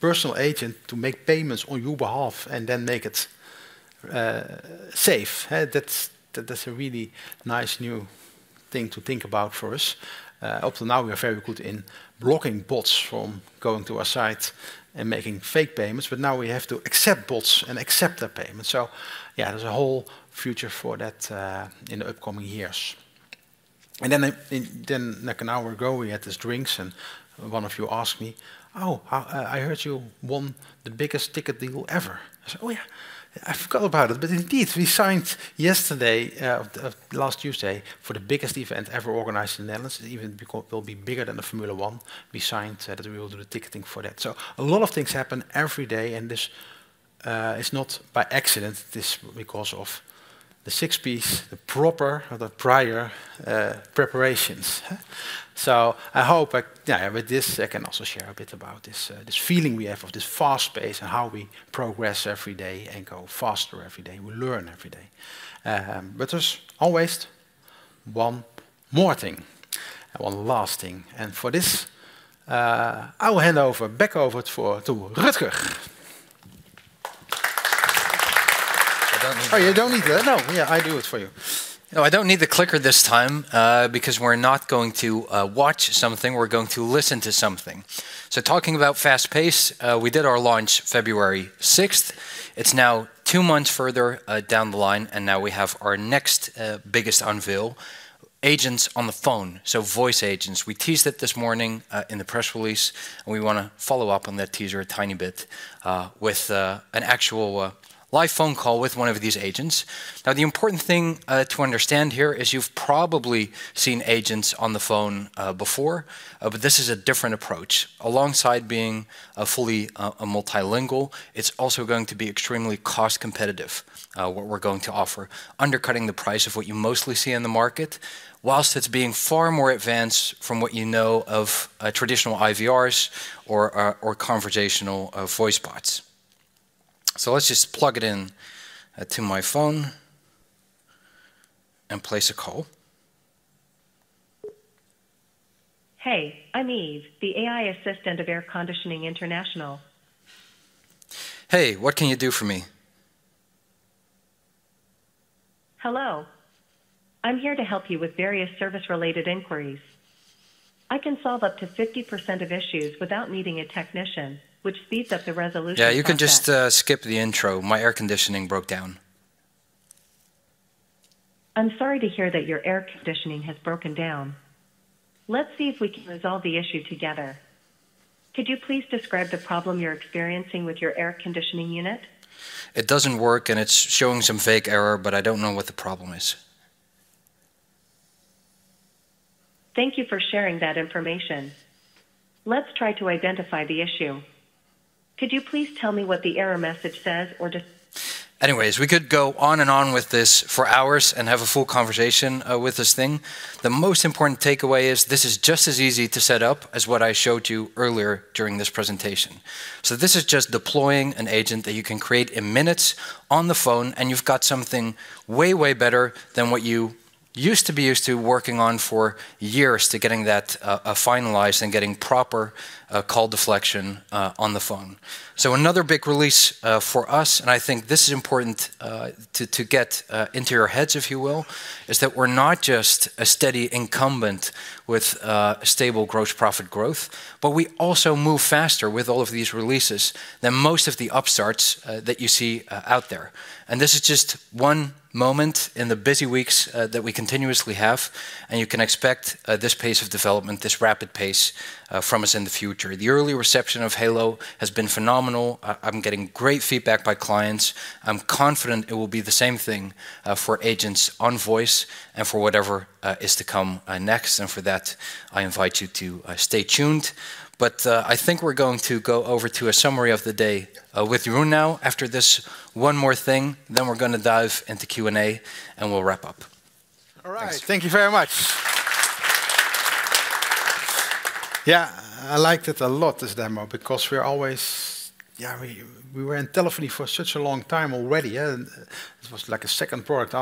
Speaker 2: personal agent to make payments on your behalf and then make it safe? That's a really nice new thing to think about for us. Up to now, we are very good in blocking bots from going to our site and making fake payments. Now, we have to accept bots and accept their payments. Yeah, there's a whole future for that in the upcoming years. Like an hour ago, we had these drinks. One of you asked me, "Oh, I heard you won the biggest ticket deal ever." I said, "Oh, yeah, I forgot about it." Indeed, we signed yesterday, last Tuesday, for the biggest event ever organized in the Netherlands. It will be bigger than the Formula 1. We signed that we will do the ticketing for that. A lot of things happen every day. This is not by accident. This is because of the six-piece, the proper prior preparations. I hope with this, I can also share a bit about this feeling we have of this fast pace and how we progress every day and go faster every day. We learn every day. There's always one more thing, one last thing. For this, I will hand over back over to Rutger.
Speaker 7: Oh, you do not need that. No, yeah, I do it for you. No, I do not need the clicker this time because we are not going to watch something. We are going to listen to something. Talking about fast pace, we did our launch February 6th. It is now two months further down the line. Now, we have our next biggest unveil, agents on the phone, so voice agents. We teased it this morning in the press release. We want to follow up on that teaser a tiny bit with an actual live phone call with one of these agents. The important thing to understand here is you have probably seen agents on the phone before. This is a different approach. Alongside being fully multilingual, it's also going to be extremely cost competitive, what we're going to offer, undercutting the price of what you mostly see in the market, whilst it's being far more advanced from what you know of traditional IVRs or conversational voice bots. Let's just plug it into my phone and place a call.
Speaker 13: Hey, I'm Eve, the AI assistant of Air Conditioning International.
Speaker 7: Hey, what can you do for me?
Speaker 13: Hello. I'm here to help you with various service-related inquiries. I can solve up to 50% of issues without needing a technician, which speeds up the resolution of your issues.
Speaker 7: Yeah, you can just skip the intro. My air conditioning broke down.
Speaker 13: I'm sorry to hear that your air conditioning has broken down. Let's see if we can resolve the issue together. Could you please describe the problem you're experiencing with your air conditioning unit?
Speaker 7: It doesn't work, and it's showing some fake error, but I don't know what the problem is.
Speaker 13: Thank you for sharing that information. Let's try to identify the issue. Could you please tell me what the error message says or describes?
Speaker 7: Anyways, we could go on and on with this for hours and have a full conversation with this thing. The most important takeaway is this is just as easy to set up as what I showed you earlier during this presentation. This is just deploying an agent that you can create in minutes on the phone. You have got something way, way better than what you used to be used to working on for years to getting that finalized and getting proper call deflection on the phone. Another big release for us, and I think this is important to get into your heads, if you will, is that we're not just a steady incumbent with stable gross profit growth, but we also move faster with all of these releases than most of the upstarts that you see out there. This is just one moment in the busy weeks that we continuously have. You can expect this pace of development, this rapid pace from us in the future. The early reception of Halo has been phenomenal. I'm getting great feedback by clients. I'm confident it will be the same thing for agents on voice and for whatever is to come next. For that, I invite you to stay tuned. I think we're going to go over to a summary of the day with Jeroen now. After this, one more thing, then we're going to dive into Q&A, and we'll wrap up.
Speaker 2: All right. Thank you very much. Yeah, I liked it a lot, this demo, because we were in telephony for such a long time already. It was like a second product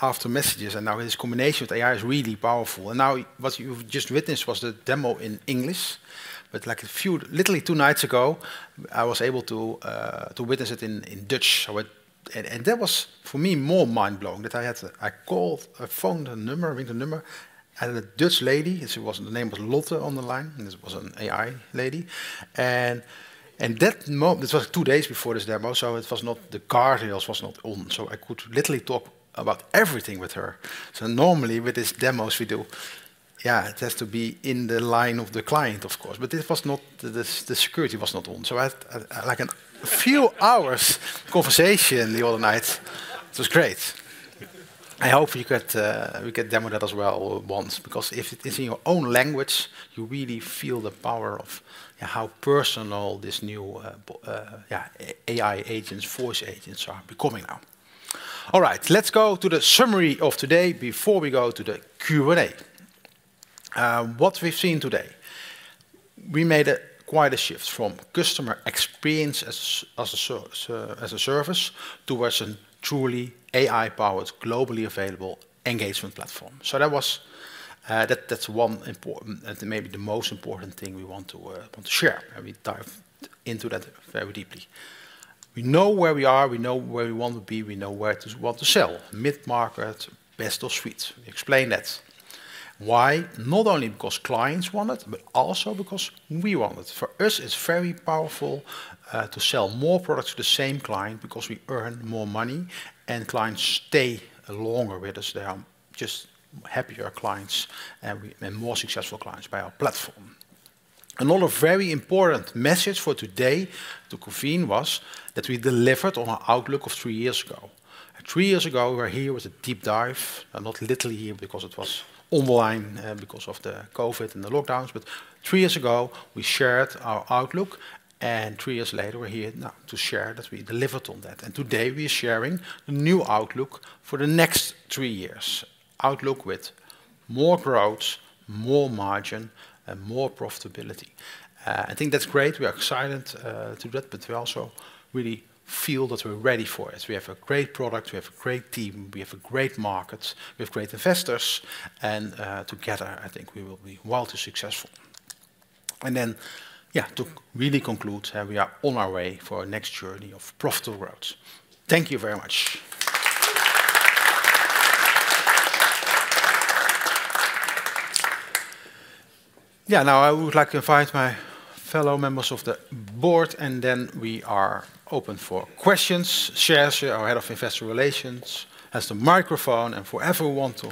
Speaker 2: after messages. Now, this combination with AI is really powerful. What you've just witnessed was the demo in English. Literally two nights ago, I was able to witness it in Dutch. That was, for me, more mind-blowing that I called a phone number, ring the number, and a Dutch lady, the name was Lotte on the line. This was an AI lady. This was two days before this demo, so the guardrails were not on. I could literally talk about everything with her. Normally, with these demos, we do, yeah, it has to be in the line of the client, of course. The security was not on. I had a few hours of conversation the other night. It was great. I hope we get demoed that as well once, because if it's in your own language, you really feel the power of how personal these new AI agents, voice agents are becoming now. All right, let's go to the summary of today before we go to the Q&A. What we've seen today, we made quite a shift from customer experience as a service towards a truly AI-powered, globally available engagement platform. That's one important, maybe the most important thing we want to share. We dive into that very deeply. We know where we are. We know where we want to be. We know where to sell: mid-market, best of suite. We explain that. Why? Not only because clients want it, but also because we want it. For us, it's very powerful to sell more products to the same client because we earn more money, and clients stay longer with us. They are just happier clients and more successful clients by our platform. Another very important message for today to convene was that we delivered on our outlook of three years ago. Three years ago, we were here with a deep dive. Not literally here because it was online because of the COVID and the lockdowns. Three years ago, we shared our outlook. Three years later, we're here now to share that we delivered on that. Today, we are sharing a new outlook for the next three years: outlook with more growth, more margin, and more profitability. I think that's great. We are excited to do that, but we also really feel that we're ready for it. We have a great product. We have a great team. We have a great market. We have great investors. Together, I think we will be wildly successful. To really conclude, we are on our way for our next journey of profitable growth. Thank you very much. Now I would like to invite my fellow members of the board, and then we are open for questions. Serge, our Head of Investor Relations, has the microphone. For everyone to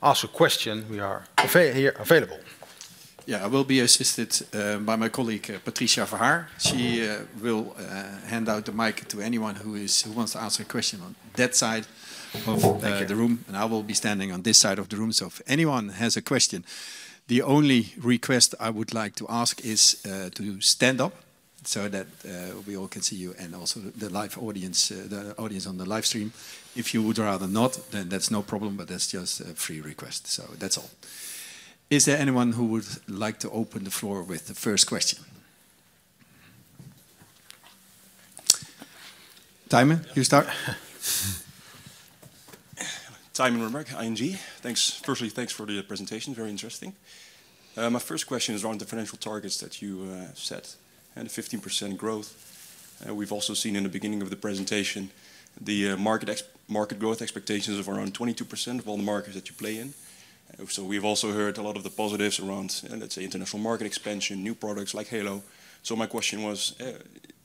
Speaker 2: ask a question, we are here available.
Speaker 1: I will be assisted by my colleague, Patricia Verhaer. She will hand out the mic to anyone who wants to ask a question on that side of the room. I will be standing on this side of the room. If anyone has a question, the only request I would like to ask is to stand up so that we all can see you and also the live audience on the live stream. If you would rather not, then that's no problem, but that's just a free request. That's all. Is there anyone who would like to open the floor with the first question? Timer, you start.
Speaker 14: Timur Yildirim, ING. Firstly, thanks for the presentation. Very interesting. My first question is around the financial targets that you set. The 15% growth, we've also seen in the beginning of the presentation, the market growth expectations of around 22% of all the markets that you play in. We've also heard a lot of the positives around, let's say, international market expansion, new products like Halo. My question was,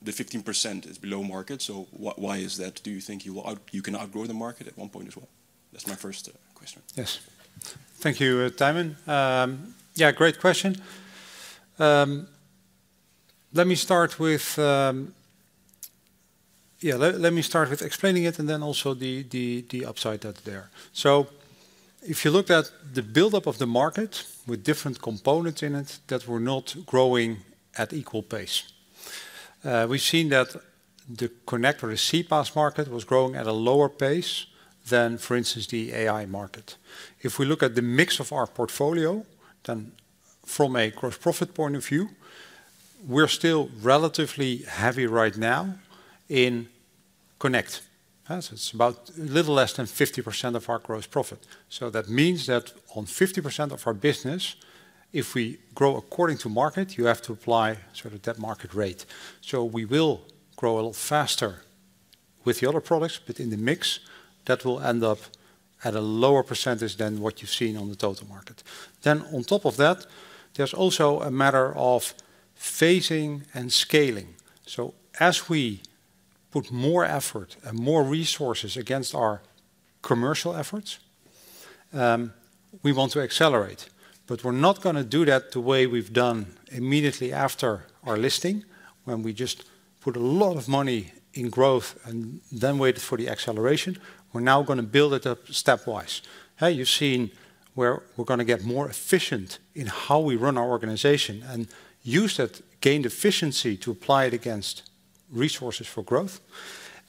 Speaker 14: the 15% is below market. Why is that? Do you think you can outgrow the market at one point as well? That's my first question.
Speaker 2: Yes. Thank you, Timer. Yeah, great question. Let me start with explaining it and then also the upside that's there. If you look at the buildup of the market with different components in it that were not growing at equal pace, we've seen that the connect, the CPaaS market, was growing at a lower pace than, for instance, the AI market. If we look at the mix of our portfolio, then from a gross profit point of view, we're still relatively heavy right now in connect. It's about a little less than 50% of our gross profit. That means that on 50% of our business, if we grow according to market, you have to apply sort of that market rate. We will grow a little faster with the other products, but in the mix, that will end up at a lower percentage than what you have seen on the total market. On top of that, there is also a matter of phasing and scaling. As we put more effort and more resources against our commercial efforts, we want to accelerate. We are not going to do that the way we have done immediately after our listing, when we just put a lot of money in growth and then waited for the acceleration. We are now going to build it up stepwise. You've seen where we're going to get more efficient in how we run our organization and use that gained efficiency to apply it against resources for growth.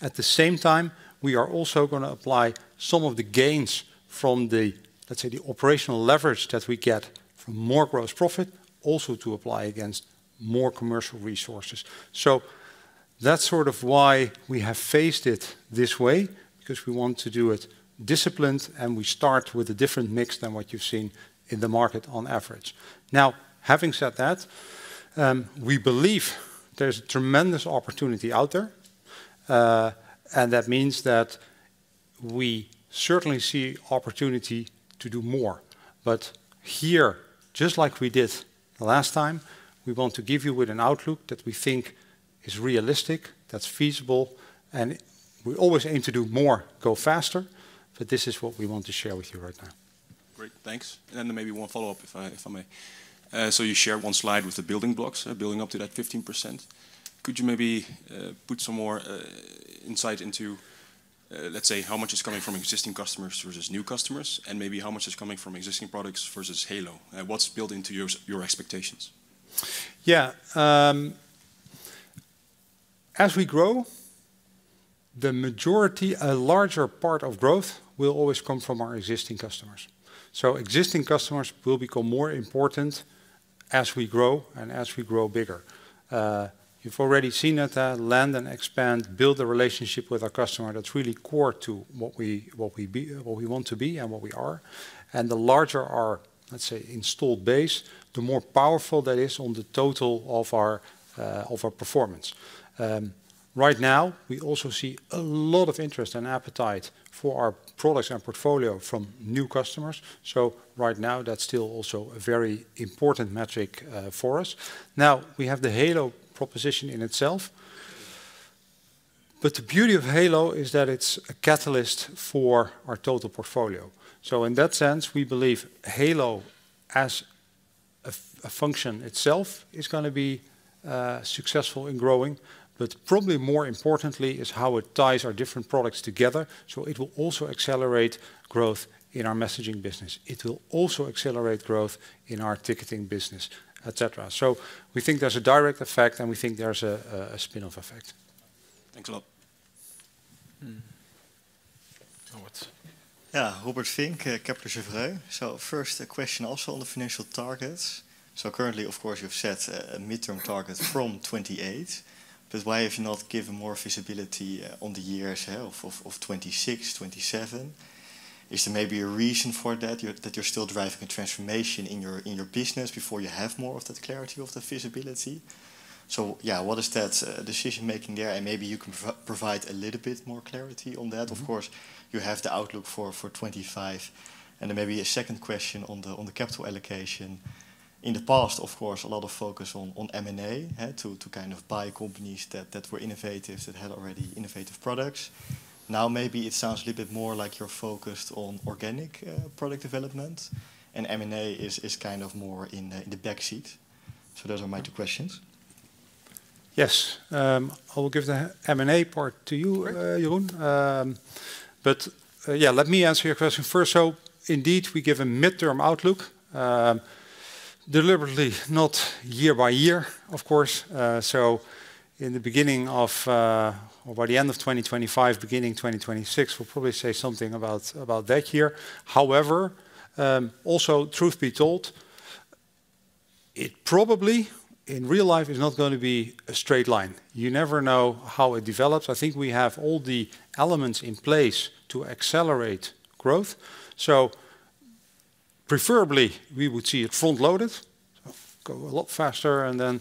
Speaker 2: At the same time, we are also going to apply some of the gains from the, let's say, the operational leverage that we get from more gross profit also to apply against more commercial resources. That's sort of why we have phased it this way, because we want to do it disciplined and we start with a different mix than what you've seen in the market on average. Now, having said that, we believe there's a tremendous opportunity out there. That means that we certainly see opportunity to do more. Here, just like we did last time, we want to give you an outlook that we think is realistic, that's feasible. We always aim to do more, go faster. This is what we want to share with you right now.
Speaker 14: Great. Thanks. Maybe one follow-up, if I may. You shared one slide with the building blocks building up to that 15%. Could you maybe put some more insight into, let's say, how much is coming from existing customers versus new customers, and maybe how much is coming from existing products versus Halo? What's built into your expectations?
Speaker 2: Yeah. As we grow, the majority, a larger part of growth will always come from our existing customers. Existing customers will become more important as we grow and as we grow bigger. You've already seen that land and expand, build a relationship with our customer. That's really core to what we want to be and what we are. The larger our, let's say, installed base, the more powerful that is on the total of our performance. Right now, we also see a lot of interest and appetite for our products and portfolio from new customers. Right now, that's still also a very important metric for us. We have the Halo proposition in itself. The beauty of Halo is that it's a catalyst for our total portfolio. In that sense, we believe Halo as a function itself is going to be successful in growing. Probably more importantly is how it ties our different products together. It will also accelerate growth in our messaging business. It will also accelerate growth in our ticketing business, etc. We think there's a direct effect, and we think there's a spin-off effect.
Speaker 14: Thanks a lot.
Speaker 15: Robert Fink, Kepler Cheuvreux. First, a question also on the financial targets. Currently, of course, you've set a midterm target from 2028. Why have you not given more visibility on the years of 2026, 2027? Is there maybe a reason for that, that you're still driving a transformation in your business before you have more of that clarity or that visibility? Yeah, what is that decision-making there? Maybe you can provide a little bit more clarity on that. Of course, you have the outlook for 2025. Maybe a second question on the capital allocation. In the past, of course, a lot of focus on M&A to kind of buy companies that were innovative, that had already innovative products. Now, maybe it sounds a little bit more like you're focused on organic product development. M&A is kind of more in the backseat. Those are my two questions.
Speaker 2: Yes. I will give the M&A part to you, Jeroen. Let me answer your question first. Indeed, we give a midterm outlook, deliberately not year by year, of course. In the beginning of, or by the end of 2025, beginning 2026, we'll probably say something about that year. However, also, truth be told, it probably in real life is not going to be a straight line. You never know how it develops. I think we have all the elements in place to accelerate growth. Preferably, we would see it front-loaded, go a lot faster, and then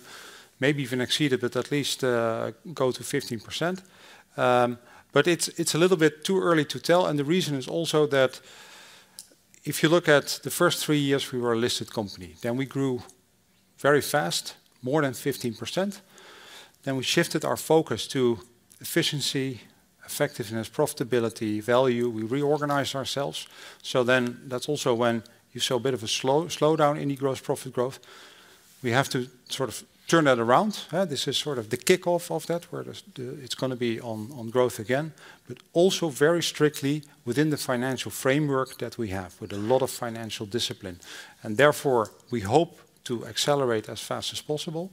Speaker 2: maybe even exceed it, but at least go to 15%. It's a little bit too early to tell. The reason is also that if you look at the first three years, we were a listed company. Then we grew very fast, more than 15%. Then we shifted our focus to efficiency, effectiveness, profitability, value. We reorganized ourselves. That is also when you saw a bit of a slowdown in the gross profit growth. We have to sort of turn that around. This is sort of the kickoff of that, where it is going to be on growth again, but also very strictly within the financial framework that we have with a lot of financial discipline. Therefore, we hope to accelerate as fast as possible.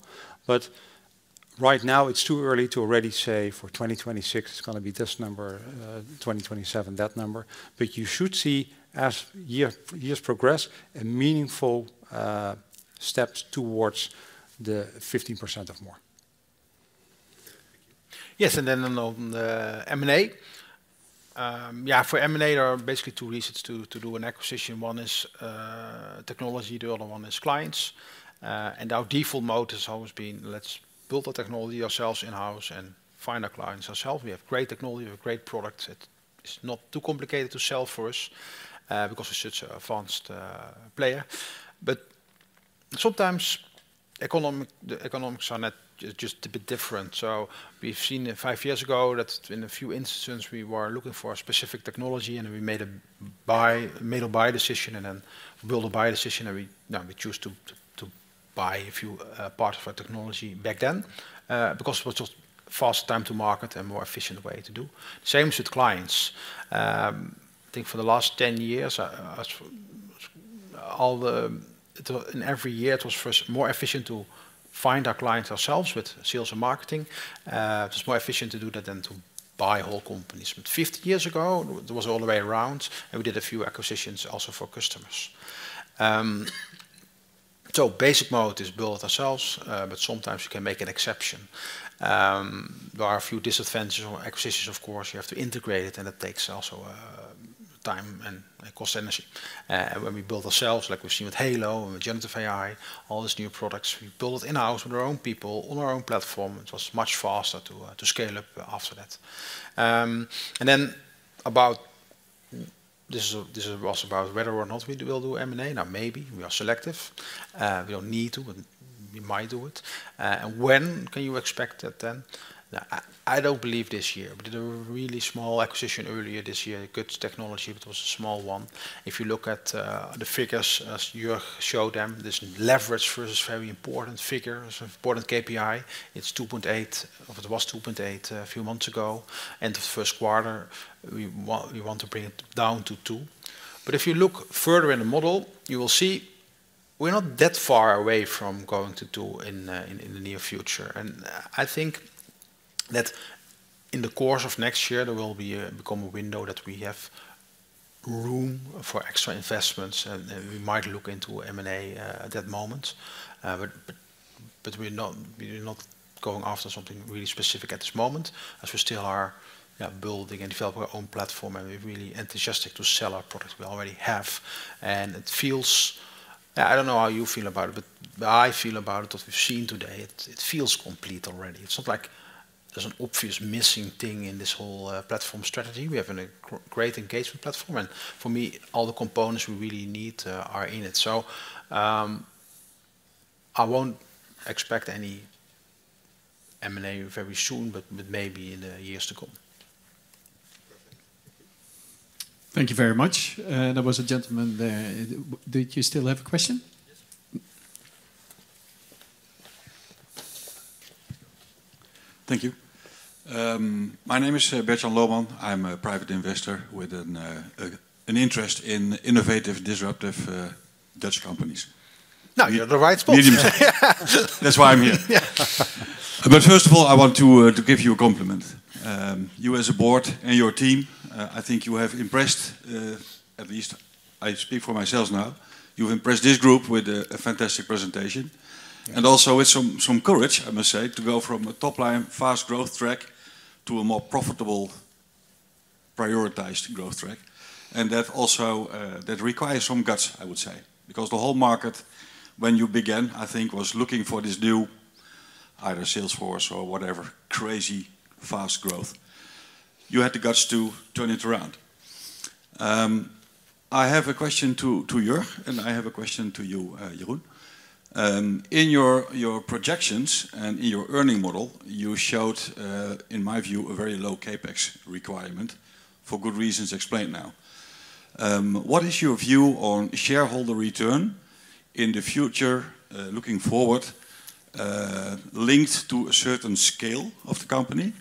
Speaker 2: Right now, it is too early to already say for 2026, it is going to be this number, 2027, that number. You should see, as years progress, a meaningful step towards the 15% or more. Yes. On the M&A, for M&A, there are basically two reasons to do an acquisition. One is technology. The other one is clients. Our default mode has always been, let's build the technology ourselves in-house and find our clients ourselves. We have great technology. We have great products. It's not too complicated to sell for us because it's such an advanced player. Sometimes economics are just a bit different. We've seen five years ago that in a few instances, we were looking for a specific technology, and we made a buy decision and then build a buy decision. We chose to buy a few parts of our technology back then because it was just a faster time to market and a more efficient way to do. Same with clients. I think for the last 10 years, in every year, it was more efficient to find our clients ourselves with sales and marketing. It's more efficient to do that than to buy whole companies. Fifty years ago, it was all the way around. We did a few acquisitions also for customers. Basic mode is build it ourselves, but sometimes you can make an exception. There are a few disadvantages of acquisitions, of course. You have to integrate it, and it takes also time and cost energy. When we build ourselves, like we've seen with Halo and with Generative AI, all these new products, we build it in-house with our own people on our own platform. It was much faster to scale up after that. This is also about whether or not we will do M&A. Now, maybe we are selective. We do not need to, but we might do it. When can you expect that then? I do not believe this year. We did a really small acquisition earlier this year, good technology, but it was a small one. If you look at the figures as you show them, this leverage versus very important figure, important KPI, it's 2.8, or it was 2.8 a few months ago. End of the first quarter, we want to bring it down to 2. If you look further in the model, you will see we're not that far away from going to 2 in the near future. I think that in the course of next year, there will become a window that we have room for extra investments. We might look into M&A at that moment. We're not going after something really specific at this moment, as we still are building and developing our own platform. We're really enthusiastic to sell our products we already have. It feels, I do not know how you feel about it, but I feel about it that we have seen today, it feels complete already. It is not like there is an obvious missing thing in this whole platform strategy. We have a great engagement platform. For me, all the components we really need are in it. I will not expect any M&A very soon, but maybe in the years to come.
Speaker 1: Thank you very much. That was a gentleman there. Did you still have a question?
Speaker 16: Yes. Thank you. My name is Bert-Jan Lohman. I am a private investor with an interest in innovative, disruptive Dutch companies.
Speaker 2: You are at the right spot.
Speaker 16: That is why I am here. First of all, I want to give you a compliment. You as a board and your team, I think you have impressed, at least I speak for myself now, you've impressed this group with a fantastic presentation. Also with some courage, I must say, to go from a top-line fast growth track to a more profitable prioritized growth track. That also requires some guts, I would say, because the whole market, when you began, I think, was looking for this new either Salesforce or whatever crazy fast growth. You had the guts to turn it around. I have a question to you, and I have a question to you, Jeroen. In your projections and in your earning model, you showed, in my view, a very low CapEx requirement for good reasons explained now. What is your view on shareholder return in the future, looking forward, linked to a certain scale of the company?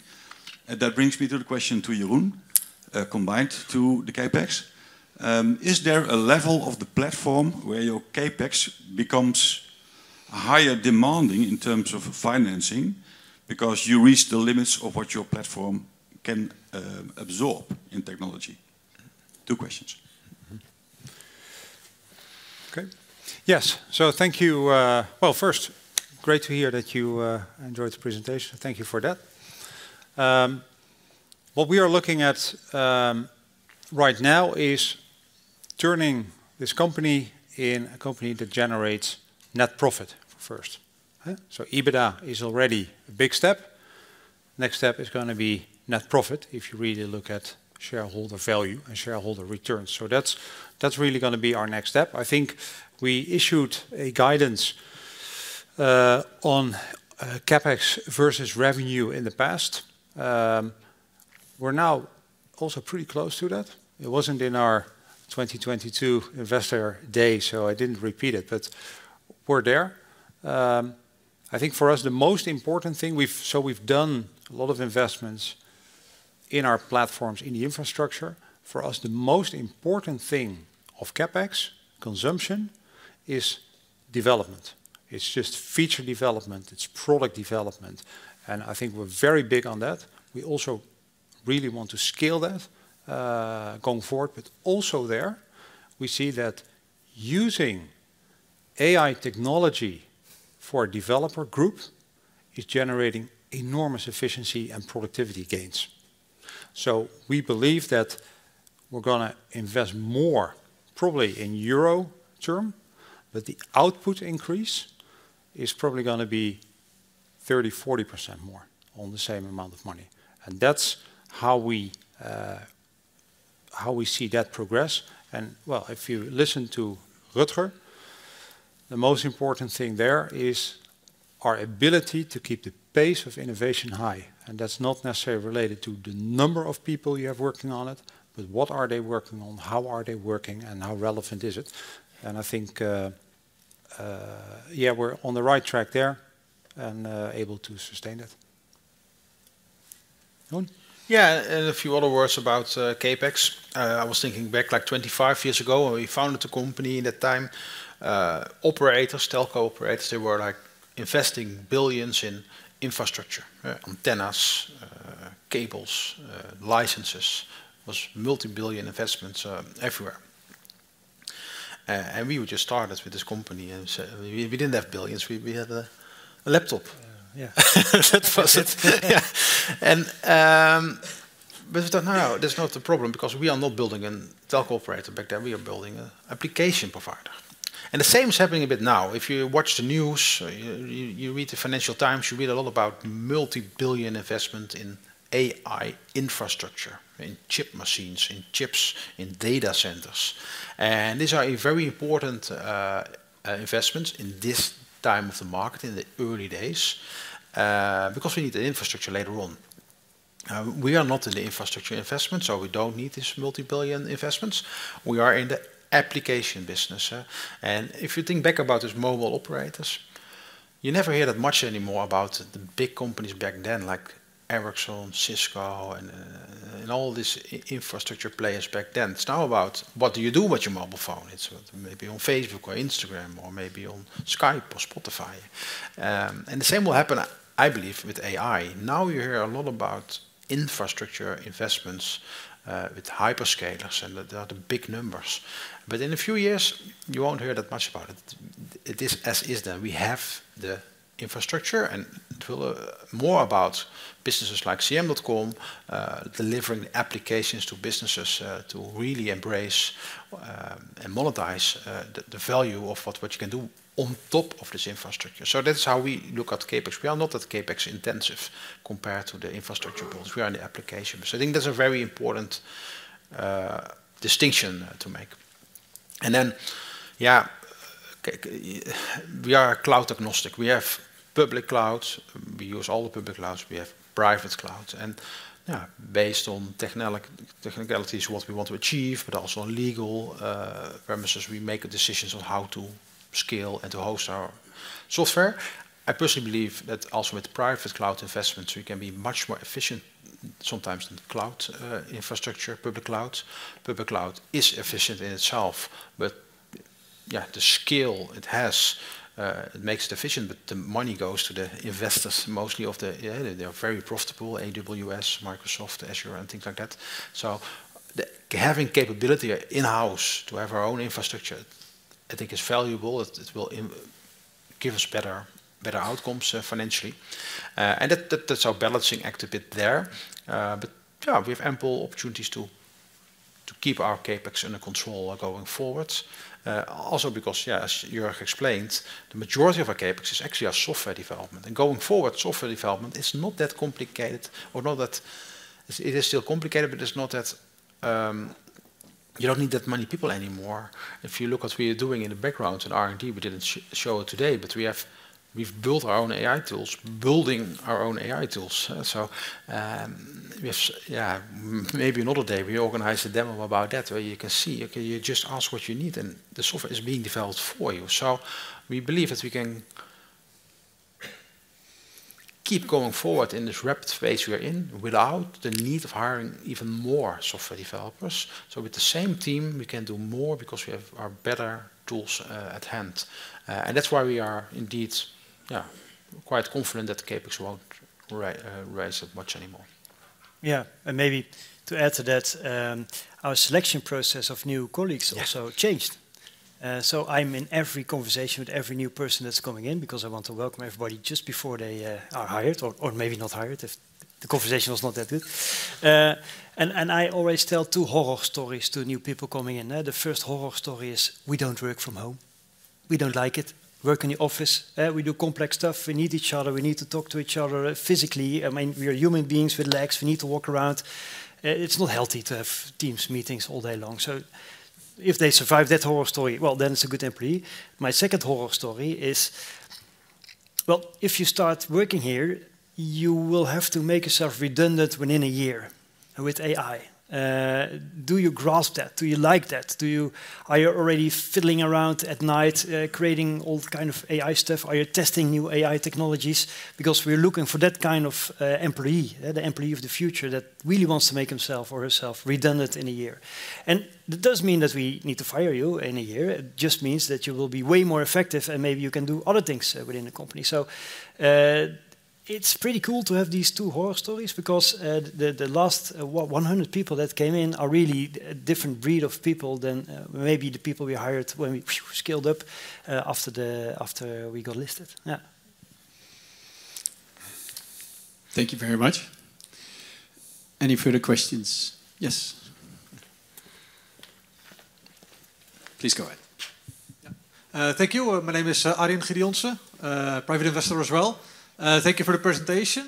Speaker 16: That brings me to the question to Jeroen, combined to the CapEx. Is there a level of the platform where your CapEx becomes higher demanding in terms of financing because you reach the limits of what your platform can absorb in technology? Two questions.
Speaker 2: Okay. Yes. Thank you. First, great to hear that you enjoyed the presentation. Thank you for that. What we are looking at right now is turning this company in a company that generates net profit first. EBITDA is already a big step. Next step is going to be net profit if you really look at shareholder value and shareholder return. That is really going to be our next step. I think we issued a guidance on CapEx versus revenue in the past. We are now also pretty close to that. It wasn't in our 2022 investor day, so I didn't repeat it, but we're there. I think for us, the most important thing, so we've done a lot of investments in our platforms, in the infrastructure. For us, the most important thing of CapEx consumption is development. It's just feature development. It's product development. I think we're very big on that. We also really want to scale that going forward. Also there, we see that using AI technology for a developer group is generating enormous efficiency and productivity gains. We believe that we're going to invest more probably in EUR terms, but the output increase is probably going to be 30-40% more on the same amount of money. That's how we see that progress. If you listen to Rutger, the most important thing there is our ability to keep the pace of innovation high. That is not necessarily related to the number of people you have working on it, but what are they working on, how are they working, and how relevant is it. I think, yeah, we are on the right track there and able to sustain it. Yeah. A few other words about CapEx. I was thinking back like 25 years ago, we founded the company in that time. Operators, telco operators, they were investing billions in infrastructure, antennas, cables, licenses. It was multi-billion investments everywhere. We were just started with this company. We did not have billions. We had a laptop. Yeah. That was it. We thought, no, there is not a problem because we are not building a telco operator back then. We are building an application provider. The same is happening a bit now. If you watch the news, you read the Financial Times, you read a lot about multi-billion investment in AI infrastructure, in chip machines, in chips, in data centers. These are very important investments in this time of the market, in the early days, because we need the infrastructure later on. We are not in the infrastructure investment, so we do not need these multi-billion investments. We are in the application business. If you think back about these mobile operators, you never hear that much anymore about the big companies back then, like Ericsson, Cisco, and all these infrastructure players back then. It is now about what do you do with your mobile phone. It is maybe on Facebook or Instagram or maybe on Skype or Spotify. The same will happen, I believe, with AI. Now you hear a lot about infrastructure investments with hyperscalers, and they are the big numbers. In a few years, you will not hear that much about it. It is as is that we have the infrastructure and more about businesses like CM.com delivering applications to businesses to really embrace and monetize the value of what you can do on top of this infrastructure. That is how we look at CapEx. We are not as CapEx intensive compared to the infrastructure builds. We are in the application. I think that is a very important distinction to make. Yeah, we are cloud agnostic. We have public clouds. We use all the public clouds. We have private clouds. Based on technicalities, what we want to achieve, but also on legal premises, we make decisions on how to scale and to host our software. I personally believe that also with private cloud investments, we can be much more efficient sometimes than cloud infrastructure, public clouds. Public cloud is efficient in itself, but yeah, the scale it has, it makes it efficient, but the money goes to the investors, mostly of the very profitable AWS, Microsoft, Azure, and things like that. Having capability in-house to have our own infrastructure, I think is valuable. It will give us better outcomes financially. That is our balancing act a bit there. Yeah, we have ample opportunities to keep our CapEx under control going forward. Also because, yeah, as Jeroen explained, the majority of our CapEx is actually our software development. Going forward, software development is not that complicated or not that it is still complicated, but it's not that you don't need that many people anymore. If you look at what we are doing in the background in R&D, we did not show it today, but we have built our own AI tools, building our own AI tools. Yeah, maybe another day we organize a demo about that where you can see, okay, you just ask what you need, and the software is being developed for you. We believe that we can keep going forward in this rapid phase we are in without the need of hiring even more software developers. With the same team, we can do more because we have our better tools at hand. That is why we are indeed quite confident that CapEx will not raise that much anymore.
Speaker 4: Maybe to add to that, our selection process of new colleagues also changed. I'm in every conversation with every new person that's coming in because I want to welcome everybody just before they are hired or maybe not hired if the conversation was not that good. I always tell two horror stories to new people coming in. The first horror story is we don't work from home. We don't like it. Work in the office. We do complex stuff. We need each other. We need to talk to each other physically. I mean, we are human beings with legs. We need to walk around. It's not healthy to have Teams meetings all day long. If they survive that horror story, it's a good employee. My second horror story is, if you start working here, you will have to make yourself redundant within a year with AI. Do you grasp that? Do you like that? Are you already fiddling around at night creating all kinds of AI stuff? Are you testing new AI technologies? Because we're looking for that kind of employee, the employee of the future that really wants to make himself or herself redundant in a year. It does not mean that we need to fire you in a year. It just means that you will be way more effective and maybe you can do other things within the company. It is pretty cool to have these two horror stories because the last 100 people that came in are really a different breed of people than maybe the people we hired when we scaled up after we got listed. Yeah.
Speaker 1: Thank you very much. Any further questions? Yes. Please go ahead.
Speaker 17: Thank you. My name is Arjen Gideonse, private investor as well. Thank you for the presentation.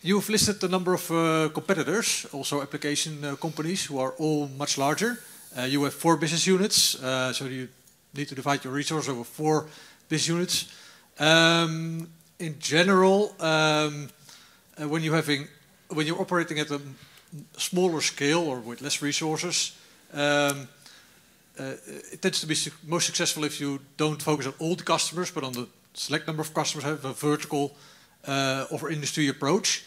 Speaker 17: You've listed a number of competitors, also application companies who are all much larger. You have four business units, so you need to divide your resources over four business units. In general, when you're operating at a smaller scale or with less resources, it tends to be most successful if you don't focus on old customers, but on the select number of customers, have a vertical or industry approach.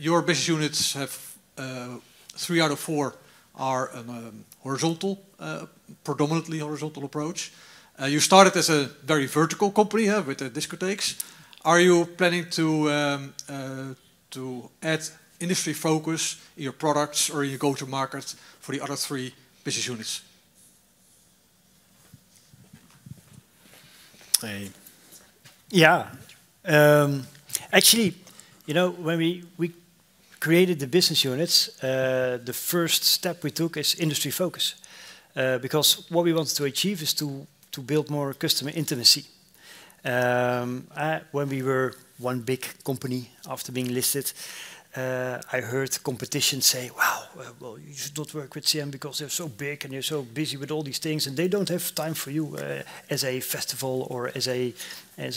Speaker 17: Your business units have three out of four are a predominantly horizontal approach. You started as a very vertical company with the discotheques. Are you planning to add industry focus in your products or in your go-to-market for the other three business units?
Speaker 2: Yeah. Actually, you know, when we created the business units, the first step we took is industry focus because what we wanted to achieve is to build more customer intimacy. When we were one big company after being listed, I heard competition say, "Wow, you should not work with CM.com because they're so big and they're so busy with all these things and they don't have time for you as a festival or as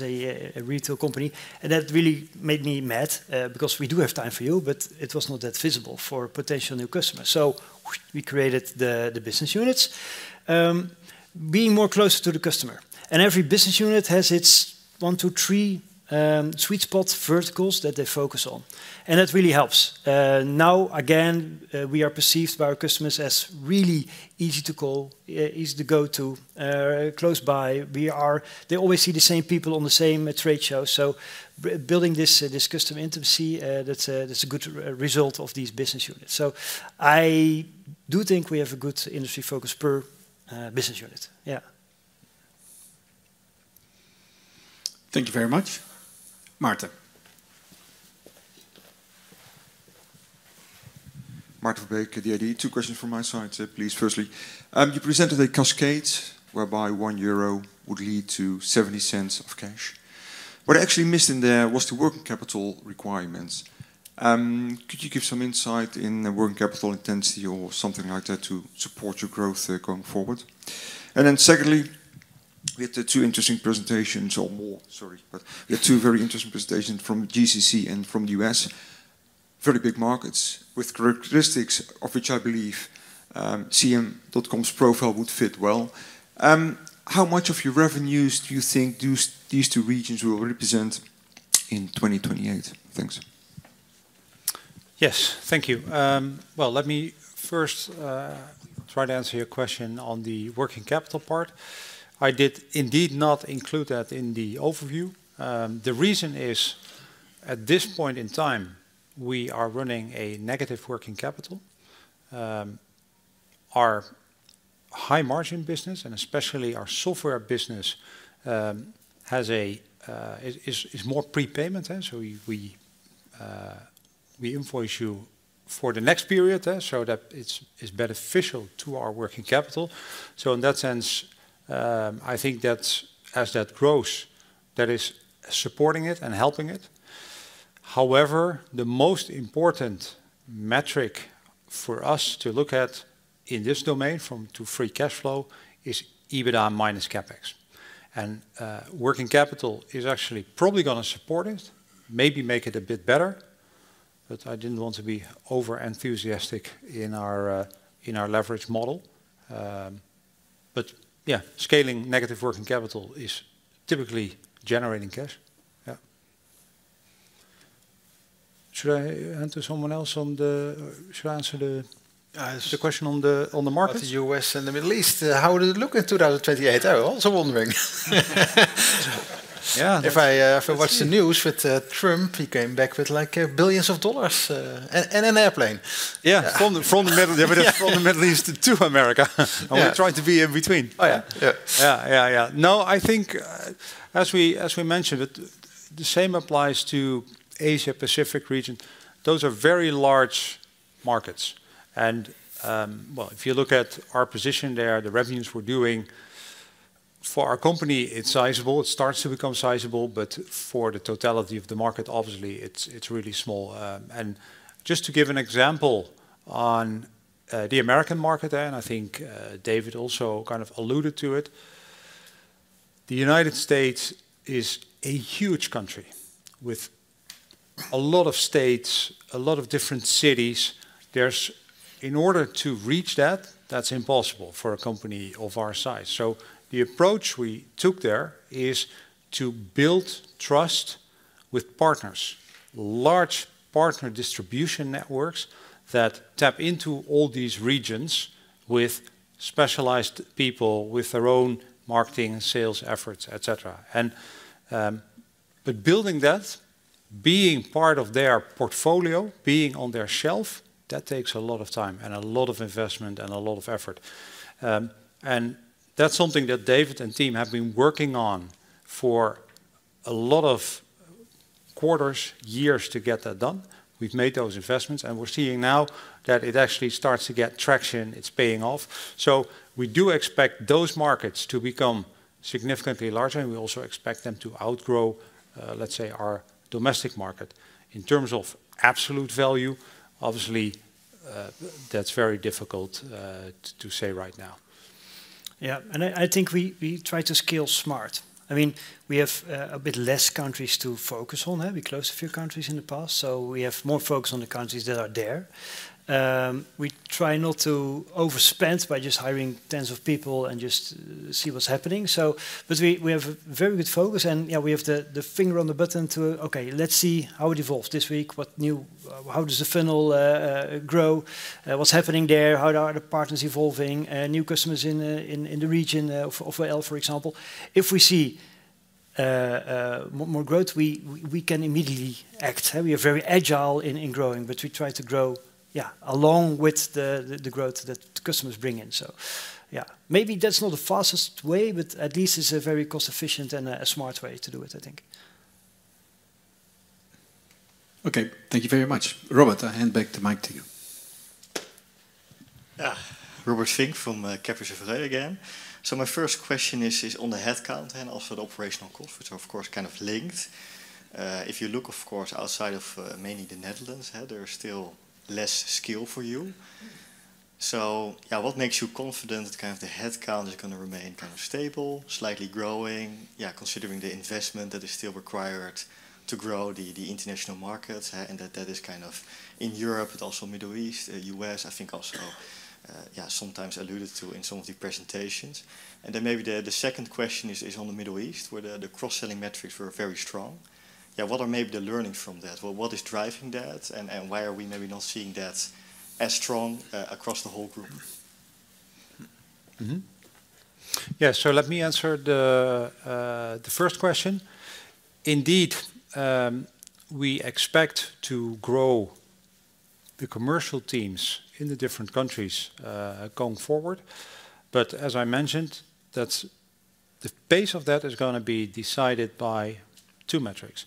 Speaker 2: a retail company." That really made me mad because we do have time for you, but it was not that visible for potential new customers. We created the business units, being more closer to the customer. Every business unit has its one, two, three sweet spot verticals that they focus on. That really helps. Now, again, we are perceived by our customers as really easy to call, easy to go to, close by. They always see the same people on the same trade show. Building this customer intimacy, that's a good result of these business units. I do think we have a good industry focus per business unit. Yeah.
Speaker 1: Thank you very much. Martin.
Speaker 18: Martin Verbeeke, the AD, two questions from my side, please. Firstly, you presented a cascade whereby 1 euro would lead to 0.70 of cash. What I actually missed in there was the working capital requirements. Could you give some insight in the working capital intensity or something like that to support your growth going forward? And then secondly, we had two interesting presentations or more, sorry, but we had two very interesting presentations from GCC and from the US. Very big markets with characteristics of which I believe CM.com's profile would fit well. How much of your revenues do you think these two regions will represent in 2028? Thanks.
Speaker 2: Yes, thank you. Let me first try to answer your question on the working capital part. I did indeed not include that in the overview. The reason is at this point in time, we are running a negative working capital. Our high-margin business, and especially our software business, is more prepayment. We invoice you for the next period so that it's beneficial to our working capital. In that sense, I think that as that grows, that is supporting it and helping it. However, the most important metric for us to look at in this domain to free cash flow is EBITDA minus CapEx. Working capital is actually probably going to support it, maybe make it a bit better, but I didn't want to be over-enthusiastic in our leverage model. Yeah, scaling negative working capital is typically generating cash. Should I answer someone else on the should I answer the question on the market? The U.S. and the Middle East, how did it look in 2028? I was wondering. Yeah. If I watched the news with Trump, he came back with like billions of dollars and an airplane. Yeah. From the Middle East to America. We're trying to be in between. Oh, yeah. Yeah. Yeah. Yeah. No, I think as we mentioned, the same applies to the Asia-Pacific region. Those are very large markets. If you look at our position there, the revenues we're doing for our company, it's sizable. It starts to become sizable, but for the totality of the market, obviously, it's really small. Just to give an example on the American market, and I think David also kind of alluded to it, the United States is a huge country with a lot of states, a lot of different cities. In order to reach that, that's impossible for a company of our size. The approach we took there is to build trust with partners, large partner distribution networks that tap into all these regions with specialized people, with their own marketing and sales efforts, etc. Building that, being part of their portfolio, being on their shelf, that takes a lot of time and a lot of investment and a lot of effort. That's something that David and team have been working on for a lot of quarters, years to get that done. We've made those investments, and we're seeing now that it actually starts to get traction. It's paying off. We do expect those markets to become significantly larger, and we also expect them to outgrow, let's say, our domestic market in terms of absolute value. Obviously, that's very difficult to say right now.
Speaker 4: Yeah. I think we try to scale smart. I mean, we have a bit less countries to focus on. We closed a few countries in the past, so we have more focus on the countries that are there. We try not to overspend by just hiring tens of people and just see what's happening. We have a very good focus, and yeah, we have the finger on the button to, okay, let's see how it evolves this week. How does the funnel grow? What's happening there? How are the partners evolving? New customers in the region, for example. If we see more growth, we can immediately act. We are very agile in growing, but we try to grow, yeah, along with the growth that customers bring in. Yeah, maybe that's not the fastest way, but at least it's a very cost-efficient and a smart way to do it, I think.
Speaker 18: Okay. Thank you very much. Robert, I hand back the mic to you.
Speaker 15: Robert Fink from Kepler Cheuvreux again. My first question is on the headcount and also the operational cost, which are of course kind of linked. If you look, of course, outside of mainly the Netherlands, there's still less scale for you. What makes you confident that kind of the headcount is going to remain kind of stable, slightly growing, considering the investment that is still required to grow the international markets? That is kind of in Europe, but also Middle East, U.S., I think also, sometimes alluded to in some of the presentations. Maybe the second question is on the Middle East, where the cross-selling metrics were very strong. Yeah, what are maybe the learnings from that? What is driving that, and why are we maybe not seeing that as strong across the whole group?
Speaker 2: Yeah. Let me answer the first question. Indeed, we expect to grow the commercial teams in the different countries going forward. As I mentioned, the pace of that is going to be decided by two metrics.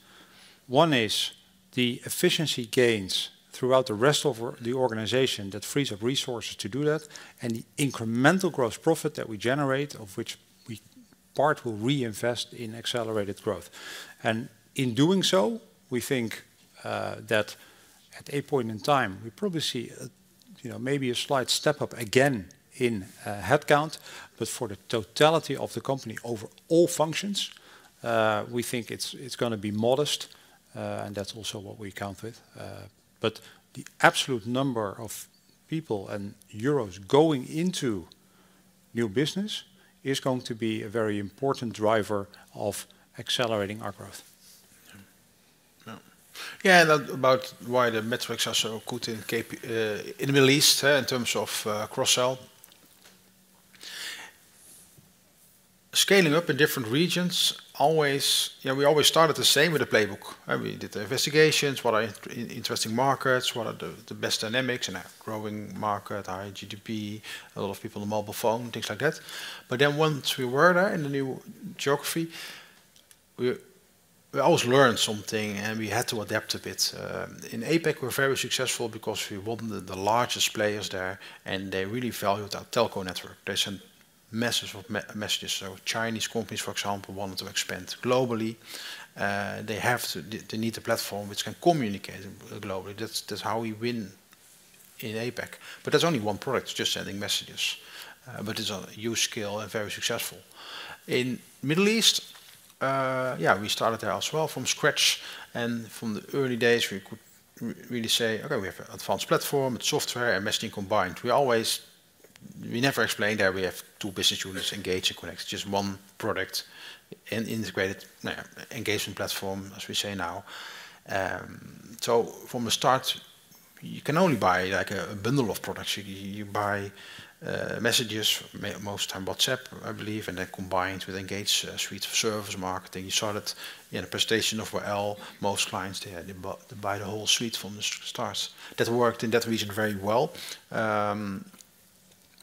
Speaker 2: One is the efficiency gains throughout the rest of the organization that frees up resources to do that, and the incremental gross profit that we generate, of which we part will reinvest in accelerated growth. In doing so, we think that at a point in time, we probably see maybe a slight step up again in headcount, but for the totality of the company over all functions, we think it's going to be modest, and that's also what we count with. The absolute number of people and EUR going into new business is going to be a very important driver of accelerating our growth. Yeah. About why the metrics are so good in the Middle East in terms of cross-sell. Scaling up in different regions, we always started the same with the playbook. We did the investigations, what are interesting markets, what are the best dynamics in a growing market, high GDP, a lot of people on the mobile phone, things like that. Once we were there in the new geography, we always learned something, and we had to adapt a bit. In APAC, we were very successful because we wanted the largest players there, and they really valued our telco network. They sent masses of messages. Chinese companies, for example, wanted to expand globally. They need a platform which can communicate globally. That is how we win in APAC. That is only one product, just sending messages. It is a huge scale and very successful. In the Middle East, yeah, we started there as well from scratch. From the early days, we could really say, "Okay, we have an advanced platform with software and messaging combined." We never explained that we have two business units engaged and connected, just one product and integrated engagement platform, as we say now. From the start, you can only buy a bundle of products. You buy messages, most time WhatsApp, I believe, and then combined with Engage suite for service marketing. You saw it in a presentation of Wael. Most clients, they buy the whole suite from the start. That worked in that region very well.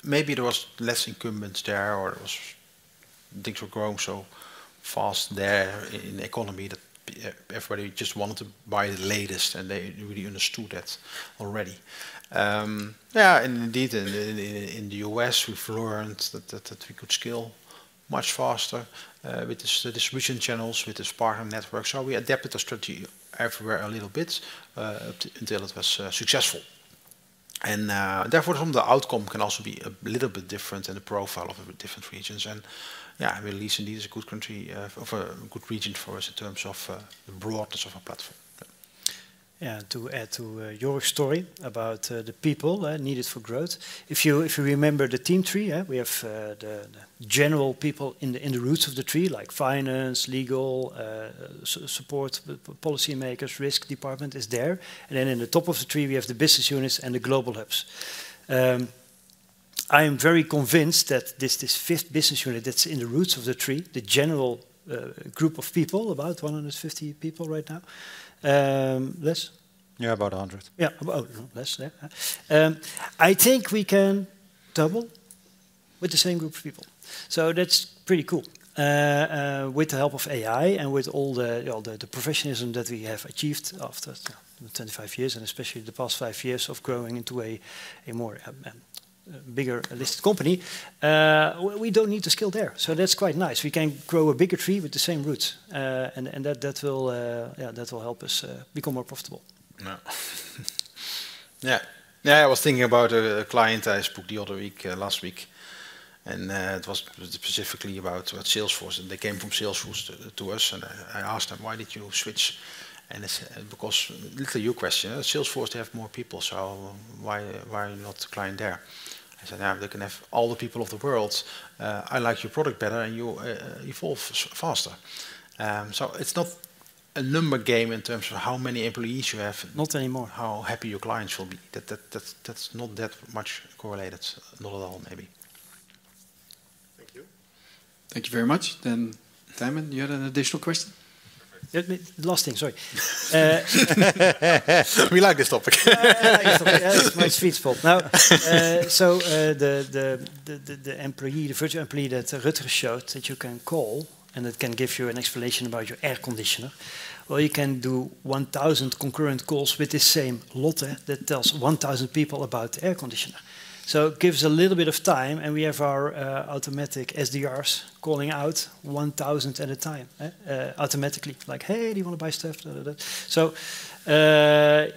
Speaker 2: Maybe there was less incumbents there or things were growing so fast there in the economy that everybody just wanted to buy the latest, and they really understood that already. Yeah. Indeed, in the US, we've learned that we could scale much faster with the distribution channels, with the Spark networks. We adapted the strategy everywhere a little bit until it was successful. Therefore, the outcome can also be a little bit different in the profile of different regions. Yeah, Middle East indeed is a good region for us in terms of the broadness of our platform.
Speaker 4: Yeah. To add to your story about the people needed for growth, if you remember the team tree, we have the general people in the roots of the tree, like finance, legal, support, policymakers, risk department is there. In the top of the tree, we have the business units and the global hubs. I am very convinced that this fifth business unit that's in the roots of the tree, the general group of people, about 150 people right now. Less?
Speaker 2: Yeah, about 100.
Speaker 4: Yeah, about less. I think we can double with the same group of people. That's pretty cool. With the help of AI and with all the professionalism that we have achieved after 25 years, and especially the past five years of growing into a bigger listed company, we do not need to scale there. That is quite nice. We can grow a bigger tree with the same roots. That will help us become more profitable. Yeah.
Speaker 2: Yeah. I was thinking about a client I spoke to last week. It was specifically about Salesforce. They came from Salesforce to us. I asked them, "Why did you switch?" They said, "Because," your question, "Salesforce has more people, so why not a client there?" I said, "Now, they can have all the people of the world. I like your product better, and you evolve faster." It is not a number game in terms of how many employees you have. Not anymore. How happy your clients will be. That is not that much correlated, not at all, maybe.
Speaker 15: Thank you.
Speaker 1: Thank you very much. Simon, you had an additional question?
Speaker 2: Perfect. Last thing, sorry. We like this topic. My sweet spot. Now, the employee, the virtual employee that Rutger showed that you can call, and it can give you an explanation about your air conditioner. You can do 1,000 concurrent calls with the same Lotte that tells 1,000 people about the air conditioner. It gives a little bit of time, and we have our automatic SDRs calling out 1,000 at a time automatically, like, "Hey, do you want to buy stuff?"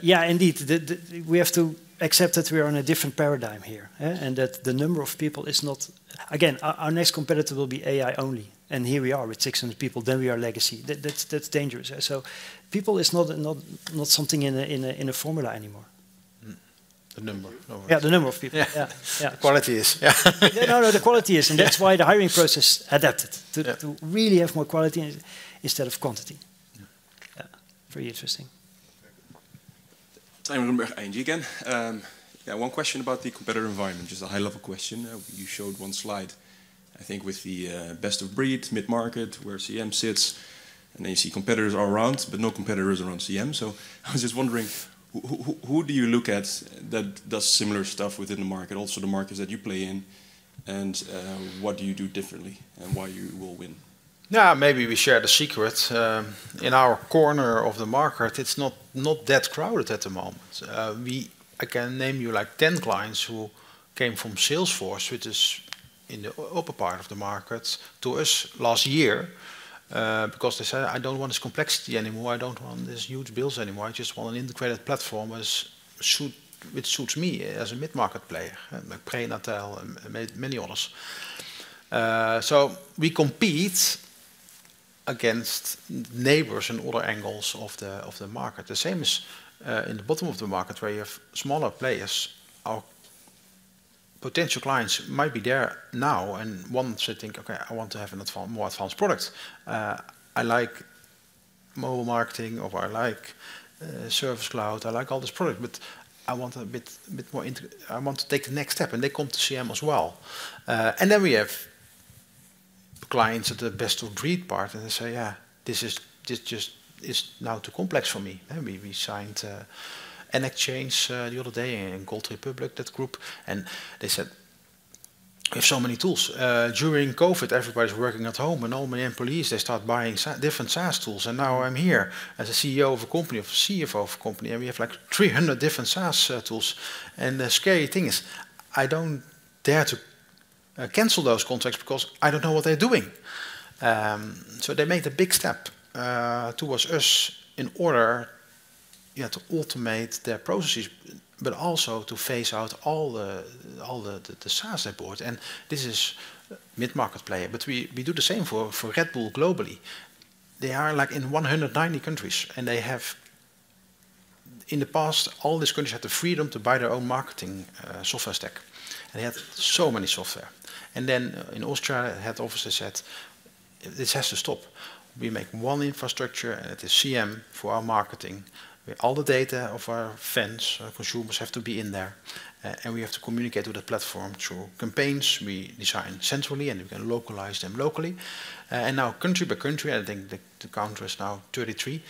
Speaker 2: Yeah, indeed, we have to accept that we are in a different paradigm here and that the number of people is not, again, our next competitor will be AI only. Here we are with 600 people. Then we are legacy. That's dangerous. People is not something in a formula anymore. The number. Yeah, the number of people. Yeah. Quality is. Yeah. No, no, the quality is. And that's why the hiring process adapted to really have more quality instead of quantity. Very interesting.
Speaker 19: Simon Grenberg, ING again. Yeah, one question about the competitor environment, just a high-level question. You showed one slide, I think, with the best of breed, mid-market where CM sits, and then you see competitors all around, but no competitors around CM. I was just wondering, who do you look at that does similar stuff within the market, also the markets that you play in, and what do you do differently and why you will win?
Speaker 2: Yeah, maybe we share the secret. In our corner of the market, it's not that crowded at the moment. I can name you like 10 clients who came from Salesforce, which is in the upper part of the market, to us last year because they said, "I don't want this complexity anymore. I don't want these huge bills anymore. I just want an integrated platform which suits me as a mid-market player, like Prey, Nattel, and many others." We compete against neighbors and other angles of the market. The same is in the bottom of the market where you have smaller players. Our potential clients might be there now, and once they think, "Okay, I want to have a more advanced product. I like mobile marketing, or I like Service Cloud. I like all these products, but I want a bit more. I want to take the next step." They come to CM as well. We have clients at the best of breed part, and they say, "Yeah, this just is now too complex for me." We signed an exchange the other day in Gold Republic, that group, and they said, "We have so many tools. During COVID, everybody's working at home, and all my employees, they start buying different SaaS tools. And now I'm here as a CEO of a company, of a CFO of a company, and we have like 300 different SaaS tools." The scary thing is, "I don't dare to cancel those contracts because I don't know what they're doing." They made a big step towards us in order to automate their processes, but also to phase out all the SaaS that bought. This is mid-market player. We do the same for Red Bull globally. They are like in 190 countries, and they have, in the past, all these countries had the freedom to buy their own marketing software stack. They had so many software. In Austria, head officers said, "This has to stop. We make one infrastructure, and it is CM.com for our marketing. All the data of our fans, consumers have to be in there. We have to communicate with the platform through campaigns. We design centrally, and we can localize them locally." Now, country by country, I think the countries now, 33,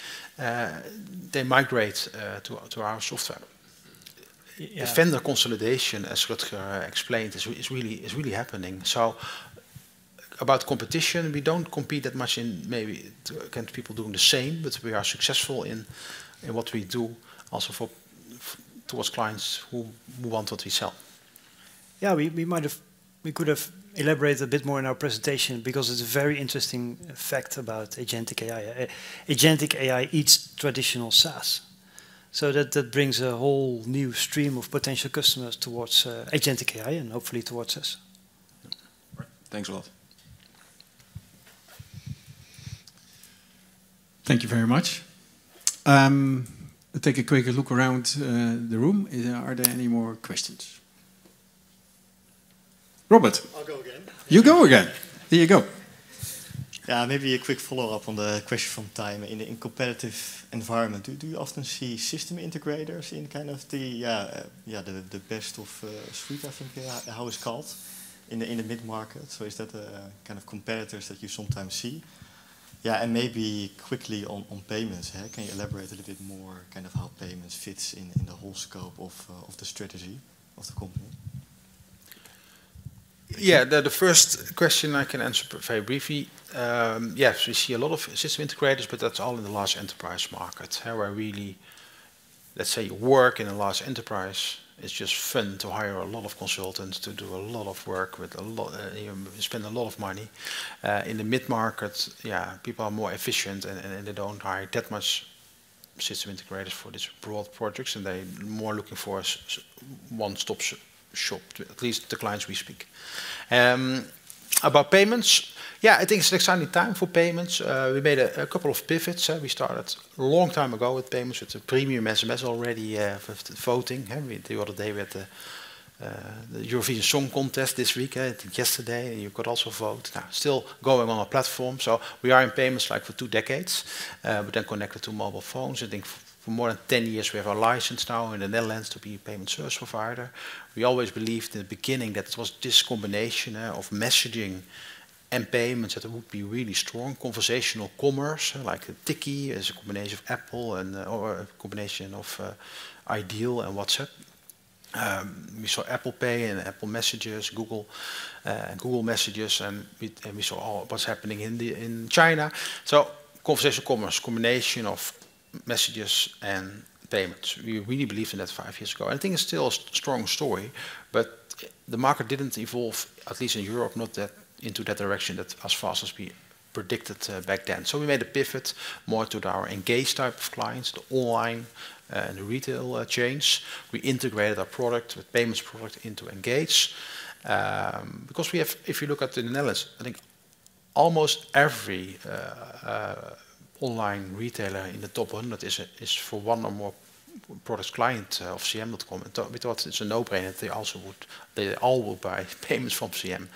Speaker 2: they migrate to our software. Defender consolidation, as Rutger explained, is really happening. About competition, we do not compete that much in maybe can people do the same, but we are successful in what we do also towards clients who want what we sell.
Speaker 4: Yeah, we could have elaborated a bit more in our presentation because it's a very interesting fact about agentic AI. Agentic AI eats traditional SaaS. That brings a whole new stream of potential customers towards agentic AI and hopefully towards us.
Speaker 19: Thanks a lot.
Speaker 1: Thank you very much. I'll take a quick look around the room. Are there any more questions? Robert.
Speaker 15: I'll go again.
Speaker 1: You go again. There you go.
Speaker 15: Yeah, maybe a quick follow-up on the question from Timur. In a competitive environment, do you often see system integrators in kind of the best of suite, I think, how it's called, in the mid-market? Is that kind of competitors that you sometimes see? Yeah, and maybe quickly on payments, can you elaborate a little bit more kind of how payments fits in the whole scope of the strategy of the company?
Speaker 2: Yeah, the first question I can answer very briefly. Yes, we see a lot of system integrators, but that's all in the large enterprise markets where really, let's say, work in a large enterprise is just fun to hire a lot of consultants to do a lot of work with, spend a lot of money. In the mid-market, yeah, people are more efficient, and they don't hire that much system integrators for these broad projects, and they're more looking for one-stop shop, at least the clients we speak. About payments, yeah, I think it's an exciting time for payments. We made a couple of pivots. We started a long time ago with payments with the premium SMS already voting. The other day, we had the European Song Contest this week, I think yesterday, and you could also vote. Still going on our platform. We are in payments like for two decades. We're then connected to mobile phones. I think for more than 10 years, we have our license now in the Netherlands to be a payment service provider. We always believed in the beginning that it was this combination of messaging and payments that would be really strong, conversational commerce, like Tikki, as a combination of Apple and a combination of iDEAL and WhatsApp. We saw Apple Pay and Apple Messages, Google Messages, and we saw what's happening in China. Conversational commerce, combination of messages and payments. We really believed in that five years ago. I think it's still a strong story, but the market didn't evolve, at least in Europe, not into that direction as fast as we predicted back then. We made a pivot more to our engaged type of clients, the online and the retail chains. We integrated our payments product into engaged because we have, if you look at the Netherlands, I think almost every online retailer in the top 100 is for one or more product client of CM.com. I think it's a no-brainer that they all will buy payments from CM.com.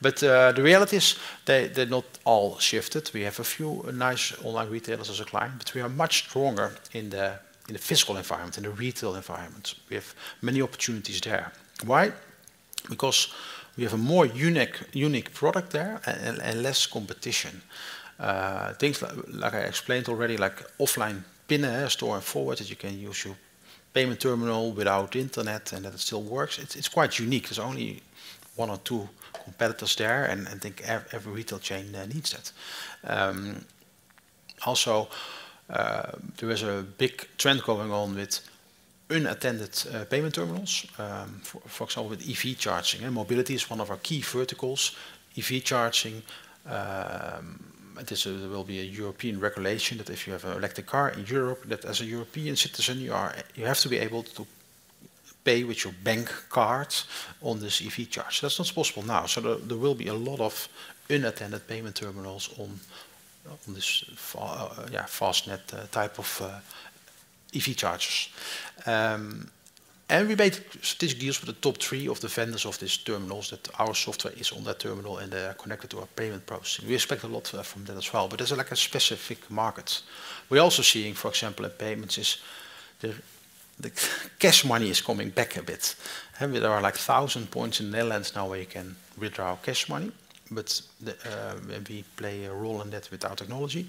Speaker 2: The reality is they're not all shifted. We have a few nice online retailers as a client, but we are much stronger in the fiscal environment, in the retail environment. We have many opportunities there. Why? Because we have a more unique product there and less competition. Things like I explained already, like offline PIN store and forward that you can use your payment terminal without internet and that it still works. It's quite unique. There's only one or two competitors there, and I think every retail chain needs that. Also, there is a big trend going on with unattended payment terminals, for example, with EV charging. Mobility is one of our key verticals. EV charging, there will be a European regulation that if you have an electric car in Europe, that as a European citizen, you have to be able to pay with your bank card on this EV charge. That's not possible now. There will be a lot of unattended payment terminals on this fast net type of EV chargers. We made strategic deals with the top three of the vendors of these terminals that our software is on that terminal and they are connected to our payment processing. We expect a lot from that as well, but there's like a specific market. We're also seeing, for example, in payments, the cash money is coming back a bit. There are like 1,000 points in the Netherlands now where you can withdraw cash money, but we play a role in that with our technology.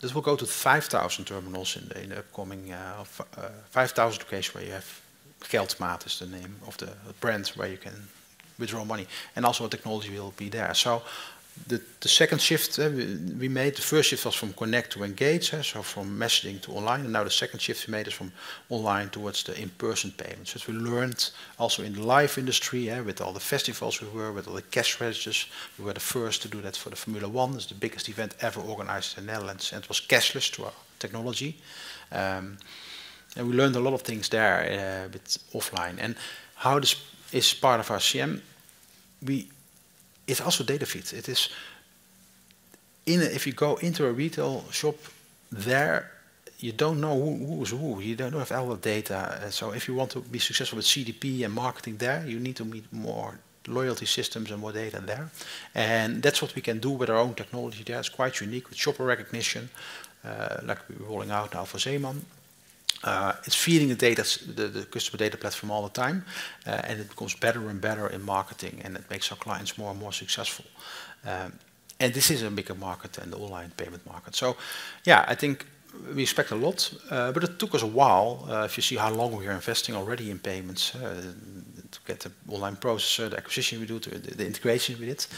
Speaker 2: This will go to 5,000 terminals in the upcoming 5,000 case where you have Geldmaat is the name of the brand where you can withdraw money. Also, technology will be there. The second shift we made, the first shift was from connect to engage, so from messaging to online. Now the second shift we made is from online towards the in-person payments. We learned also in the live industry with all the festivals we were, with all the cash strategies. We were the first to do that for the Formula 1. It is the biggest event ever organized in the Netherlands. It was cashless to our technology. We learned a lot of things there with offline. How this is part of our CM, it's also data feeds. If you go into a retail shop there, you don't know who is who. You don't have all the data. If you want to be successful with CDP and marketing there, you need to meet more loyalty systems and more data there. That's what we can do with our own technology there. It's quite unique with shopper recognition, like we're rolling out now for Zeeman. It's feeding the customer data platform all the time, and it becomes better and better in marketing, and it makes our clients more and more successful. This is a bigger market than the online payment market. Yeah, I think we expect a lot, but it took us a while if you see how long we are investing already in payments to get the online processor, the acquisition we do, the integration with it.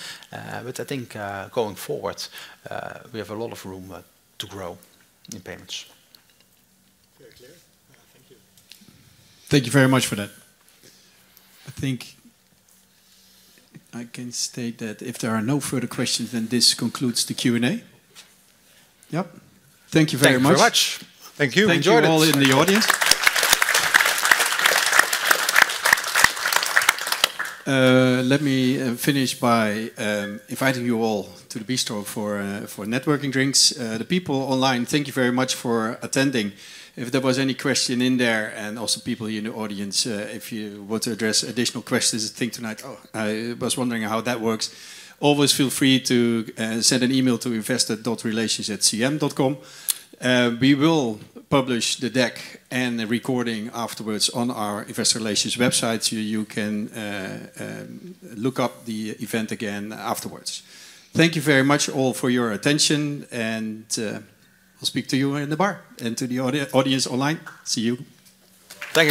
Speaker 2: I think going forward, we have a lot of room to grow in payments.
Speaker 15: Very clear. Thank you.
Speaker 2: Thank you very much for that.
Speaker 1: I think I can state that if there are no further questions, then this concludes the Q&A.
Speaker 2: Yep. Thank you very much. Thanks very much. Thank you. We enjoyed it. Thank you all in the audience.
Speaker 1: Let me finish by inviting you all to the bistro for networking drinks. The people online, thank you very much for attending. If there was any question in there, and also people in the audience, if you want to address additional questions, I think tonight, I was wondering how that works. Always feel free to send an email to investor.relations@cm.com. We will publish the deck and the recording afterwards on our investor relations website so you can look up the event again afterwards. Thank you very much all for your attention, and we'll speak to you in the bar and to the audience online. See you. Thank you.